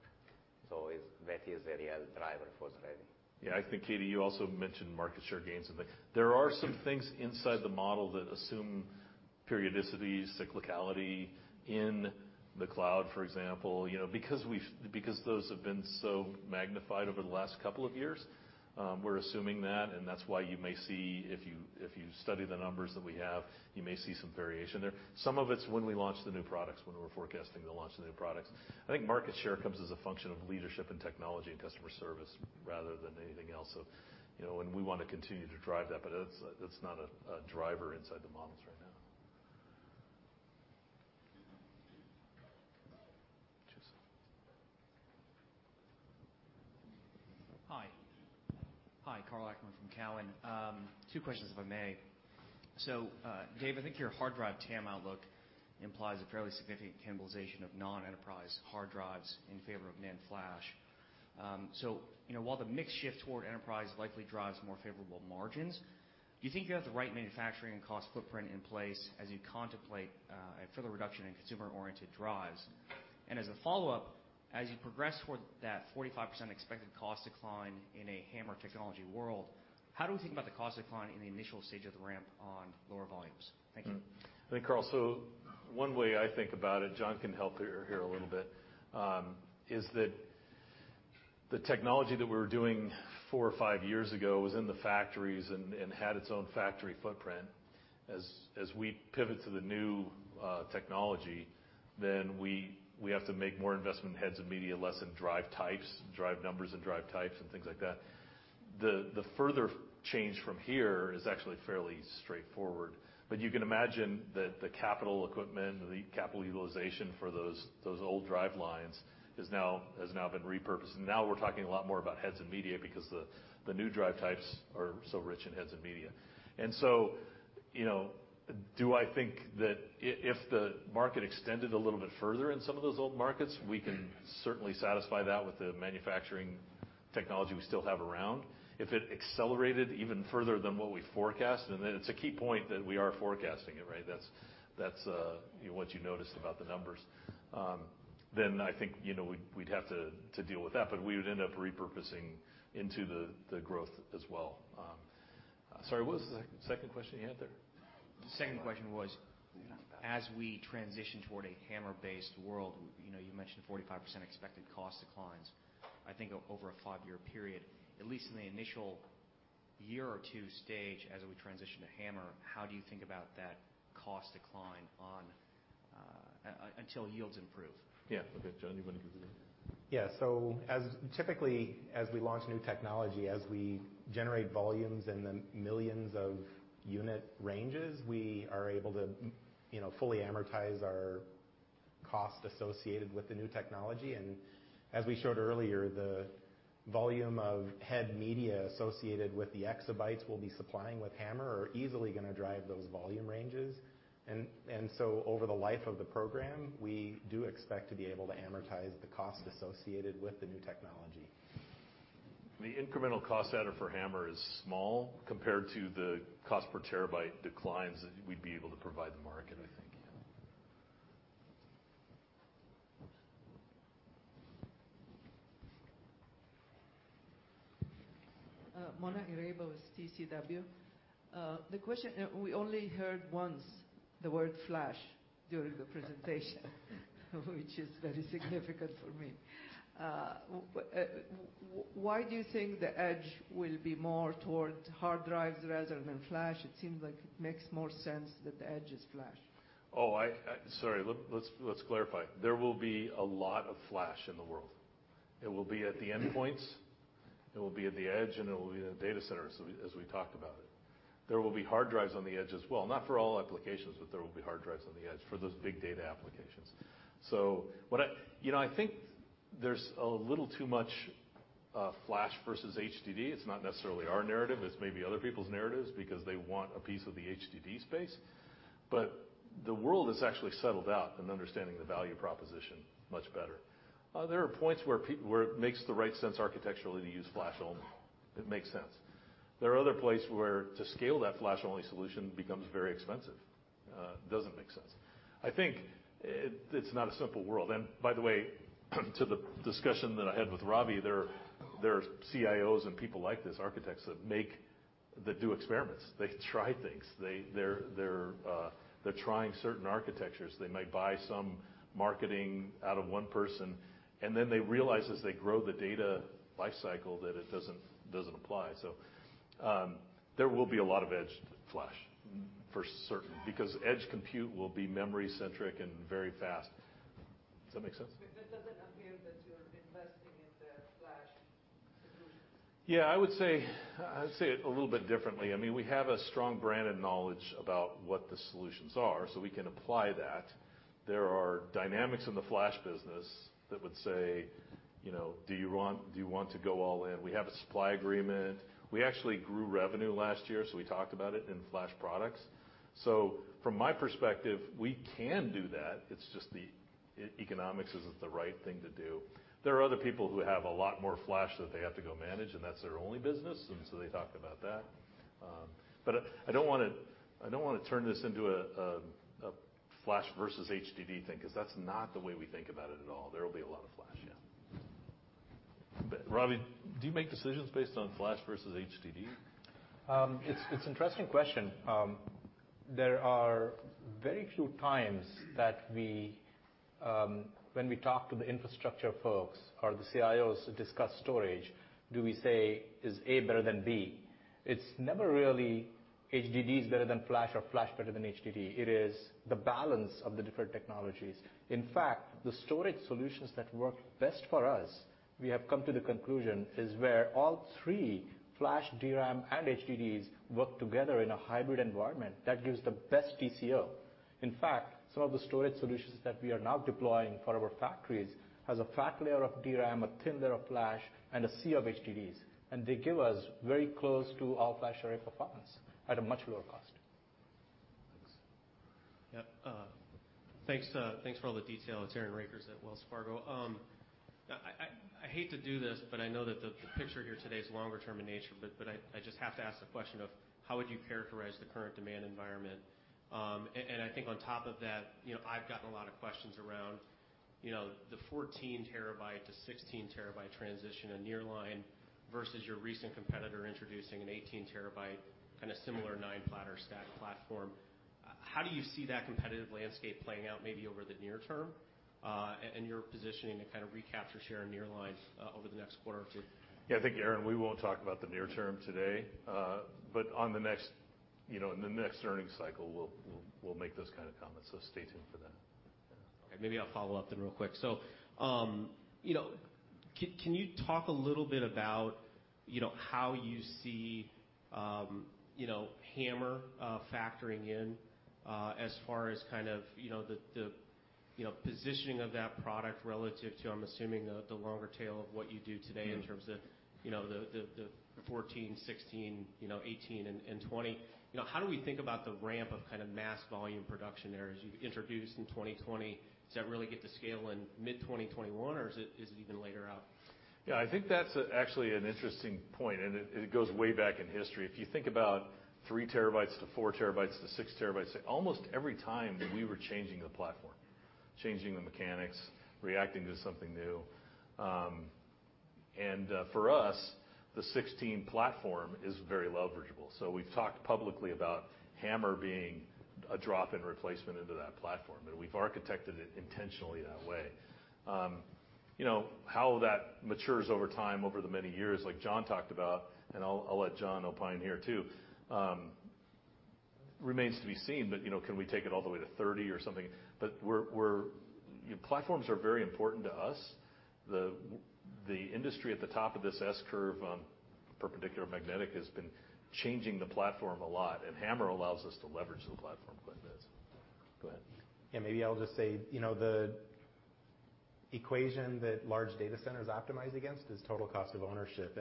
That is the real driver for the revenue. Yeah, I think, Katy, you also mentioned market share gains, I think. There are some things inside the model that assume periodicity, cyclicality in the cloud, for example, because those have been so magnified over the last couple of years, we're assuming that. That's why you may see, if you study the numbers that we have, you may see some variation there. Some of it's when we launch the new products, when we're forecasting the launch of the new products. I think market share comes as a function of leadership and technology and customer service rather than anything else. We want to continue to drive that, but that's not a driver inside the models right now. Hi, Karl Ackerman from Cowen. Two questions, if I may. Dave, I think your hard drive TAM outlook implies a fairly significant cannibalization of non-enterprise hard drives in favor of NAND flash. While the mix shift toward enterprise likely drives more favorable margins, do you think you have the right manufacturing and cost footprint in place as you contemplate a further reduction in consumer-oriented drives? As a follow-up, as you progress toward that 45% expected cost decline in a HAMR technology world, how do we think about the cost decline in the initial stage of the ramp on lower volumes? Thank you. I think, Karl, one way I think about it, John can help here a little bit, is that the technology that we were doing four or five years ago was in the factories and had its own factory footprint. As we pivot to the new technology, we have to make more investment in heads and media, less in drive types, drive numbers and drive types and things like that. The further change from here is actually fairly straightforward, but you can imagine that the capital equipment, the capital utilization for those old drive lines has now been repurposed. Now we're talking a lot more about heads and media because the new drive types are so rich in heads and media. Do I think that if the market extended a little bit further in some of those old markets, we can certainly satisfy that with the manufacturing technology we still have around. If it accelerated even further than what we forecast, it's a key point that we are forecasting it, right? That's what you noticed about the numbers. I think, we'd have to deal with that, but we would end up repurposing into the growth as well. Sorry, what was the second question you had there? The second question was, as we transition toward a HAMR-based world, you mentioned a 45% expected cost declines, I think over a five-year period, at least in the initial year or 2 stage as we transition to HAMR, how do you think about that cost decline until yields improve? Yeah. Okay, John, you want to give it a go? Yeah, typically, as we launch new technology, as we generate volumes in the millions of unit ranges, we are able to fully amortize our cost associated with the new technology. As we showed earlier, the volume of head media associated with the exabytes we'll be supplying with HAMR are easily going to drive those volume ranges. Over the life of the program, we do expect to be able to amortize the cost associated with the new technology. The incremental cost center for HAMR is small compared to the cost per terabyte declines that we'd be able to provide the market, I think. Yeah. Mona Eraiba with TCW. The question, we only heard once the word flash during the presentation, which is very significant for me. Why do you think the edge will be more towards hard drives rather than flash? It seems like it makes more sense that the edge is flash. Oh, sorry. Let's clarify. There will be a lot of flash in the world. It will be at the endpoints, it will be at the edge, and it will be in the data centers as we talked about it. There will be hard drives on the edge as well. Not for all applications, but there will be hard drives on the edge for those big data applications. I think there's a little too much flash versus HDD. It's not necessarily our narrative, it's maybe other people's narratives because they want a piece of the HDD space. The world has actually settled out in understanding the value proposition much better. There are points where it makes the right sense architecturally to use flash only. It makes sense. There are other places where to scale that flash-only solution becomes very expensive. It doesn't make sense. I think it's not a simple world. By the way, to the discussion that I had with Ravi, there are CIOs and people like this, architects that do experiments. They try things. They're trying certain architectures. They might buy some marketing out of one person, and then they realize as they grow the data life cycle that it doesn't apply. There will be a lot of edge flash, for certain, because edge compute will be memory-centric and very fast. Does that make sense? That doesn't appear that you're investing in the flash solutions. Yeah, I would say it a little bit differently. We have a strong brand and knowledge about what the solutions are. We can apply that. There are dynamics in the flash business that would say, do you want to go all in? We have a supply agreement. We actually grew revenue last year. We talked about it in flash products. From my perspective, we can do that. It's just the economics isn't the right thing to do. There are other people who have a lot more flash that they have to go manage. That's their only business. They talk about that. I don't want to turn this into a flash versus HDD thing, because that's not the way we think about it at all. There will be a lot of flash, yeah. Ravi, do you make decisions based on flash versus HDD? It's an interesting question. There are very few times that when we talk to the infrastructure folks or the CIOs to discuss storage, do we say, is A better than B? It's never really HDDs better than flash or flash better than HDD. It is the balance of the different technologies. In fact, the storage solutions that work best for us, we have come to the conclusion, is where all three, flash, DRAM, and HDDs, work together in a hybrid environment that gives the best TCO. In fact, some of the storage solutions that we are now deploying for our factories has a fat layer of DRAM, a thin layer of flash, and a sea of HDDs, and they give us very close to all-flash array performance at a much lower cost. Thanks. Yep. Thanks for all the detail. It's Aaron Rakers at Wells Fargo. I hate to do this, but I know that the picture here today is longer-term in nature, but I just have to ask the question of how would you characterize the current demand environment? I think on top of that, I've gotten a lot of questions around the 14 terabyte to 16 terabyte transition in Nearline versus your recent competitor introducing an 18 terabyte, kind of similar nine platter stack platform. How do you see that competitive landscape playing out, maybe over the near term, and your positioning to kind of recapture share in Nearline over the next quarter or two? Yeah. I think, Aaron, we won't talk about the near term today. In the next earnings cycle, we'll make those kind of comments. Stay tuned for that. Maybe I'll follow up then real quick. Can you talk a little bit about how you see HAMR factoring in as far as the positioning of that product relative to, I'm assuming, the longer tail of what you do today in terms of the 14, 16, 18, and 20? How do we think about the ramp of kind of mass volume production there as you've introduced in 2020? Does that really get to scale in mid-2021, or is it even later out? Yeah, I think that's actually an interesting point. It goes way back in history. If you think about 3 terabytes to 4 terabytes to 6 terabytes, almost every time, we were changing the platform, changing the mechanics, reacting to something new. For us, the 16 platform is very leverageable. We've talked publicly about HAMR being a drop-in replacement into that platform. We've architected it intentionally that way. How that matures over time over the many years, like John talked about, I'll let John opine here, too, remains to be seen. Can we take it all the way to 30 or something? Platforms are very important to us. The industry at the top of this S curve on perpendicular recording has been changing the platform a lot. HAMR allows us to leverage the platform quite a bit. Go ahead. Maybe I'll just say, the equation that large data centers optimize against is total cost of ownership.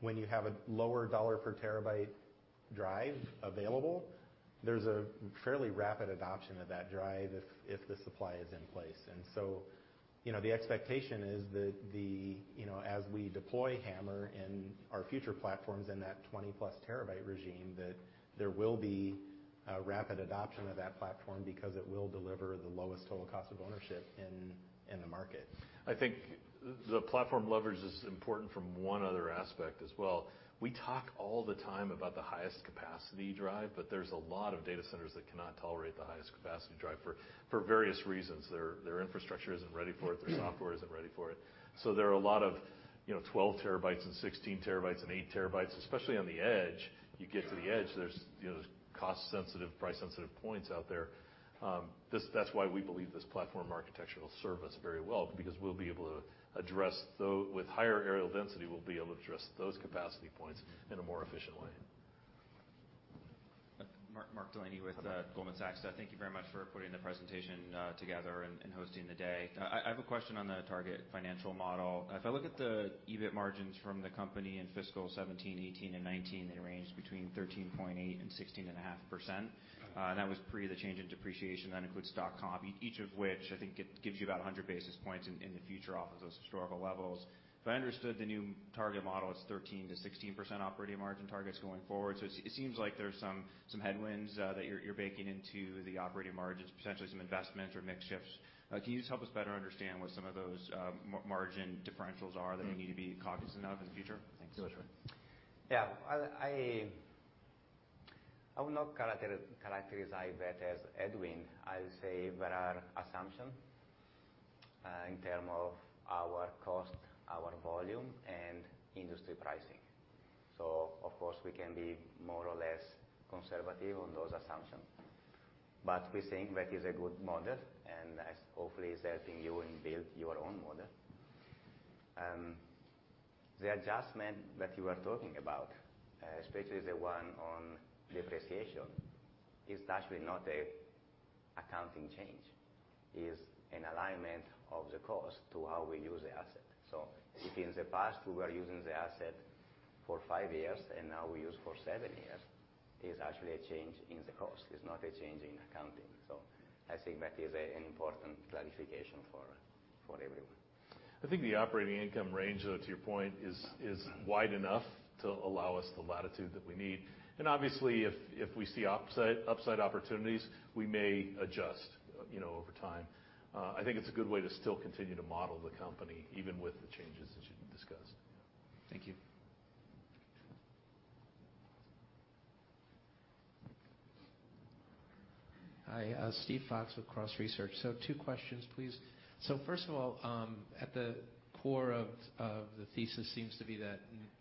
When you have a lower dollar per terabyte drive available, there's a fairly rapid adoption of that drive if the supply is in place. The expectation is that as we deploy HAMR in our future platforms in that 20-plus terabyte regime, that there will be a rapid adoption of that platform because it will deliver the lowest total cost of ownership in the market. I think the platform leverage is important from one other aspect as well. We talk all the time about the highest capacity drive, but there's a lot of data centers that cannot tolerate the highest capacity drive for various reasons. Their infrastructure isn't ready for it. Their software isn't ready for it. So there are a lot of 12 terabytes and 16 terabytes and eight terabytes, especially on the edge. You get to the edge, there's cost-sensitive, price-sensitive points out there. That's why we believe this platform architecture will serve us very well, because with higher areal density, we'll be able to address those capacity points in a more efficient way. Mark Delaney with Goldman Sachs. Thank you very much for putting the presentation together and hosting the day. I have a question on the target financial model. If I look at the EBIT margins from the company in fiscal 2017, 2018, and 2019, they range between 13.8% and 16.5%. That was pre the change in depreciation, that includes stock comp, each of which I think gives you about 100 basis points in the future off of those historical levels. If I understood the new target model, it's 13%-16% operating margin targets going forward. It seems like there's some headwinds that you're baking into the operating margins, potentially some investments or mix shifts. Can you just help us better understand what some of those margin differentials are that we need to be cognizant of in the future? Thanks. Sure. Yeah. I would not characterize that as a headwind. I'll say there are assumption, in term of our cost, our volume, and industry pricing. Of course, we can be more or less conservative on those assumptions. We think that is a good model, and hopefully, it's helping you build your own model. The adjustment that you are talking about, especially the one on depreciation, is actually not an accounting change. It is an alignment of the cost to how we use the asset. If in the past, we were using the asset for five years and now we use for seven years, it is actually a change in the cost. It's not a change in accounting. I think that is an important clarification for everyone. I think the operating income range, though, to your point, is wide enough to allow us the latitude that we need. Obviously, if we see upside opportunities, we may adjust over time. I think it's a good way to still continue to model the company, even with the changes that you discussed. Thank you. Hi, Steve Fox with Cross Research. Two questions, please. First of all, at the core of the thesis seems to be that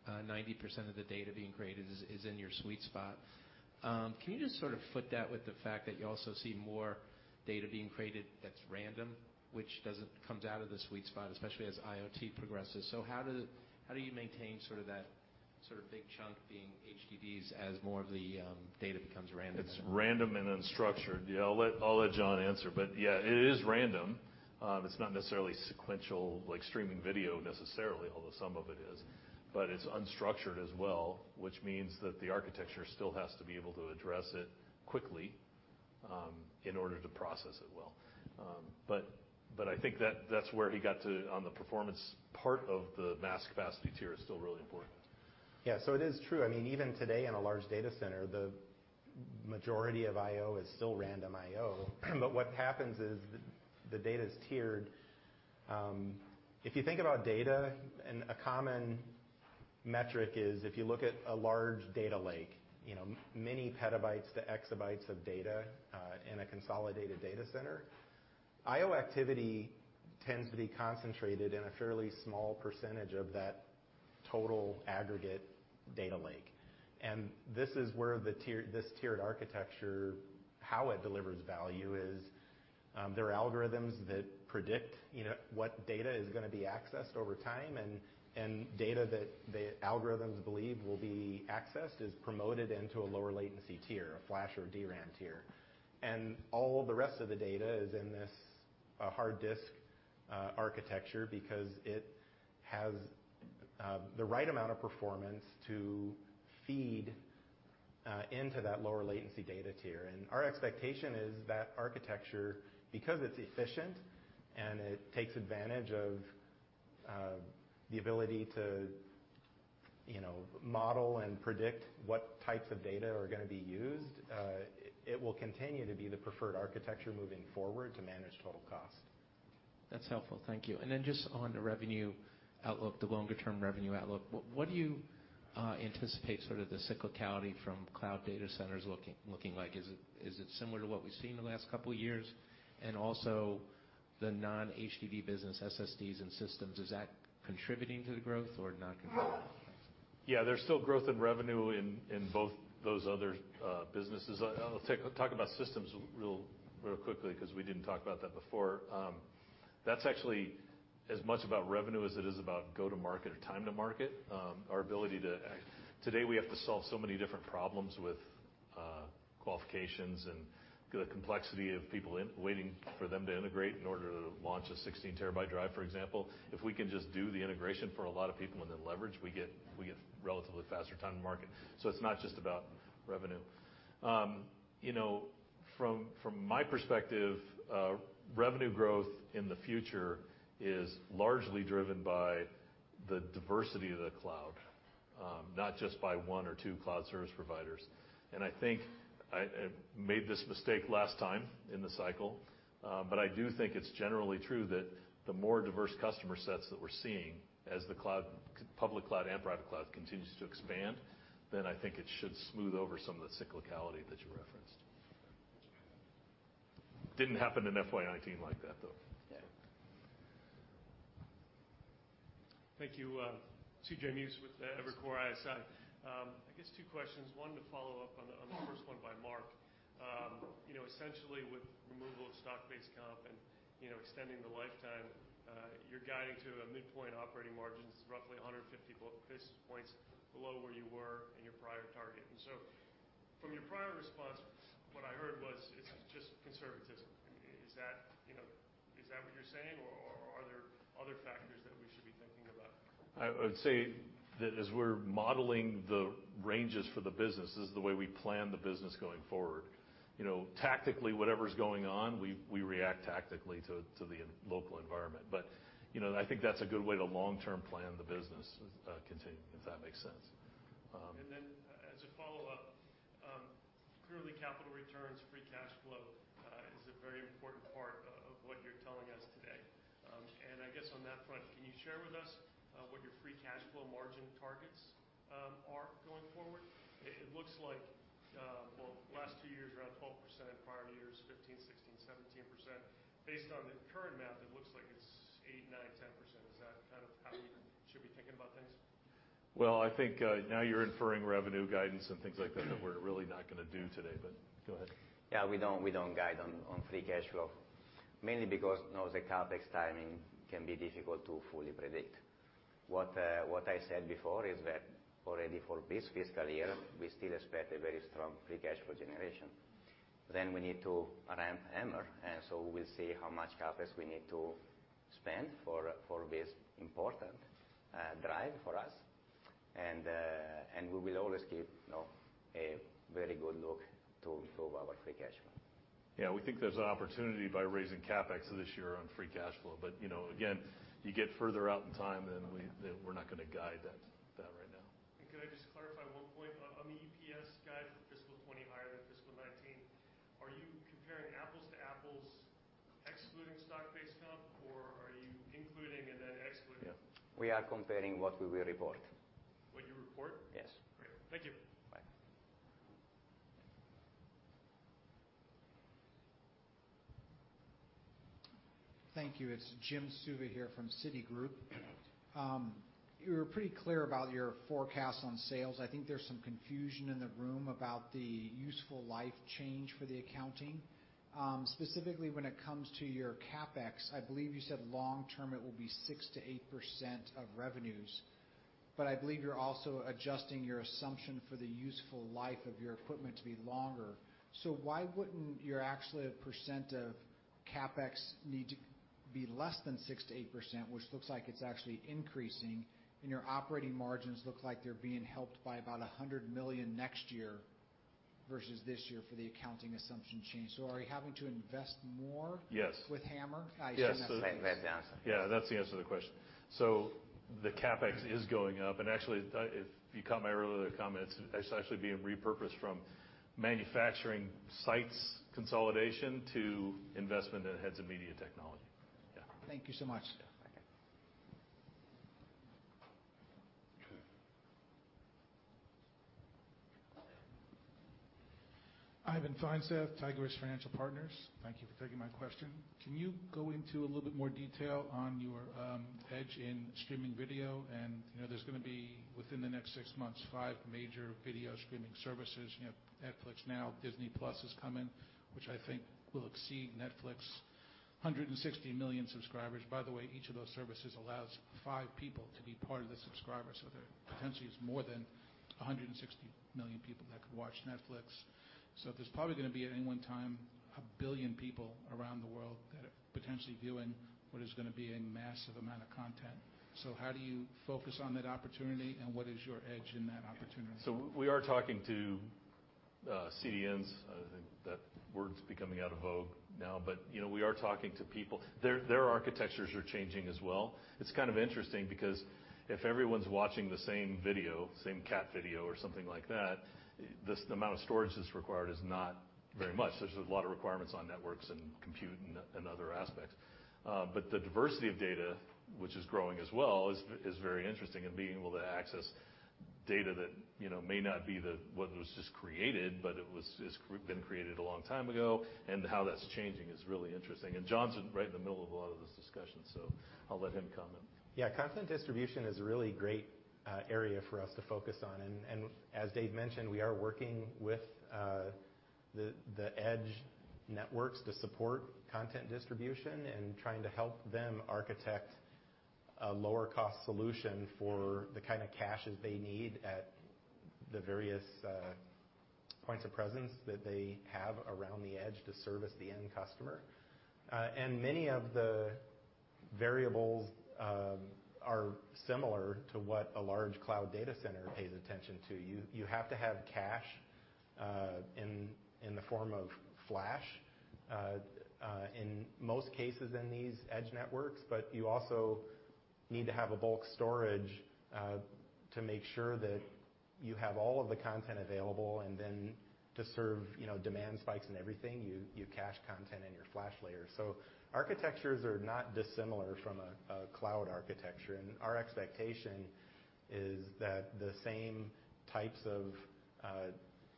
90% of the data being created is in your sweet spot. Can you just sort of foot that with the fact that you also see more data being created that's random, which comes out of the sweet spot, especially as IoT progresses? How do you maintain that big chunk being HDDs as more of the data becomes random? It's random and unstructured. Yeah, I'll let John answer, but yeah, it is random. It's not necessarily sequential, like streaming video necessarily, although some of it is, but it's unstructured as well, which means that the architecture still has to be able to address it quickly, in order to process it well. I think that's where he got to on the performance part of the mass capacity tier is still really important. Yeah. It is true. Even today in a large data center, the majority of I/O is still random I/O, but what happens is the data is tiered. If you think about data, and a common metric is if you look at a large data lake, many petabytes to exabytes of data, in a consolidated data center, I/O activity tends to be concentrated in a fairly small percentage of that total aggregate data lake. This is where this tiered architecture, how it delivers value is, there are algorithms that predict what data is going to be accessed over time, and data that the algorithms believe will be accessed is promoted into a lower latency tier, a flash or DRAM tier. All the rest of the data is in this hard disk architecture because it has the right amount of performance to feed into that lower latency data tier. Our expectation is that architecture, because it's efficient and it takes advantage of the ability to model and predict what types of data are going to be used, it will continue to be the preferred architecture moving forward to manage total cost. That's helpful. Thank you. Then just on the revenue outlook, the longer-term revenue outlook, what do you anticipate sort of the cyclicality from cloud data centers looking like? Is it similar to what we've seen in the last couple of years? Also, the non-HDD business, SSDs, and systems, is that contributing to the growth or not contributing? Yeah. There's still growth in revenue in both those other businesses. I'll talk about systems real quickly because we didn't talk about that before. That's actually as much about revenue as it is about go to market or time to market. Today, we have to solve so many different problems with qualifications and the complexity of people waiting for them to integrate in order to launch a 16 terabyte drive, for example. If we can just do the integration for a lot of people and then leverage, we get relatively faster time to market. It's not just about revenue. From my perspective, revenue growth in the future is largely driven by the diversity of the cloud, not just by one or two cloud service providers. I think I made this mistake last time in the cycle, but I do think it's generally true that the more diverse customer sets that we're seeing as the public cloud and private cloud continues to expand, then I think it should smooth over some of the cyclicality that you referenced. Didn't happen in FY 2019 like that, though. Yeah. Thank you. CJ Muse with Evercore ISI. I guess two questions, one to follow up on the first one by Mark. Essentially, with removal of stock-based comp and extending the lifetime, you're guiding to a midpoint operating margins roughly 150 basis points below where you were in your prior target. From your prior response, what I heard was it's just conservatism. Is that what you're saying, or are there other factors that we should be thinking about? I would say that as we're modeling the ranges for the business, this is the way we plan the business going forward. Tactically, whatever's going on, we react tactically to the local environment. I think that's a good way to long-term plan the business, if that makes sense. Then as a follow-up, clearly capital returns, free cash flow, is a very important part of what you're telling us today. I guess on that front, can you share with us what your free cash flow margin targets are? It looks like, well, last few years, around 12%, prior years, 15%, 16%, 17%. Based on the current math, it looks like it's 8%, 9%, 10%. Is that how you should be thinking about things? Well, I think now you're inferring revenue guidance and things like that we're really not going to do today, but go ahead. Yeah, we don't guide on free cash flow. Mainly because the CapEx timing can be difficult to fully predict. What I said before is that already for this fiscal year. Yeah We still expect a very strong free cash flow generation. We need to ramp HAMR, we'll see how much CapEx we need to spend for this important drive for us. We will always keep a very good look to our free cash flow. Yeah, we think there's an opportunity by raising CapEx this year on free cash flow. Again, you get further out in time, then we're not going to guide that right now. Could I just clarify one point? On the EPS guide for fiscal 2020 higher than fiscal 2019, are you comparing apples to apples excluding stock-based comp, or are you including and then excluding? We are comparing what we will report. What you report? Yes. Great. Thank you. Bye. Thank you. It's Jim Suva here from Citigroup. You were pretty clear about your forecast on sales. I think there's some confusion in the room about the useful life change for the accounting. Specifically when it comes to your CapEx, I believe you said long-term it will be 6%-8% of revenues, but I believe you're also adjusting your assumption for the useful life of your equipment to be longer. Why wouldn't your actual percent of CapEx need to be less than 6%-8%, which looks like it's actually increasing, and your operating margins look like they're being helped by about $100 million next year versus this year for the accounting assumption change. Are you having to invest more? Yes with HAMR? Yes. Let him answer. Yeah, that's the answer to the question. The CapEx is going up, and actually, if you caught my earlier comments, it's actually being repurposed from manufacturing sites consolidation to investment in heads of media technology. Yeah. Thank you so much. Okay. Ivan Feinseth, Tigress Financial Partners. Thank you for taking my question. Can you go into a little bit more detail on your edge in streaming video? There's going to be, within the next 6 months, 5 major video streaming services. You have Netflix now, Disney+ is coming, which I think will exceed Netflix. 160 million subscribers. By the way, each of those services allows 5 people to be part of the subscriber, so there potentially is more than 160 million people that could watch Netflix. There's probably going to be, at any one time, 1 billion people around the world that are potentially viewing what is going to be a massive amount of content. How do you focus on that opportunity, and what is your edge in that opportunity? We are talking to CDNs. I think that word's becoming out of vogue now, but we are talking to people. Their architectures are changing as well. It's kind of interesting because if everyone's watching the same video, same cat video or something like that, the amount of storage that's required is not very much. There's a lot of requirements on networks and compute and other aspects. The diversity of data, which is growing as well, is very interesting, and being able to access data that may not be what was just created, but it has been created a long time ago, and how that's changing is really interesting. John's right in the middle of a lot of this discussion, so I'll let him comment. Yeah, content distribution is a really great area for us to focus on. As Dave mentioned, we are working with the edge networks to support content distribution and trying to help them architect a lower cost solution for the kind of caches they need at the various points of presence that they have around the edge to service the end customer. Many of the variables are similar to what a large cloud data center pays attention to. You have to have cache in the form of flash, in most cases in these edge networks, but you also need to have a bulk storage to make sure that you have all of the content available, and then to serve demand spikes and everything, you cache content in your flash layer. Architectures are not dissimilar from a cloud architecture, and our expectation is that the same types of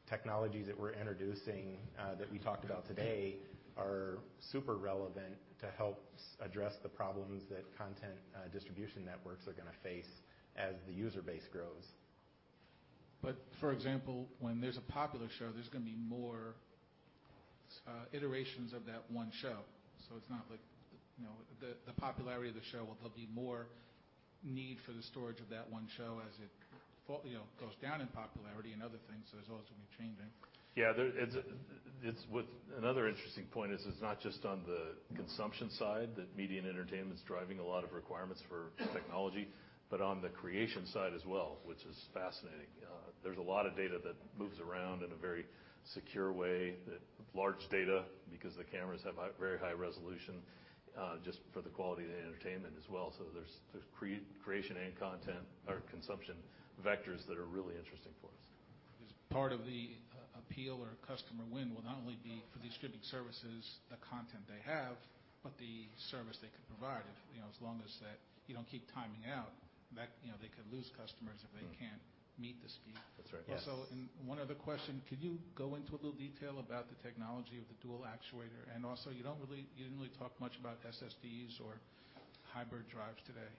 technologies that we're introducing that we talked about today are super relevant to help address the problems that content distribution networks are going to face as the user base grows. For example, when there's a popular show, there's going to be more iterations of that one show. It's not like the popularity of the show, there'll be more need for the storage of that one show as it goes down in popularity and other things. Those will be changing. Another interesting point is it's not just on the consumption side that media and entertainment's driving a lot of requirements for technology, but on the creation side as well, which is fascinating. There's a lot of data that moves around in a very secure way, that large data, because the cameras have very high resolution, just for the quality of the entertainment as well. There's creation and content or consumption vectors that are really interesting for us. Is part of the appeal or customer win will not only be for the distributing services, the content they have, but the service they could provide. As long as you don't keep timing out, they could lose customers if they can't meet the speed. That's right. One other question, could you go into a little detail about the technology of the dual actuator? Also, you didn't really talk much about SSDs or hybrid drives today.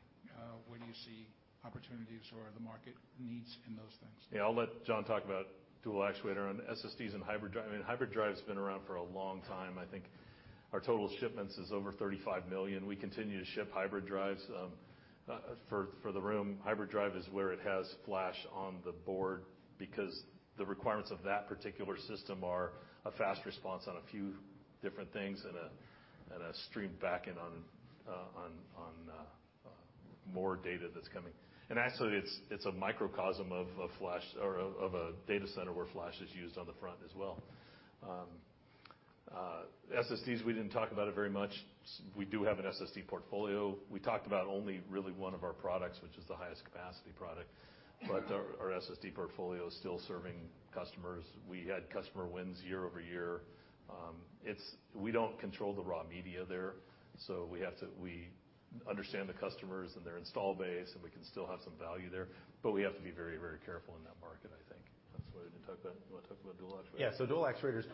Where do you see opportunities or the market needs in those things? Yeah. I'll let John talk about dual actuator. On SSDs and hybrid drive, hybrid drive's been around for a long time. I think our total shipments is over $35 million. We continue to ship hybrid drives. For the room, hybrid drive is where it has flash on the board because the requirements of that particular system are a fast response on a few different things and a stream back in on more data that's coming. Actually, it's a microcosm of a data center where flash is used on the front as well. SSDs, we didn't talk about it very much. We do have an SSD portfolio. We talked about only really one of our products, which is the highest capacity product. Our SSD portfolio is still serving customers. We had customer wins year-over-year. We don't control the raw media there, so we understand the customers and their install base, and we can still have some value there, but we have to be very careful in that market, I think. That's why we didn't talk about. You want to talk about dual actuator? Yeah. Dual actuator is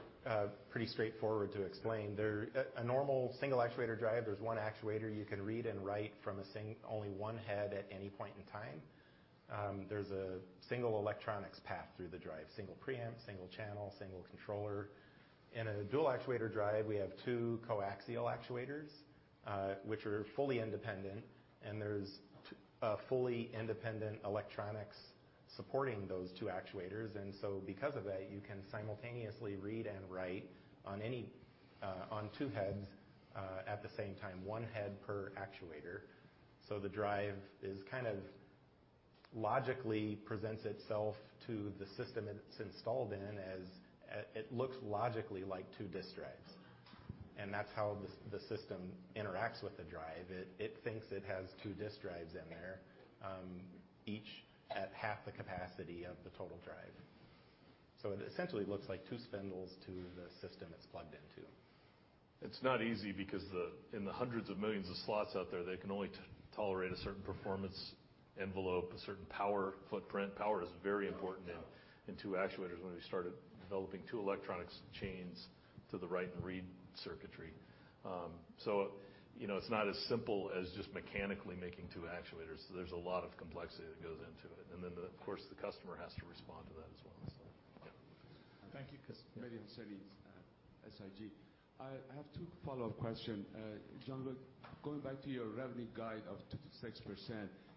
pretty straightforward to explain. A normal single actuator drive, there's one actuator you can read and write from only one head at any point in time. There's a single electronics path through the drive, single preamp, single channel, single controller. In a dual actuator drive, we have two coaxial actuators, which are fully independent, and there's a fully independent electronics supporting those two actuators. Because of that, you can simultaneously read and write on two heads at the same time, one head per actuator. The drive logically presents itself to the system it's installed in as, it looks logically like two disk drives. That's how the system interacts with the drive. It thinks it has two disk drives in there, each at half the capacity of the total drive. It essentially looks like two spindles to the system it's plugged into. It's not easy because in the hundreds of millions of slots out there, they can only tolerate a certain performance envelope, a certain power footprint. Power is very important in two actuators when we started developing two electronics chains to the write and read circuitry. It's not as simple as just mechanically making two actuators. There's a lot of complexity that goes into it. Of course, the customer has to respond to that as well, so yeah. Thank you. Mehdi Hosseini, SIG. I have two follow-up questions. Gianluca, going back to your revenue guide of 26%,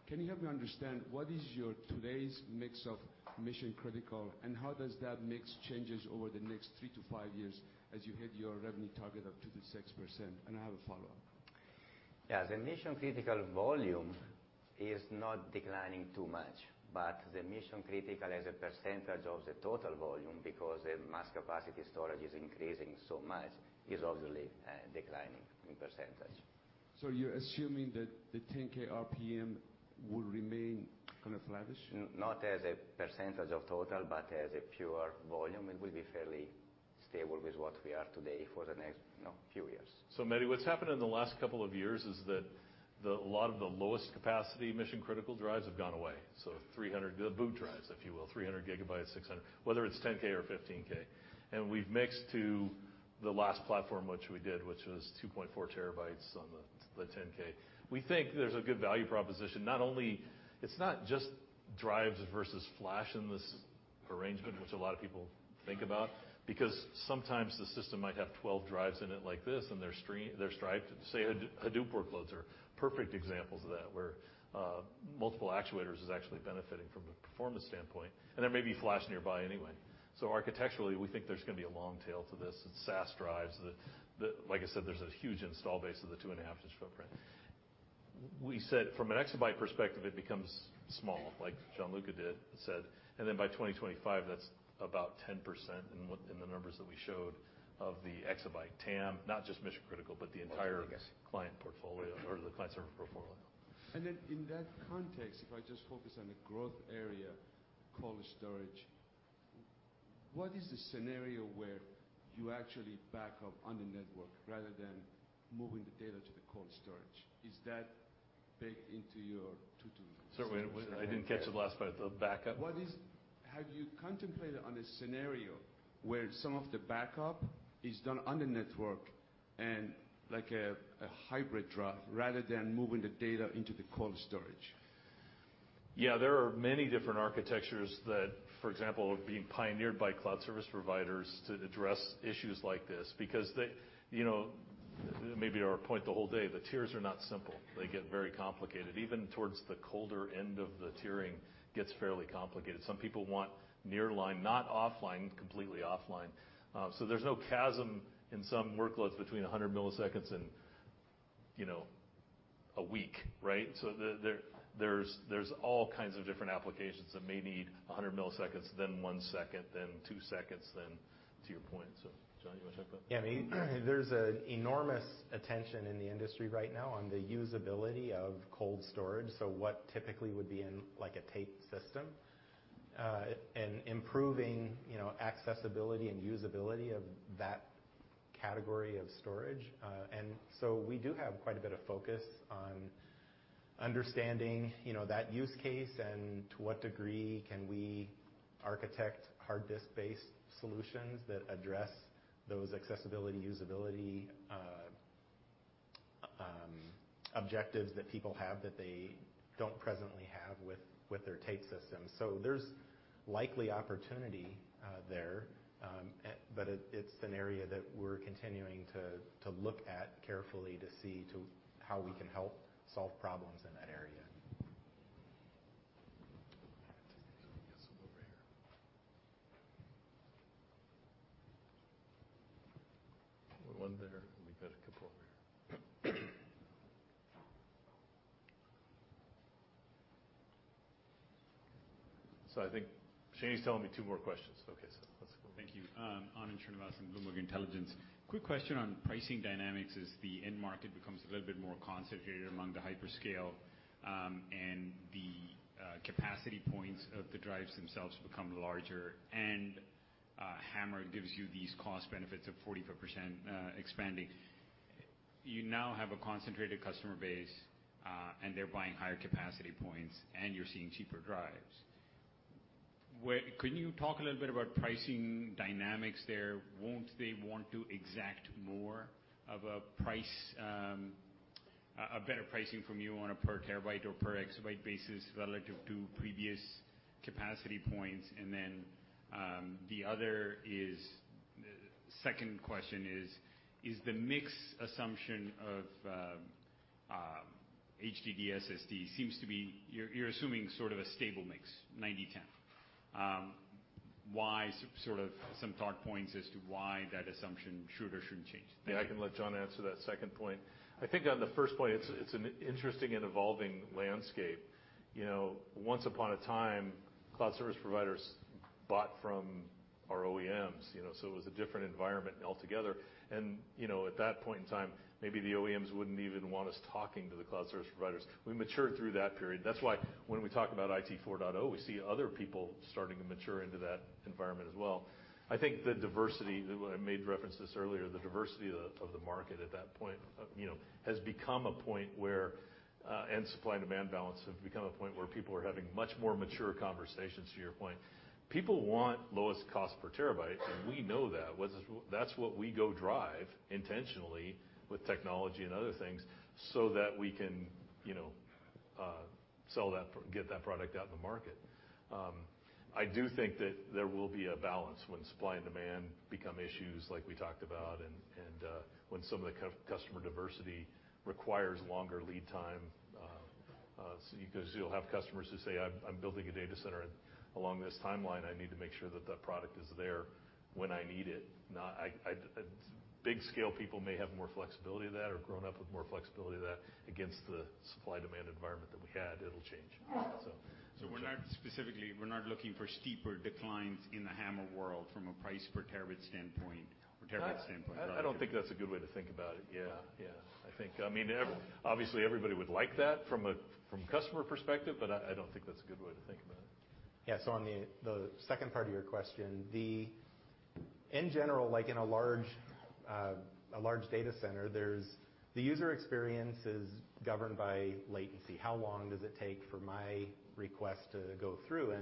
can you help me understand what is your today's mix of mission-critical, and how does that mix change over the next three to five years as you hit your revenue target of 26%? I have a follow-up. The mission-critical volume is not declining too much, but the mission-critical as a percentage of the total volume, because the mass capacity storage is increasing so much, is obviously declining in percentage. You're assuming that the 10,000 RPM will remain kind of flattish? Not as a percentage of total, but as a pure volume, it will be fairly stable with what we are today for the next few years. Mehdi, what's happened in the last couple of years is that a lot of the lowest capacity mission-critical drives have gone away. 300 boot drives, if you will, 300 GB, 600 GB, whether it's 10K or 15K. We've mixed to the last platform which we did, which was 2.4 TB on the 10K. We think there's a good value proposition, it's not just drives versus flash in this arrangement, which a lot of people think about, because sometimes the system might have 12 drives in it like this, and they're striped. Say, Hadoop workloads are perfect examples of that, where multiple actuators is actually benefiting from a performance standpoint. There may be flash nearby anyway. Architecturally, we think there's going to be a long tail to this. It's SAS drives. Like I said, there's a huge install base of the 2.5-inch footprint. We said from an exabyte perspective, it becomes small, like Gianluca did said, and then by 2025, that's about 10% in the numbers that we showed of the exabyte TAM, not just mission-critical, but the entire. Yes client portfolio or the client server portfolio. In that context, if I just focus on the growth area, cold storage, what is the scenario where you actually back up on the network rather than moving the data to the cold storage? Is that baked into your to-do list? Sorry, I didn't catch the last part, the backup? Have you contemplated on a scenario where some of the backup is done on the network and like a hybrid drive rather than moving the data into the cold storage? Yeah, there are many different architectures that, for example, are being pioneered by cloud service providers to address issues like this because they, maybe our point the whole day, the tiers are not simple. They get very complicated, even towards the colder end of the tiering gets fairly complicated. Some people want Nearline, not offline, completely offline. There's no chasm in some workloads between 100 milliseconds and a week, right? There's all kinds of different applications that may need 100 milliseconds, then one second, then two seconds. To your point. John, you want to talk about it? There's an enormous attention in the industry right now on the usability of cold storage, so what typically would be in a tape system, and improving accessibility and usability of that category of storage. We do have quite a bit of focus on understanding that use case and to what degree can we architect hard disk-based solutions that address those accessibility, usability objectives that people have that they don't presently have with their tape systems. There's likely opportunity there, but it's an area that we're continuing to look at carefully to see how we can help solve problems in that area. I guess we'll go over here. One there, and we've got a couple over here. I think Shanye's telling me two more questions. Okay, let's go. Thank you. Anand Srinivasan, Bloomberg Intelligence. Quick question on pricing dynamics. As the end market becomes a little bit more concentrated among the hyperscale, and the capacity points of the drives themselves become larger, and HAMR gives you these cost benefits of 45% expanding. You now have a concentrated customer base, and they're buying higher capacity points, and you're seeing cheaper drives. Can you talk a little bit about pricing dynamics there? Won't they want to exact more of a better pricing from you on a per terabyte or per exabyte basis relative to previous capacity points? The other is, second question is the mix assumption of HDD, SSD, you're assuming sort of a stable mix, 90/10. Some thought points as to why that assumption should or shouldn't change. Thank you. Yeah, I can let John answer that second point. I think on the first point, it's an interesting and evolving landscape. Once upon a time, cloud service providers bought from our OEMs. It was a different environment altogether. At that point in time, maybe the OEMs wouldn't even want us talking to the cloud service providers. We matured through that period. That's why when we talk about IT 4.0, we see other people starting to mature into that environment as well. I think the diversity, I made reference to this earlier, the diversity of the market at that point, and supply and demand balance, have become a point where people are having much more mature conversations to your point. People want lowest cost per terabyte. We know that. That's what we go drive intentionally with technology and other things so that we can get that product out in the market. I do think that there will be a balance when supply and demand become issues like we talked about, and when some of the customer diversity requires longer lead time, because you'll have customers who say, "I'm building a data center, and along this timeline, I need to make sure that that product is there when I need it." Big scale people may have more flexibility to that or grown up with more flexibility to that against the supply-demand environment that we had. It'll change. We're not specifically looking for steeper declines in the HAMR world from a price per terabyte standpoint. I don't think that's a good way to think about it. Yeah. Obviously, everybody would like that from customer perspective, but I don't think that's a good way to think about it. Yeah. On the second part of your question, in general, like in a large data center, the user experience is governed by latency, how long does it take for my request to go through?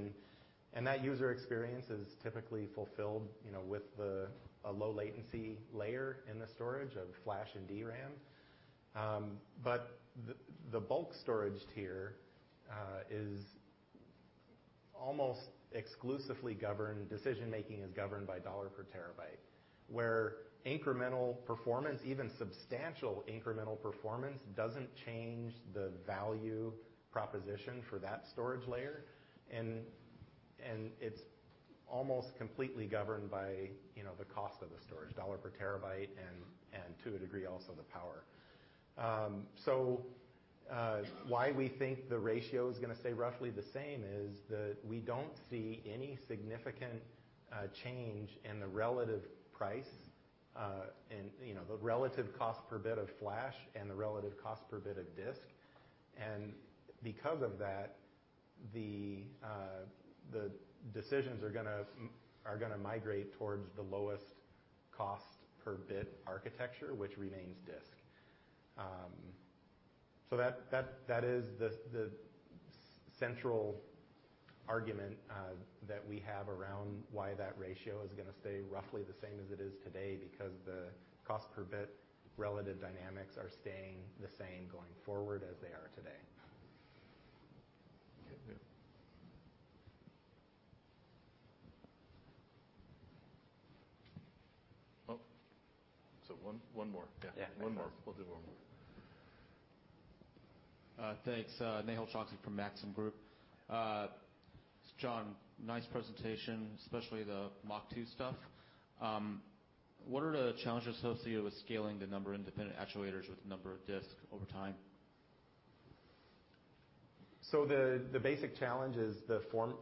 That user experience is typically fulfilled with a low latency layer in the storage of flash and DRAM. The bulk storage tier is almost exclusively governed, decision-making is governed by $ per terabyte, where incremental performance, even substantial incremental performance, doesn't change the value proposition for that storage layer, and it's almost completely governed by the cost of the storage, $ per terabyte and to a degree, also the power. Why we think the ratio is going to stay roughly the same is that we don't see any significant change in the relative price, in the relative cost per bit of flash and the relative cost per bit of disk. Because of that, the decisions are going to migrate towards the lowest cost per bit architecture, which remains disk. That is the central argument that we have around why that ratio is going to stay roughly the same as it is today, because the cost per bit relative dynamics are staying the same going forward as they are today. Okay. one more. Yeah. One more. We'll do one more. Thanks. Nehal Chokshi from Maxim Group. John, nice presentation, especially the Mach.2 stuff. What are the challenges associated with scaling the number of independent actuators with the number of disks over time? The basic challenge is the form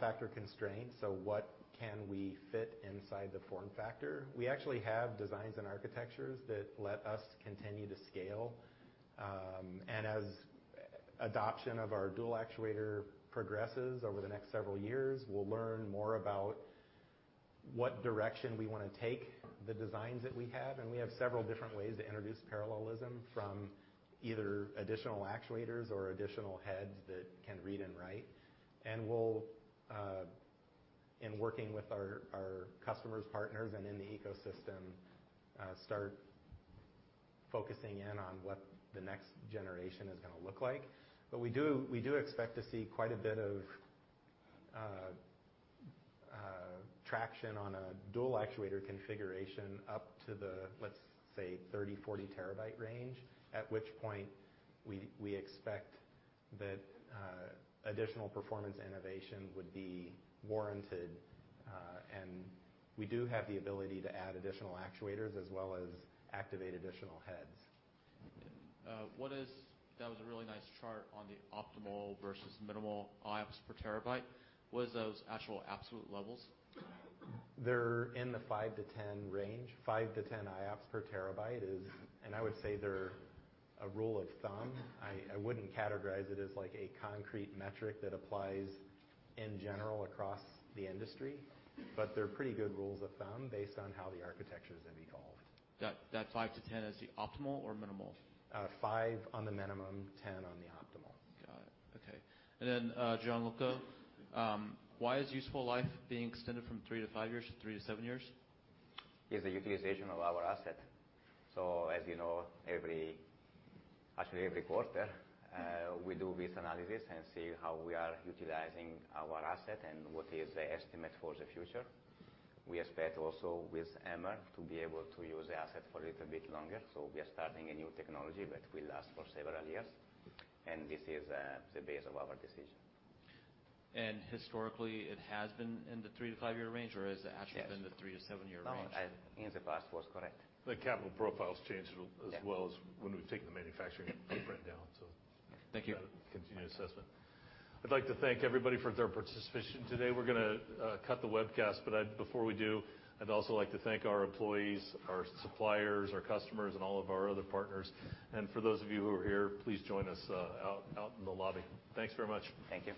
factor constraint. What can we fit inside the form factor? We actually have designs and architectures that let us continue to scale. As adoption of our dual actuator progresses over the next several years, we'll learn more about what direction we want to take the designs that we have, and we have several different ways to introduce parallelism from either additional actuators or additional heads that can read and write. We'll, in working with our customers, partners, and in the ecosystem, start focusing in on what the next generation is going to look like. We do expect to see quite a bit of traction on a dual actuator configuration up to the, let's say, 30, 40 terabyte range. At which point we expect that additional performance innovation would be warranted. We do have the ability to add additional actuators as well as activate additional heads. That was a really nice chart on the optimal versus minimal IOPS per terabyte. What is those actual absolute levels? They're in the five to 10 range, five to 10 IOPS per terabyte. I would say they're a rule of thumb. I wouldn't categorize it as a concrete metric that applies in general across the industry, they're pretty good rules of thumb based on how the architecture is going to be evolved. That five to 10 is the optimal or minimal? Five on the minimum, 10 on the optimal. Got it. Okay. Gianluca, why is useful life being extended from 3-5 years to 3-7 years? It's the utilization of our asset. As you know, actually every quarter, we do this analysis and see how we are utilizing our asset and what is the estimate for the future. We expect also with HAMR to be able to use the asset for a little bit longer. We are starting a new technology that will last for several years, and this is the base of our decision. Historically, it has been in the 3- to 5-year range, or has it actually been the 3- to 7-year range? In the past was correct. The capital profile's changed as well as when we've taken the manufacturing footprint down. Thank you. continued assessment. I'd like to thank everybody for their participation today. We're going to cut the webcast, but before we do, I'd also like to thank our employees, our suppliers, our customers, and all of our other partners. For those of you who are here, please join us out in the lobby. Thanks very much. Thank you.